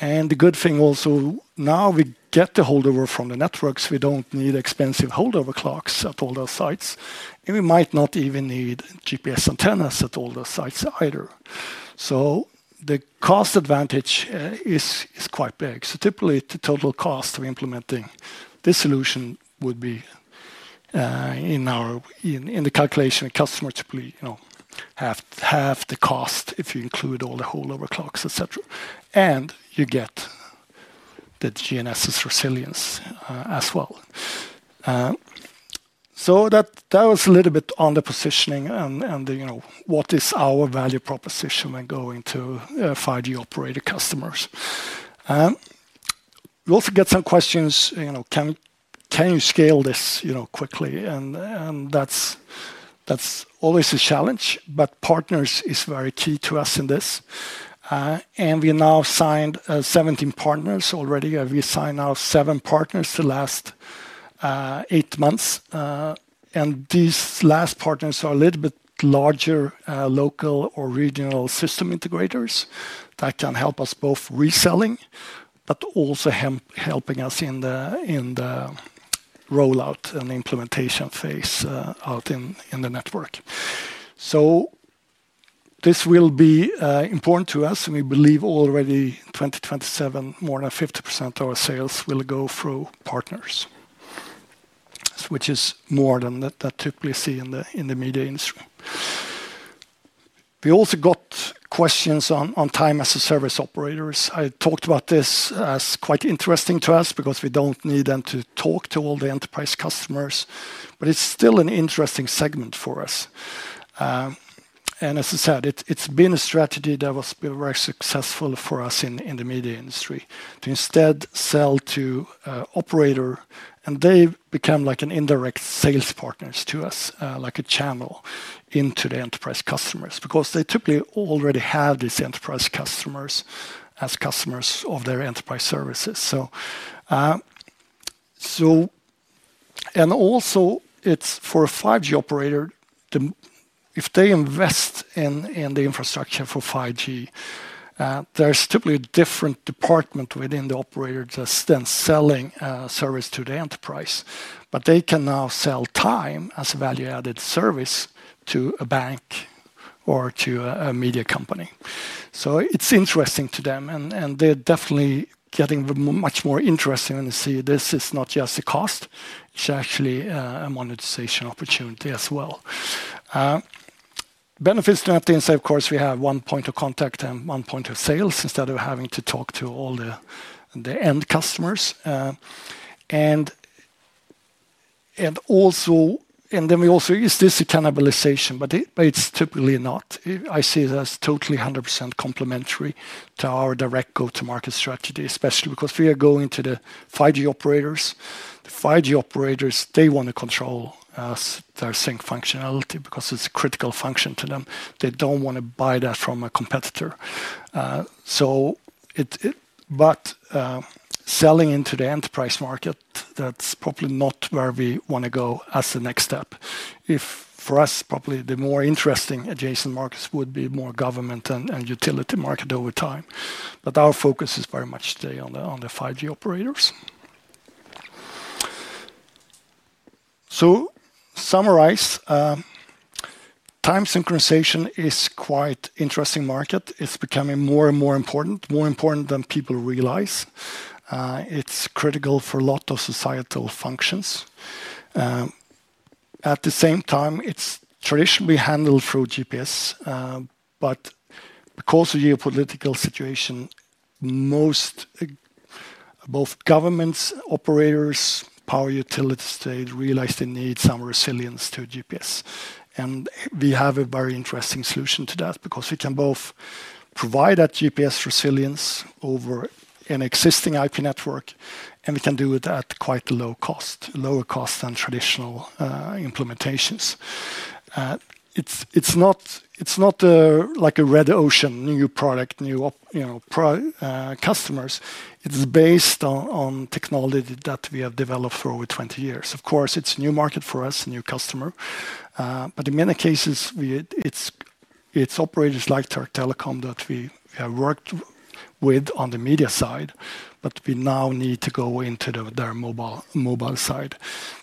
The good thing also now we get the holdover from the networks. We don't need expensive holdover clocks at all those sites. We might not even need GPS antennas at all those sites either. The cost advantage is quite big. Typically, the total cost of implementing this solution would be, in the calculation of customers, typically half the cost if you include all the holdover clocks, etc. You get the GNSS resilience as well. That was a little bit on the positioning and what is our value proposition when going to 5G operator customers. We also get some questions, can you scale this quickly? That's always a challenge. Partners are very key to us in this. We have now signed 17 partners already. We signed seven partners in the last eight months. These last partners are a little bit larger local or regional system integrators that can help us both reselling and also helping us in the rollout and implementation phase out in the network. This will be important to us. We believe already in 2027, more than 50% of our sales will go through partners, which is more than that typically seen in the media industry. We also got questions on time as a service operators. I talked about this as quite interesting to us because we don't need them to talk to all the enterprise customers. It's still an interesting segment for us. As I said, it's been a strategy that was very successful for us in the media industry to instead sell to operators. They became like an indirect sales partner to us, like a channel into the enterprise customers because they typically already have these enterprise customers as customers of their enterprise services. Also, for a 5G operator, if they invest in the infrastructure for 5G, there's typically a different department within the operator that's then selling service to the enterprise. They can now sell time as a value-added service to a bank or to a media company. It's interesting to them. They're definitely getting much more interested when they see this is not just a cost, it's actually a monetization opportunity as well. Benefits to Net Insight, of course, are that we have one point of contact and one point of sales instead of having to talk to all the end customers. We also use this attenuation, but it's typically not. I see it as totally 100% complementary to our direct go-to-market strategy, especially because we are going to the 5G operators. 5G operators want to control their sync functionality because it's a critical function to them. They don't want to buy that from a competitor. Selling into the enterprise market, that's probably not where we want to go as the next step. For us, probably the more interesting adjacent markets would be more government and utility market over time. Our focus is very much today on the 5G operators. To summarize, time synchronization is quite an interesting market. It's becoming more and more important, more important than people realize. It's critical for a lot of societal functions. At the same time, it's traditionally handled through GPS. Because of the geopolitical situation, both governments, operators, power utilities today realize they need some resilience to GPS. We have a very interesting solution to that because we can both provide that GPS resilience over an existing IP network, and we can do it at quite a low cost, lower cost than traditional implementations. It's not like a Red Ocean, new product, new customers. It's based on technology that we have developed for over 20 years. Of course, it's a new market for us, a new customer. In many cases, it's operators like Telecom that we have worked with on the media side, but we now need to go into their mobile side.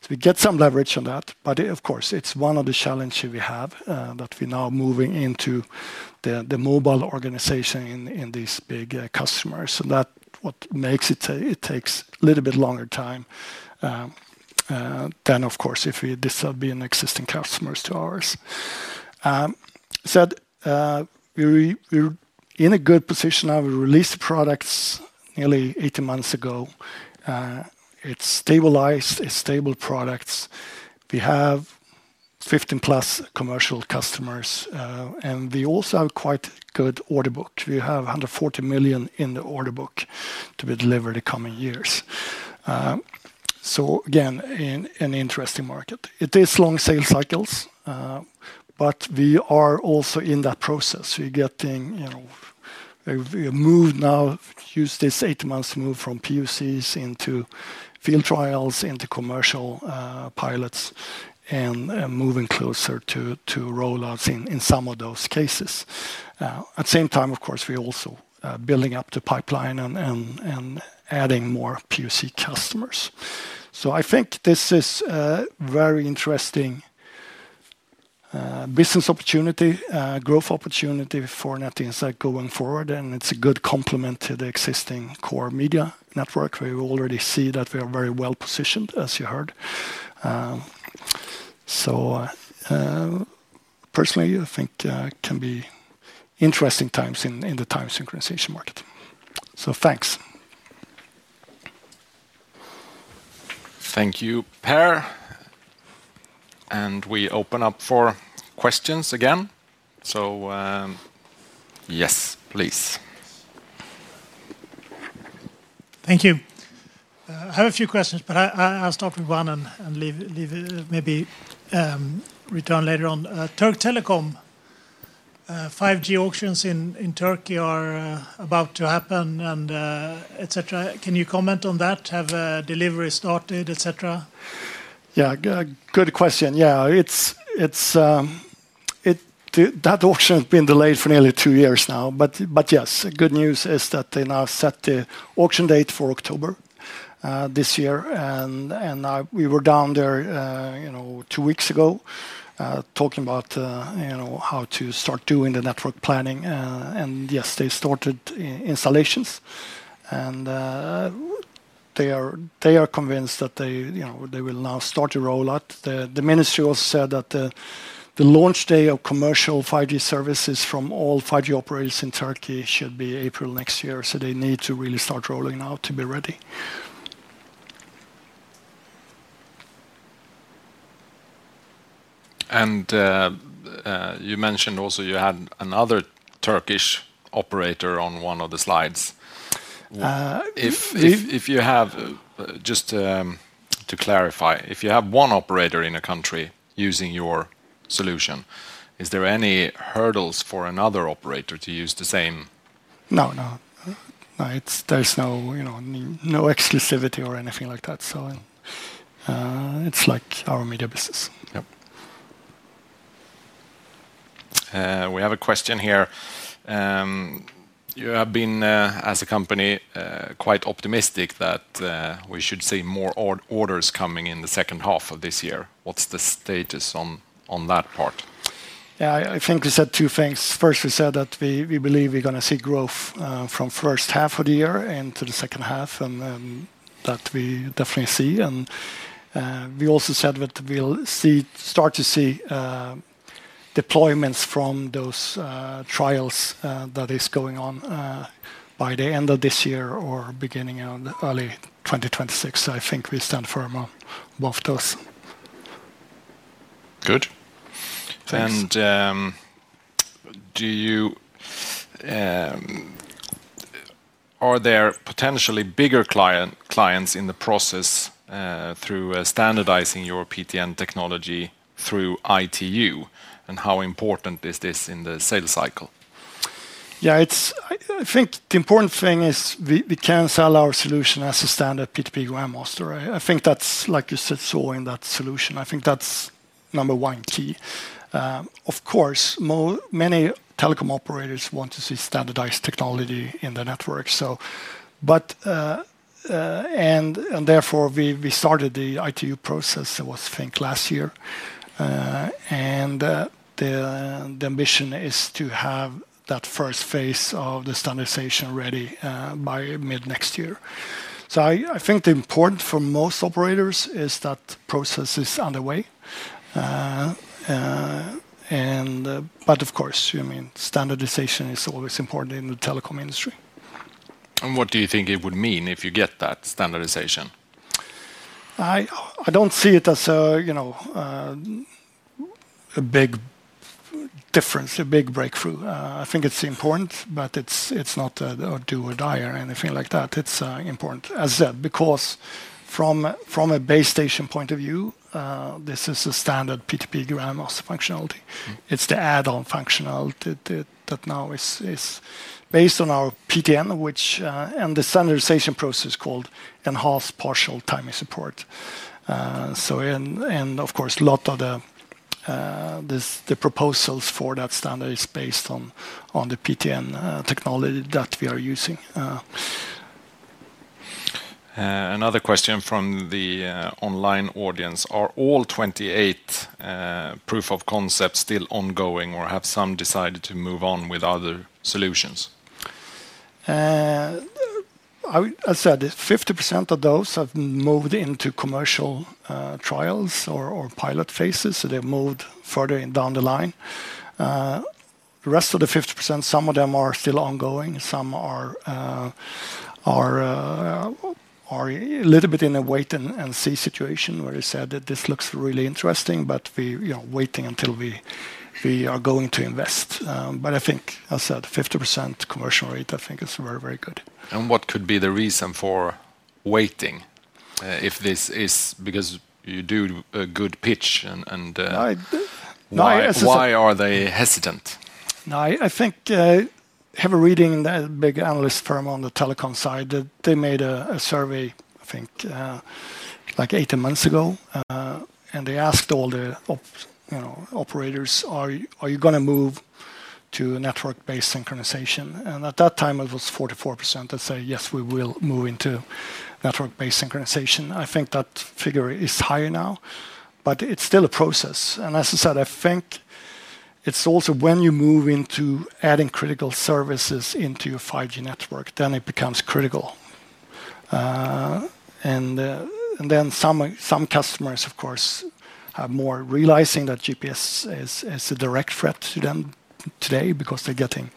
We get some leverage on that. One of the challenges we have is that we're now moving into the mobile organization in these big customers. That makes it take a little bit longer time than if we're distributing existing customers to ours. We're in a good position. I've released products nearly 18 months ago. It's stabilized. It's stable products. We have 15+ commercial customers. We also have quite good order books. We have 140 million in the order book to be delivered in the coming years. Again, an interesting market. It is long sales cycles, but we are also in that process. We've moved now, used this eight months move from POCs into field trials, into commercial pilots, and moving closer to rollouts in some of those cases. At the same time, we're also building up the pipeline and adding more POC customers. I think this is a very interesting business opportunity, growth opportunity for Net Insight going forward. It's a good complement to the existing core media network where you already see that we are very well positioned, as you heard. Personally, I think it can be interesting times in the time synchronization market. Thanks. Thank you, Petr. We open up for questions again. Yes, please. Thank you. I have a few questions, but I'll start with one and maybe return later on. Turk Telekom, 5G auctions in Turkey are about to happen, etc. Can you comment on that? Have deliveries started, etc.? Yeah, good question. That auction has been delayed for nearly two years now. The good news is that they now set the auction date for October this year. We were down there two weeks ago talking about how to start doing the network planning. They started installations, and they are convinced that they will now start to roll out. The ministry also said that the launch day of commercial 5G services from all 5G operators in Turkey should be April next year. They need to really start rolling out to be ready. You mentioned also you had another Turkish operator on one of the slides. If you have, just to clarify, if you have one operator in a country using your solution, is there any hurdles for another operator to use the same? No, there's no exclusivity or anything like that. It's like our media business. Yep. We have a question here. You have been, as a company, quite optimistic that we should see more orders coming in the second half of this year. What's the status on that part? Yeah, I think we said two things. First, we said that we believe we're going to see growth from the first half of the year into the second half, and that we definitely see. We also said that we'll start to see deployments from those trials that are going on by the end of this year or beginning in early 2026. I think we stand firm on both those. Do you, are there potentially bigger clients in the process through standardizing your PTN technology through ITU? How important is this in the sales cycle? Yeah, I think the important thing is we can sell our solution as a standard P2P grammaster. I think that's, like you said, so in that solution. I think that's number one key. Of course, many telecom operators want to see standardized technology in their network. Therefore, we started the ITU process, I think, last year. The ambition is to have that first phase of the standardization ready by mid next year. I think the importance for most operators is that the process is underway. Of course, I mean, standardization is always important in the telecom industry. What do you think it would mean if you get that standardization? I don't see it as a big difference, a big breakthrough. I think it's important, but it's not a do or die or anything like that. It's important, as said, because from a base station point of view, this is a standard P2P grammaster functionality. It's the add-on functionality that now is based on our PTN, which in the standardization process is called enhanced partial timing support. Of course, a lot of the proposals for that standard are based on the PTN technology that we are using. Another question from the online audience. Are all 28 proof of concepts still ongoing, or have some decided to move on with other solutions? I said 50% of those have moved into commercial trials or pilot phases. They've moved further down the line. The rest of the 50%, some of them are still ongoing. Some are a little bit in a wait and see situation where they said that this looks really interesting, but we are waiting until we are going to invest. I think, as I said, 50% commercial rate, I think is very, very good. What could be the reason for waiting if this is because you do a good pitch? Why are they hesitant? No, I think I have a reading in a big analyst firm on the telecom side that they made a survey, I think, like 18 months ago. They asked all the operators, are you going to move to a network-based synchronization? At that time, it was 44% that said, yes, we will move into network-based synchronization. I think that figure is higher now, but it's still a process. As I said, I think it's also when you move into adding critical services into your 5G network, then it becomes critical. Some customers, of course, have more realized that GPS is a direct threat to them today because they're getting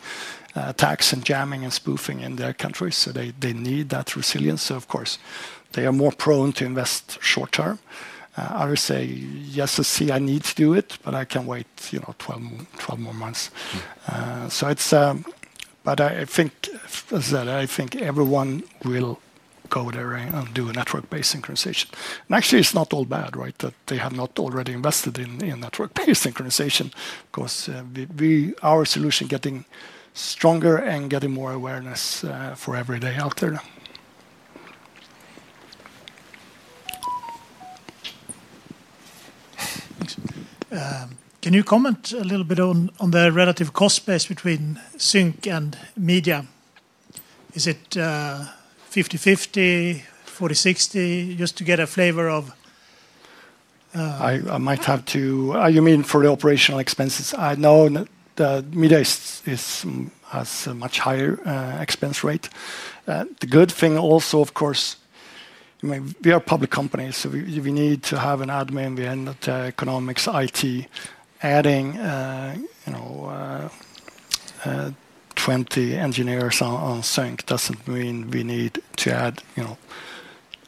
attacks and jamming and spoofing in their countries. They need that resilience. Of course, they are more prone to invest short term. I would say, yes, I see I need to do it, but I can wait, you know, 12 more months. I think, as I said, I think everyone will go there and do a network-based synchronization. Actually, it's not all bad, right, that they have not already invested in network-based synchronization because our solution is getting stronger and getting more awareness for every day out there. Can you comment a little bit on the relative cost base between sync and media? Is it 50-50, 40-60? Just to get a flavor of... You mean for the operational expenses? I know that media has a much higher expense rate. The good thing also, of course, we are a public company, so we need to have an admin. We end up economics, IT, adding 20 engineers on sync doesn't mean we need to add, you know,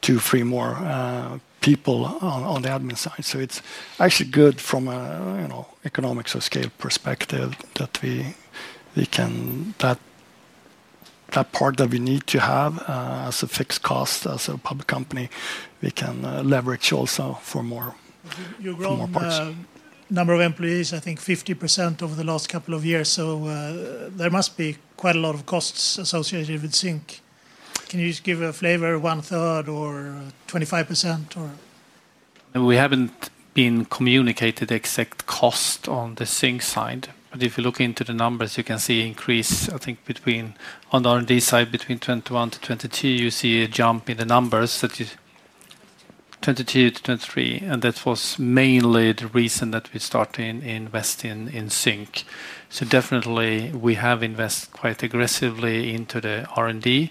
two, three more people on the admin side. It's actually good from an economics or scale perspective that we can, that part that we need to have as a fixed cost as a public company, we can leverage also for more. You're growing the number of employees, I think 50% over the last couple of years. There must be quite a lot of costs associated with sync. Can you just give a flavor, one third or 25% or...? We haven't communicated the exact cost on the sync side. If you look into the numbers, you can see an increase, I think, on the R&D side between 2021 to 2022, you see a jump in the numbers, then 2022 to 2023. That was mainly the reason that we started investing in sync. We have invested quite aggressively into the R&D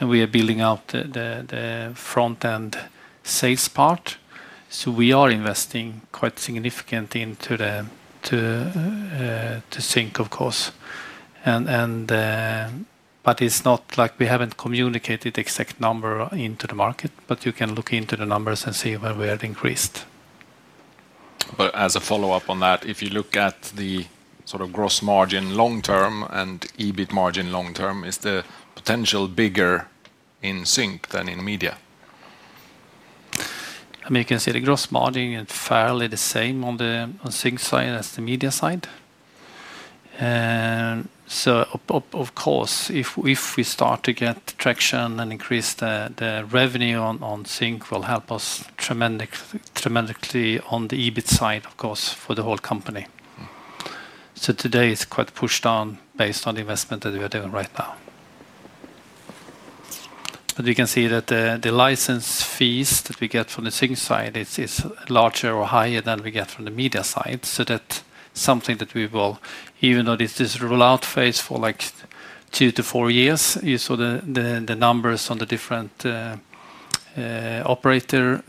and we are building out the front-end sales part. We are investing quite significantly into the sync, of course. It's not like we have communicated the exact number into the market, but you can look into the numbers and see where we have increased. As a follow-up on that, if you look at the sort of gross margin long term and EBIT margin long term, is the potential bigger in sync than in media? I mean, you can see the gross margin is fairly the same on the sync side as the media side. Of course, if we start to get traction and increase the revenue on sync, it will help us tremendously on the EBIT side for the whole company. Today it's quite pushed on based on the investment that we are doing right now. We can see that the license fees that we get from the sync side are larger or higher than we get from the media side. That's something that we will, even though this rollout phase for like two to four years, you saw the numbers on the different operators,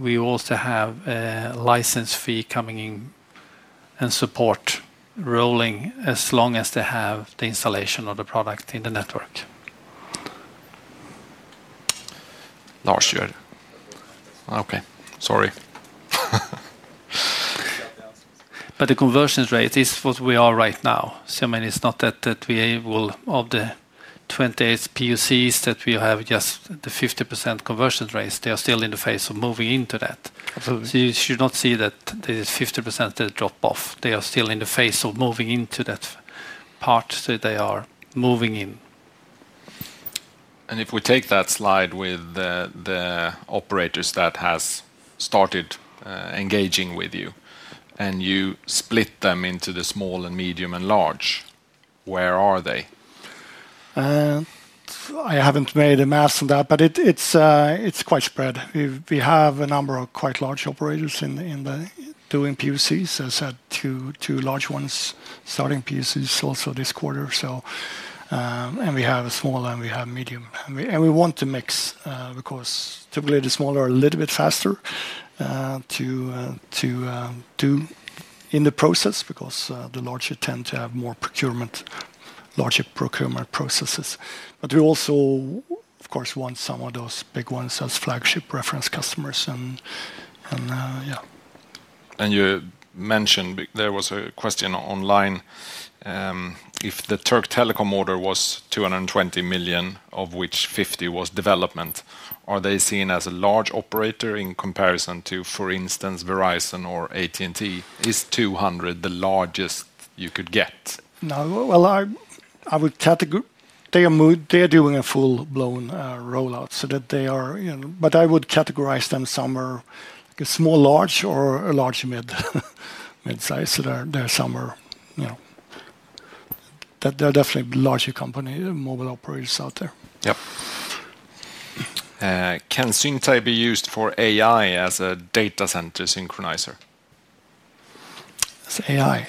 we also have a license fee coming in and support rolling as long as they have the installation of the product in the network. No, I see that. Okay, sorry. The conversion rate is what we are right now. I mean, it's not that we will, of the 28 POCs that we have, just the 50% conversion rate. They are still in the phase of moving into that. You should not see that there is 50% that drop off. They are still in the phase of moving into that part. They are moving in. If we take that slide with the operators that have started engaging with you and you split them into the small and medium and large, where are they? I haven't made a math on that, but it's quite spread. We have a number of quite large operators doing POCs. As I said, two large ones starting POCs also this quarter. We have a small and we have medium. We want to mix because typically the smaller are a little bit faster to do in the process because the larger tend to have more procurement, larger procurement processes. We also, of course, want some of those big ones as flagship reference customers. You mentioned there was a question online. If the Turk Telekom order was $220 million, of which $50 million was development, are they seen as a large operator in comparison to, for instance, Verizon or AT&T? Is $200 million the largest you could get? No, I would categorize. They are doing a full-blown rollout. I would categorize them somewhere small, large, or a large midsize. They're somewhere, you know, that they're definitely a larger company, mobile operators out there. Yep. Can Syntyc be used for AI as a data center synchronizer? AI,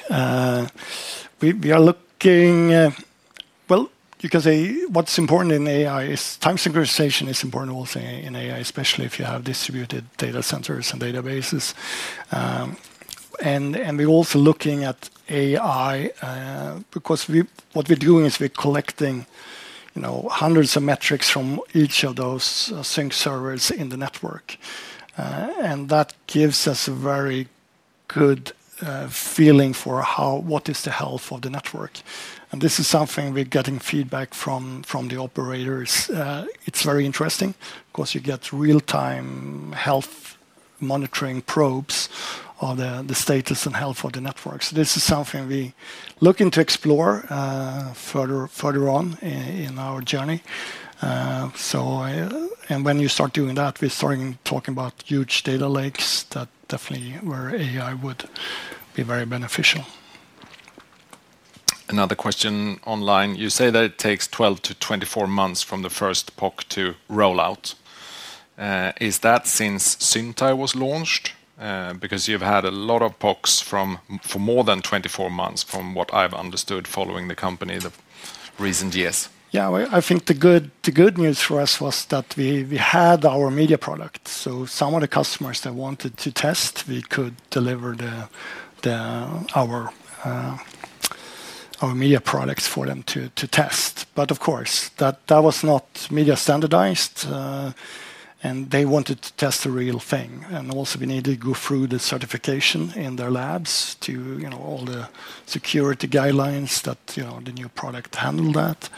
we are looking, you can say what's important in AI is time synchronization is important also in AI, especially if you have distributed data centers and databases. We're also looking at AI because what we're doing is we're collecting, you know, hundreds of metrics from each of those sync servers in the network. That gives us a very good feeling for what is the health of the network. This is something we're getting feedback from the operators. It's very interesting because you get real-time health monitoring probes of the status and health of the network. This is something we're looking to explore further on in our journey. When you start doing that, we're starting talking about huge data lakes. That's definitely where AI would be very beneficial. Another question online. You say that it takes 12 to 24 months from the first POC to rollout. Is that since Syntyc was launched? Because you've had a lot of POCs for more than 24 months, from what I've understood following the company the recent years. Yeah, I think the good news for us was that we had our media product. Some of the customers that wanted to test, we could deliver our media products for them to test. Of course, that was not media standardized, and they wanted to test the real thing. We needed to go through the certification in their labs to all the security guidelines that the new product handled that.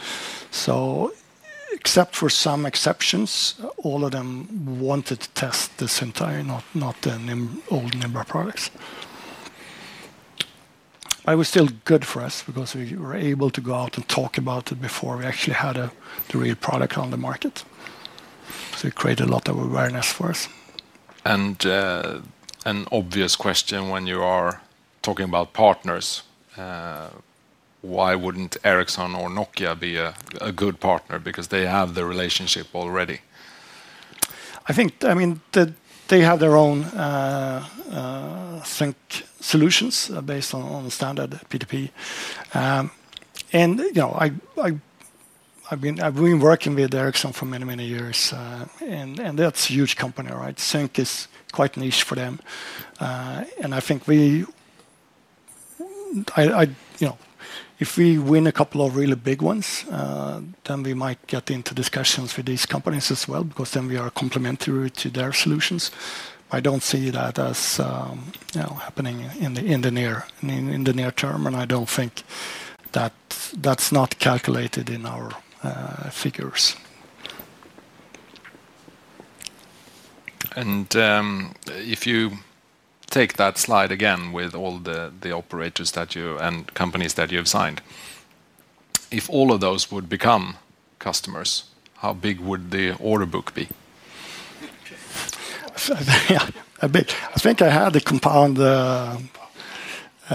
Except for some exceptions, all of them wanted to test the Syntyc, not the old Nimbra products. It was still good for us because we were able to go out and talk about it before we actually had the real product on the market. It created a lot of awareness for us. An obvious question when you are talking about partners, why wouldn't Ericsson or Nokia be a good partner? They have the relationship already. I think they have their own sync solutions based on the standard P2P. I've been working with Ericsson for many, many years. That's a huge company, right? Sync is quite niche for them. I think if we win a couple of really big ones, then we might get into discussions with these companies as well because then we are complementary to their solutions. I don't see that as happening in the near term. I don't think that's calculated in our figures. If you take that slide again with all the operators and companies that you've signed, if all of those would become customers, how big would the order book be? I think I had a compound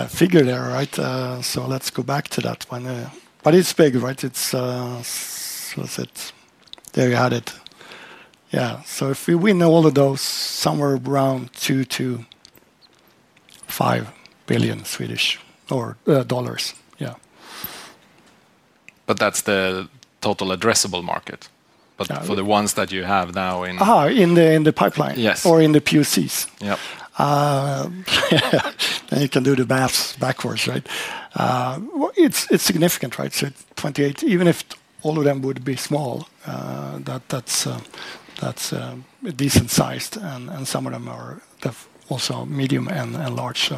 figure there, right? Let's go back to that one. It's big, right? There you had it. If we win all of those, somewhere around 2 billion to 5 billion. Yeah. That is the total addressable market. For the ones that you have now in... In the pipeline, yes, or in the POCs. Yep. You can do the math backwards, right? It's significant, right? 28, even if all of them would be small, that's a decent size. Some of them are also medium and large.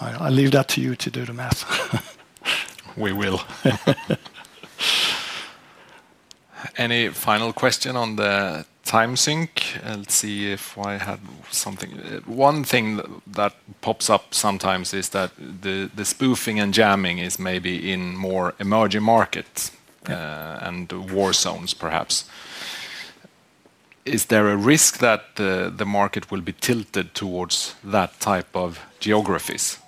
I leave that to you to do the math. We will. Any final question on the time sync? Let's see if I had something. One thing that pops up sometimes is that the spoofing and jamming is maybe in more emerging markets and war zones, perhaps. Is there a risk that the market will be tilted towards that type of geographies?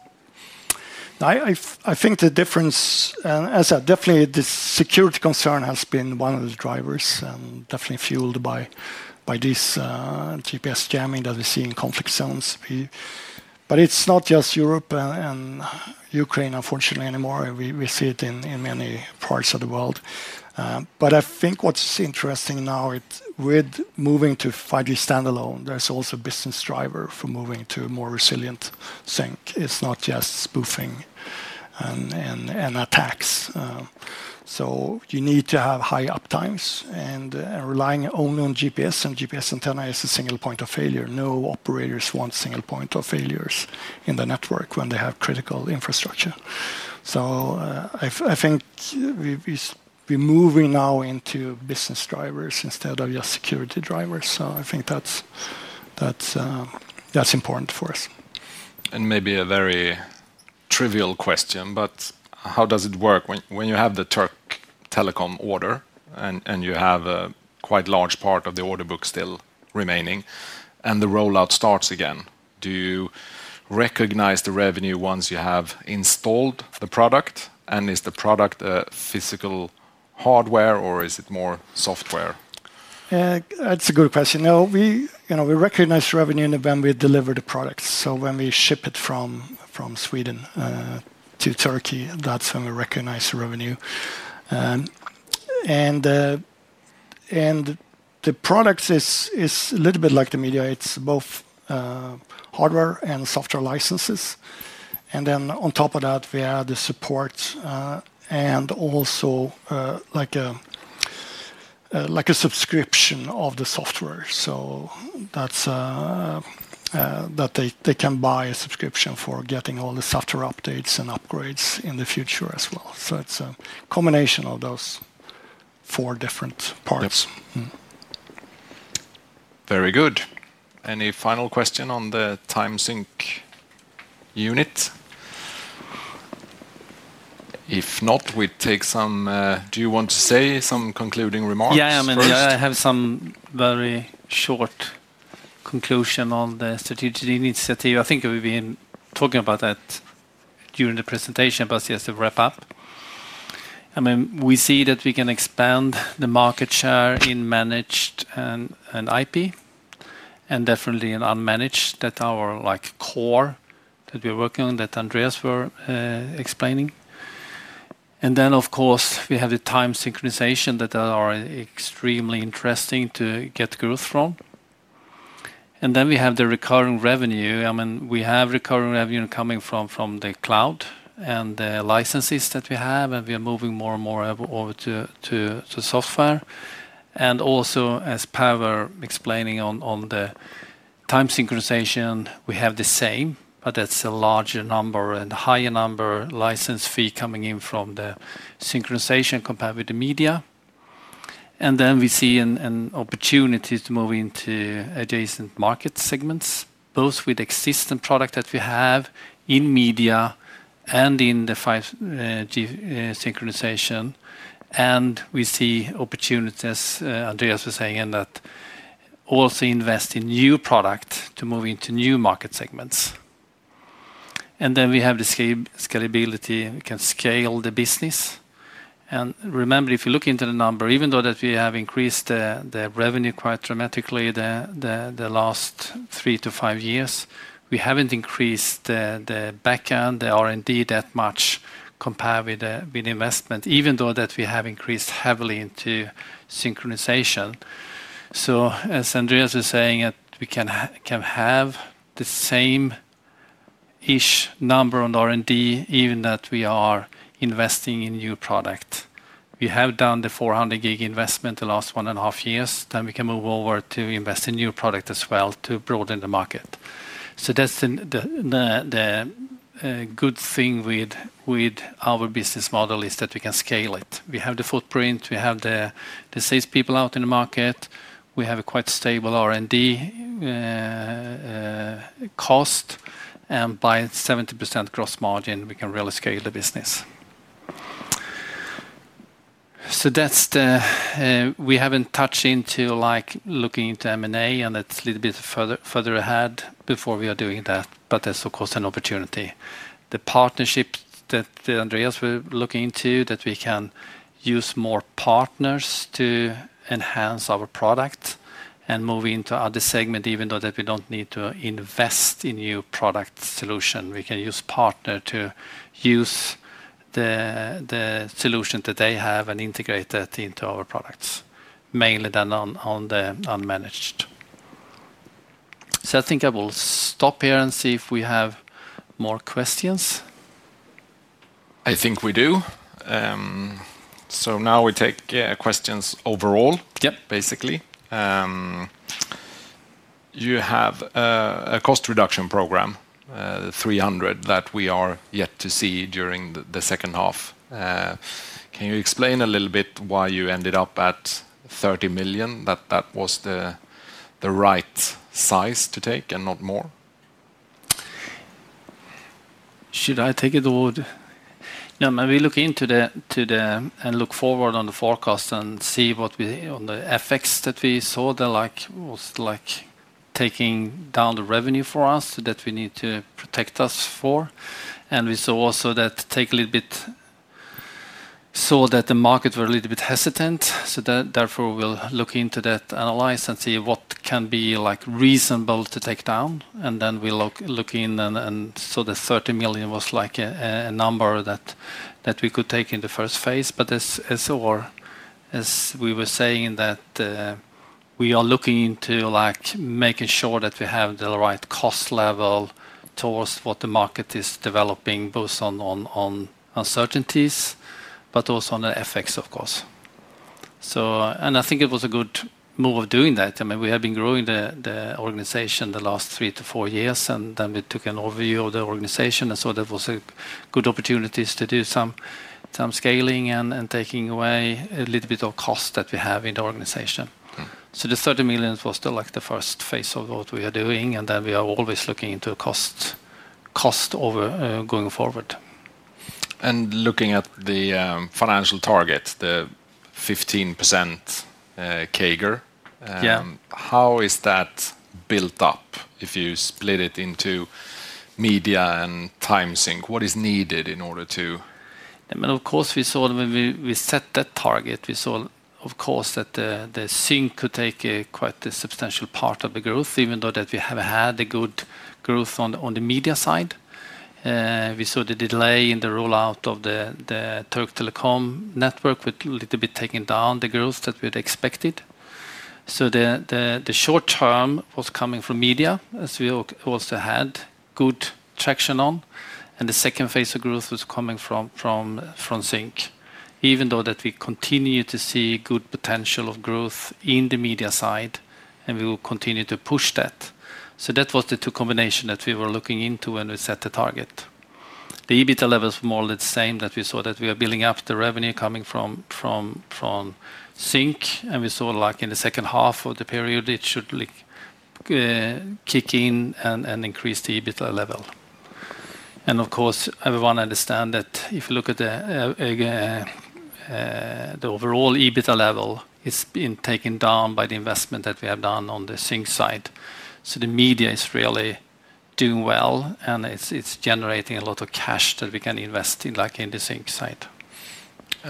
I think the difference, as I said, definitely the security concern has been one of the drivers and definitely fueled by this GPS jamming that we see in conflict zones. It's not just Europe and Ukraine, unfortunately, anymore. We see it in many parts of the world. I think what's interesting now with moving to 5G standalone, there's also a business driver for moving to a more resilient sync. It's not just spoofing and attacks. You need to have high uptimes and relying only on GPS. A GPS antenna is a single point of failure. No operators want single points of failure in the network when they have critical infrastructure. I think we're moving now into business drivers instead of just security drivers. I think that's important for us. Maybe a very trivial question, but how does it work when you have the Turk Telekom order and you have a quite large part of the order book still remaining and the rollout starts again? Do you recognize the revenue once you have installed the product? Is the product a physical hardware or is it more software? That's a good question. No, we recognize revenue when we deliver the product. When we ship it from Sweden to Turkey, that's when we recognize revenue. The product is a little bit like the media. It's both hardware and software licenses. On top of that, we add the support and also a subscription of the software, so that they can buy a subscription for getting all the software updates and upgrades in the future as well. It's a combination of those four different parts. Very good. Any final question on the time sync unit? If not, we take some. Do you want to say some concluding remarks? Yeah, I mean, I have some very short conclusion on the strategic initiative. I think we've been talking about that during the presentation, but just to wrap up. I mean, we see that we can expand the market share in managed and IP, and definitely in unmanaged. That's our core that we're working on, that Andreas was explaining. Of course, we have the time synchronization that is extremely interesting to get growth from. We have the recurring revenue. I mean, we have recurring revenue coming from the cloud and the licenses that we have, and we are moving more and more over to software. Also, as Pavel was explaining on the time synchronization, we have the same, but that's a larger number and a higher number of license fees coming in from the synchronization compared with the media. We see an opportunity to move into adjacent market segments, both with the existing product that we have in media and in the 5G synchronization. We see opportunities, as Andreas was saying, that also invest in new products to move into new market segments. We have the scalability. We can scale the business. Remember, if you look into the number, even though we have increased the revenue quite dramatically in the last three to five years, we haven't increased the backend, the R&D that much compared with the investment, even though we have increased heavily into synchronization. As Andreas was saying, we can have the same-ish number on R&D, even that we are investing in new product. We have done the 400G investment in the last one and a half years. We can move over to invest in new products as well to broaden the market. The good thing with our business model is that we can scale it. We have the footprint. We have the salespeople out in the market. We have a quite stable R&D cost. By 70% gross margin, we can really scale the business. We haven't touched into like looking into M&A, and that's a little bit further ahead before we are doing that. That's of course an opportunity. The partnership that Andreas was looking into, that we can use more partners to enhance our product and move into other segments, even though we don't need to invest in new product solutions. We can use partners to use the solution that they have and integrate that into our products, mainly done on the unmanaged. I think I will stop here and see if we have more questions. I think we do. Now we take questions overall, basically. You have a cost reduction program, $300,000, that we are yet to see during the second half. Can you explain a little bit why you ended up at $30 million, that that was the right size to take and not more? We look into the forecast and see what we, on the effects that we saw, that was like taking down the revenue for us that we need to protect us for. We saw also that the markets were a little bit hesitant. Therefore, we look into that, analyze, and see what can be reasonable to take down. We looked in and saw that $30 million was a number that we could take in the first phase. As we were saying, we are looking into making sure that we have the right cost level towards what the market is developing, both on uncertainties, but also on the effects, of course. I think it was a good move of doing that. We have been growing the organization the last three to four years, and then we took an overview of the organization and saw that it was a good opportunity to do some scaling and taking away a little bit of cost that we have in the organization. The $30 million was still the first phase of what we are doing, and we are always looking into cost over going forward. Looking at the financial target, the 15% CAGR, how is that built up? If you split it into media and time sync, what is needed in order to... I mean, of course, we saw that we set that target. We saw, of course, that the sync could take quite a substantial part of the growth, even though we have had a good growth on the media side. We saw the delay in the rollout of the Turk Telekom network, which was a little bit taken down the growth that we had expected. The short term was coming from media, as we also had good traction on. The second phase of growth was coming from sync, even though we continue to see good potential of growth in the media side, and we will continue to push that. That was the two combinations that we were looking into when we set the target. The EBITDA levels were more or less the same that we saw that we are building up the revenue coming from sync, and we saw like in the second half of the period, it should kick in and increase the EBITDA level. Of course, everyone understands that if you look at the overall EBITDA level, it's been taken down by the investment that we have done on the sync side. The media is really doing well, and it's generating a lot of cash that we can invest in like in the sync side.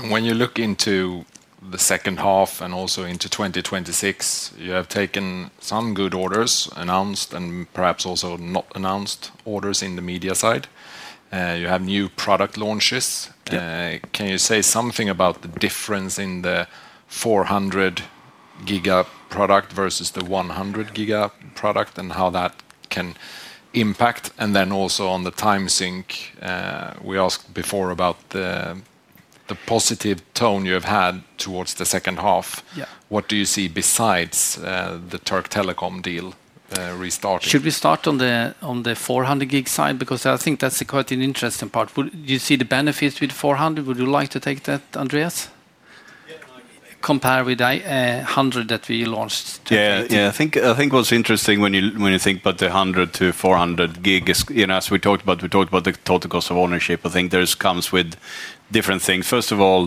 When you look into the second half and also into 2026, you have taken some good orders, announced and perhaps also not announced orders in the media side. You have new product launches. Can you say something about the difference in the 400G product versus the 100G product and how that can impact? Also, on the time sync, we asked before about the positive tone you have had towards the second half. What do you see besides the Turk Telekom deal restarting? Should we start on the 400G side? Because I think that's quite an interesting part. Do you see the benefits with 400G? Would you like to take that, Andreas? Compare with 100G that we launched. Yeah, I think what's interesting when you think about the 100G to 400G, as we talked about, we talked about the total cost of ownership. I think there comes with different things. First of all,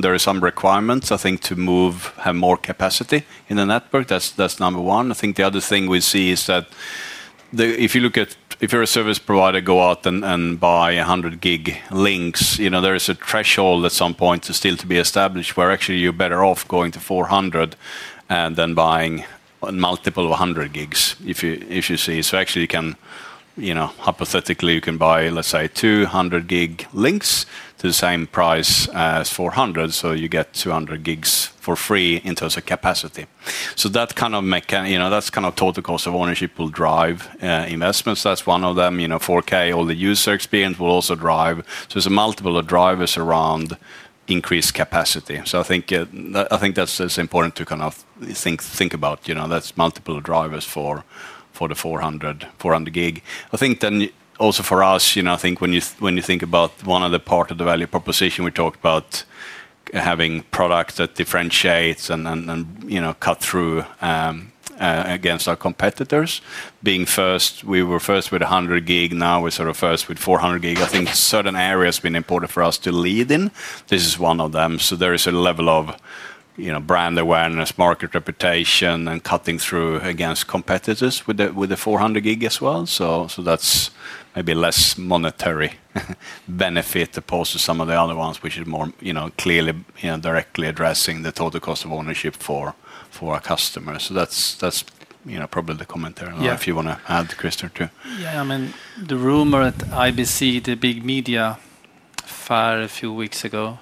there are some requirements, I think, to move more capacity in the network. That's number one. I think the other thing we see is that if you look at, if you're a service provider, go out and buy 100G links, you know, there is a threshold at some point still to be established where actually you're better off going to 400G and then buying multiple 100G, if you see. Actually, you can, you know, hypothetically, you can buy, let's say, 200G links to the same price as 400G. You get 200G for free in terms of capacity. That kind of, you know, that's kind of total cost of ownership will drive investments. That's one of them. 4K, all the user experience will also drive. There's a multiple of drivers around increased capacity. I think that's important to kind of think about, you know, that's multiple of drivers for the 400G. I think then also for us, you know, I think when you think about one other part of the value proposition, we talked about having products that differentiate and, you know, cut through against our competitors. Being first, we were first with 100G. Now we're sort of first with 400G. I think certain areas have been important for us to lead in. This is one of them. There is a level of, you know, brand awareness, market reputation, and cutting through against competitors with the 400G as well. That's maybe less monetary benefit opposed to some of the other ones, which are more, you know, clearly, you know, directly addressing the total cost of ownership for our customers. That's, you know, probably the commentary on that if you want to add, Crister, too. Yeah, I mean, the rumor at IBC, the big media event a few weeks ago,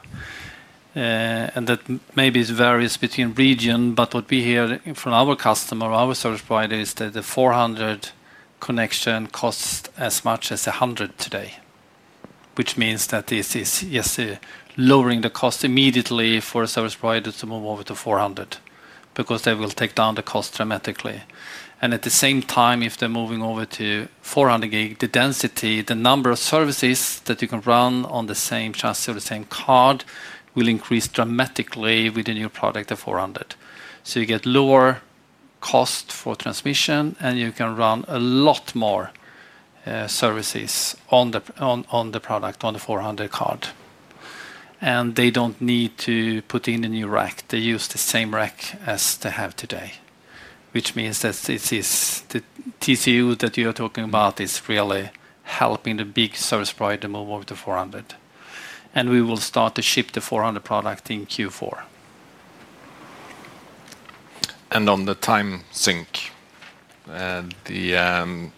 and that maybe it varies between regions, but what we hear from our customer, our service provider, is that the 400G connection costs as much as 100G today, which means that this is, yes, lowering the cost immediately for a service provider to move over to 400G because they will take down the cost dramatically. At the same time, if they're moving over to 400G, the density, the number of services that you can run on the same chassis or the same card, will increase dramatically with a new product at 400G. You get lower cost for transmission, and you can run a lot more services on the product, on the 400G card. They don't need to put in a new rack. They use the same rack as they have today, which means that it is the TCU that you are talking about is really helping the big service provider move over to 400G. We will start to ship the 400G product in Q4. On the time sync, the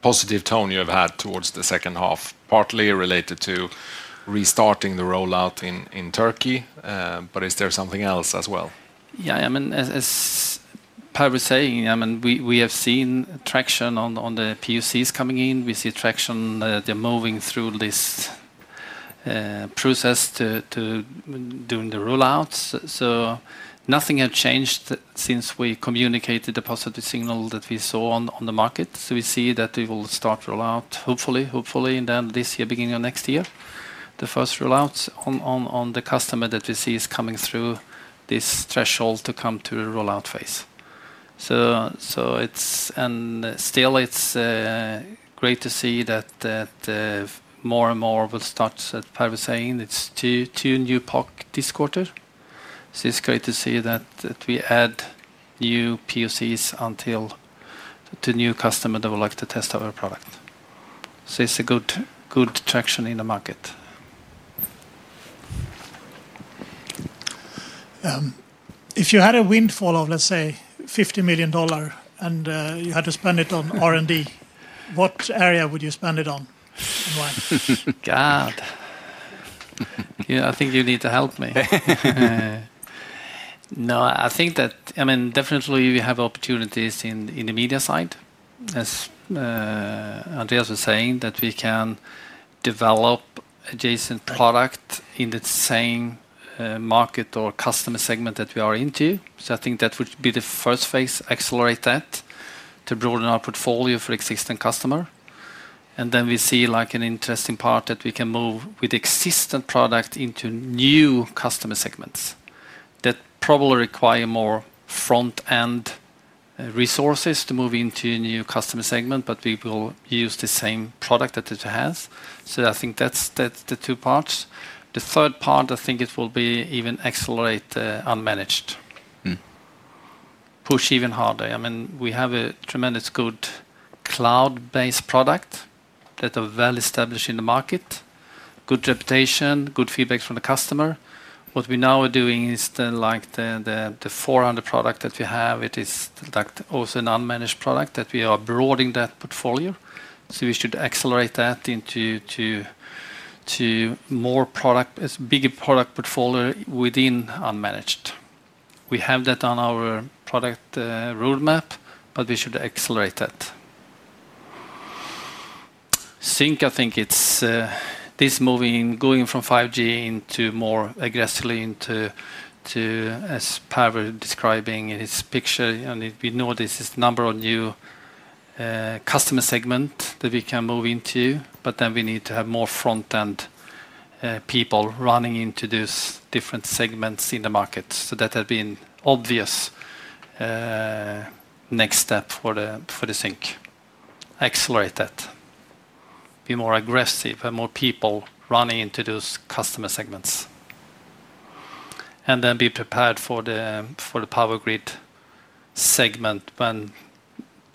positive tone you have had towards the second half is partly related to restarting the rollout in Turkey, but is there something else as well? Yeah, I mean, as Pavel was saying, we have seen traction on the POCs coming in. We see traction. They're moving through this process to do the rollouts. Nothing has changed since we communicated the positive signal that we saw on the market. We see that we will start rollout, hopefully, hopefully, end of this year, beginning of next year, the first rollouts on the customer that we see is coming through this threshold to come to the rollout phase. It's great to see that more and more will start, as Pavel was saying, it's two new POCs this quarter. It's great to see that we add new POCs until the new customer that would like to test our product. It's a good traction in the market. If you had a windfall of, let's say, $50 million and you had to spend it on R&D, what area would you spend it on? Why? Yeah, I think you need to help me. No, I think that, I mean, definitely we have opportunities in the media side, as Andreas was saying, that we can develop adjacent products in the same market or customer segment that we are into. I think that would be the first phase, accelerate that to broaden our portfolio for existing customers. We see an interesting part that we can move with existing products into new customer segments that probably require more front-end resources to move into a new customer segment, but we will use the same product that it has. I think that's the two parts. The third part, I think it will be even accelerate the unmanaged, push even harder. We have a tremendously good cloud-based product that is well established in the market, good reputation, good feedback from the customer. What we now are doing is like the 400G product that we have. It is also an unmanaged product that we are broadening that portfolio. We should accelerate that into more products, bigger product portfolio within unmanaged. We have that on our product roadmap, but we should accelerate that. Sync, I think it's this moving, going from 5G into more aggressively, to, as Pavel was describing his picture, and we know this is a number of new customer segments that we can move into, but then we need to have more front-end people running into those different segments in the market. That had been an obvious next step for the sync. Accelerate that. Be more aggressive and more people running into those customer segments. Be prepared for the power grid segment when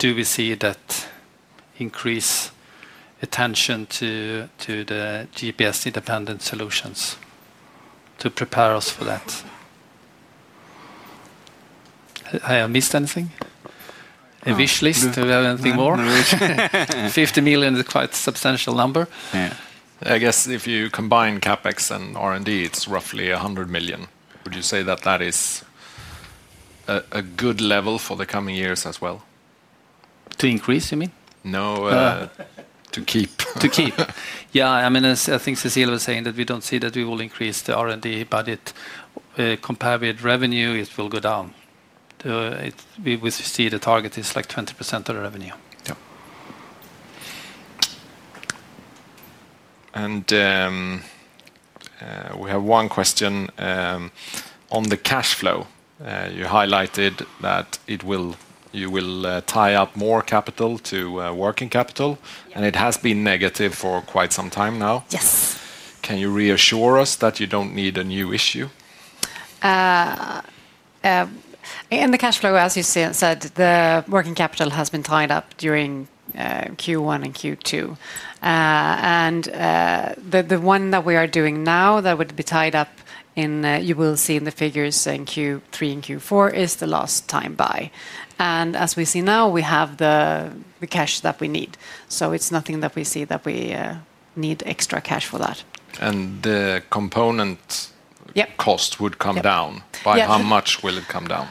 we see that increased attention to the GPS-independent solutions to prepare us for that. Have I missed anything? A wish list? Do we have anything more? $50 million is quite a substantial number. Yeah. I guess if you combine CapEx and R&D, it's roughly $100 million. Would you say that that is a good level for the coming years as well? To increase, you mean? No, to keep. Yeah, I mean, I think Cecilia was saying that we don't see that we will increase the R&D, but compared with revenue, it will go down. We see the target is like 20% of the revenue. We have one question on the cash flow. You highlighted that you will tie up more capital to working capital, and it has been negative for quite some time now. Yes. Can you reassure us that you don't need a new issue? In the cash flow, as you said, the working capital has been tied up during Q1 and Q2. The one that we are doing now that would be tied up in, you will see in the figures in Q3 and Q4, is the last time by. As we see now, we have the cash that we need. It's nothing that we see that we need extra cash for that. The component cost would come down. By how much will it come down?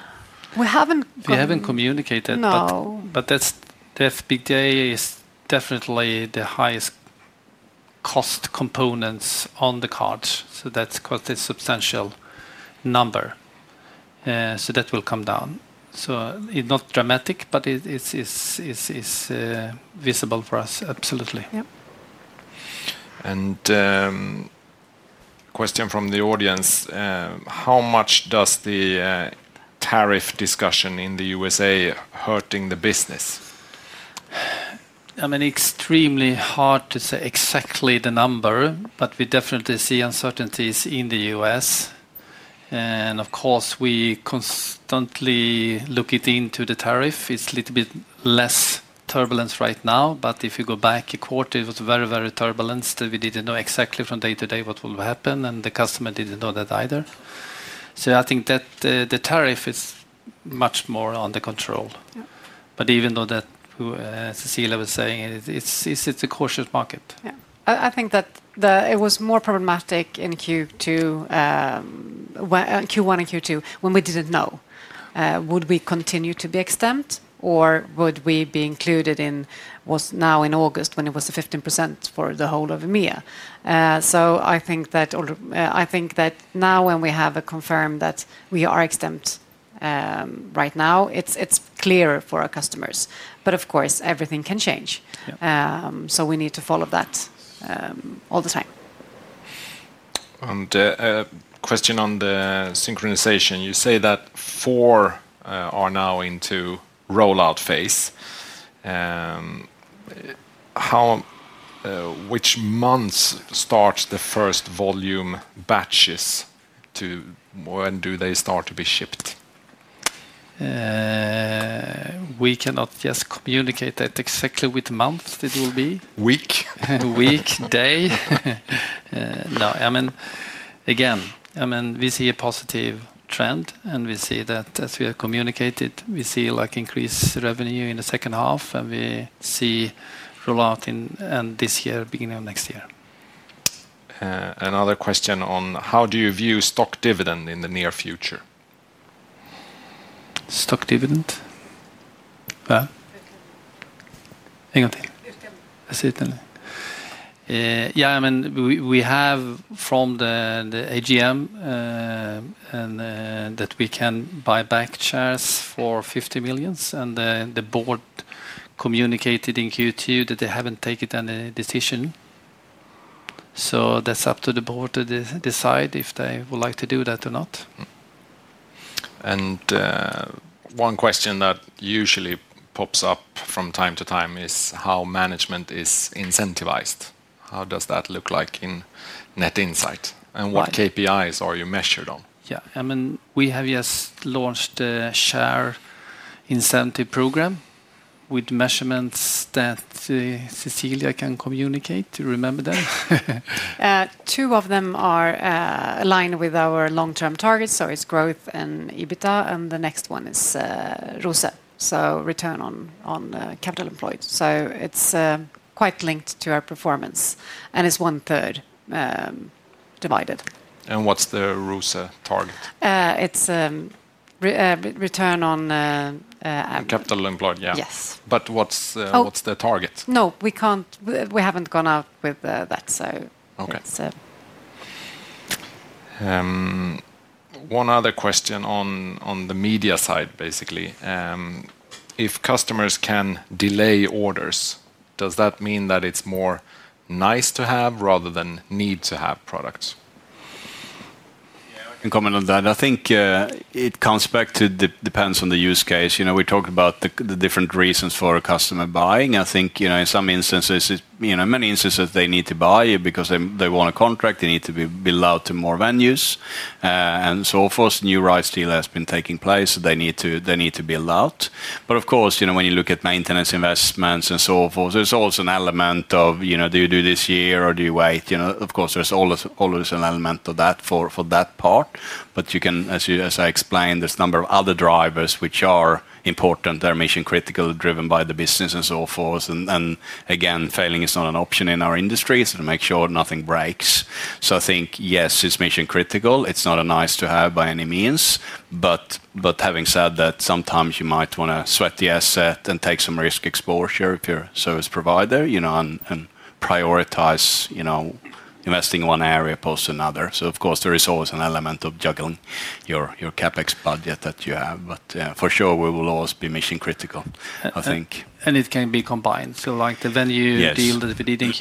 We haven't communicated, but the FPGA is definitely the highest cost component on the card. That's quite a substantial number, and that will come down. It's not dramatic, but it is visible for us, absolutely. A question from the audience. How much does the tariff discussion in the U.S. hurt the business? I mean, extremely hard to say exactly the number, but we definitely see uncertainties in the U.S. Of course, we constantly look into the tariff. It's a little bit less turbulence right now, but if you go back a quarter, it was very, very turbulent. We didn't know exactly from day to day what will happen, and the customer didn't know that either. I think that the tariff is much more under control. Even though, as Cecilia was saying, it's a cautious market. Yeah, I think that it was more problematic in Q1 and Q2 when we didn't know. Would we continue to be exempt or would we be included in what's now in August when it was 15% for the whole of EMEA? I think that now when we have confirmed that we are exempt right now, it's clearer for our customers. Of course, everything can change. We need to follow that all the time. A question on the synchronization. You say that four are now into rollout phase. Which months start the first volume batches to when do they start to be shipped? We cannot just communicate exactly which month it will be. Week? No, I mean, again, we see a positive trend, and we see that as we have communicated. We see increased revenue in the second half, and we see rollout in this year, beginning of next year. Another question on how do you view stock dividend in the near future? Stock dividend? Yeah. I see it. Yeah, I mean, we have from the AGM that we can buy back shares for 50 million. The board communicated in Q2 that they haven't taken any decision. That's up to the board to decide if they would like to do that or not. One question that usually pops up from time to time is how management is incentivized. How does that look like in Net Insight? What KPIs are you measured on? Yeah, I mean, we have just launched the share incentive program with measurements that Cecilia Höjgård Höök can communicate. Do you remember that? Two of them are aligned with our long-term targets. It's growth and EBITDA. The next one is ROCE, return on capital employed. It's quite linked to our performance. It's one third divided. What is the RUSE target? It's return on... Capital employed, yeah. Yes. What is the target? No, we can't. We haven't gone up with that. One other question on the media side, basically. If customers can delay orders, does that mean that it's more nice to have rather than need to have products? I can comment on that. I think it comes back to... It depends on the use case. You know, we talk about the different reasons for a customer buying. I think, you know, in some instances, you know, in many instances, they need to buy it because they want a contract. They need to be billed out to more venues. For us, new rise still has been taking place. They need to be billed out. Of course, when you look at maintenance investments and so forth, there's also an element of, you know, do you do this year or do you wait? Of course, there's always an element of that for that part. You can, as I explained, there's a number of other drivers which are important. They're mission-critical, driven by the business and so forth. Again, failing is not an option in our industry. Make sure nothing breaks. I think, yes, it's mission-critical. It's not a nice-to-have by any means. Having said that, sometimes you might want to sweat the asset and take some risk exposure with your service provider, you know, and prioritize, you know, investing in one area post another. Of course, there is always an element of juggling your CapEx budget that you have. For sure, we will always be mission-critical, I think. It can be combined, like the venue deal that we did.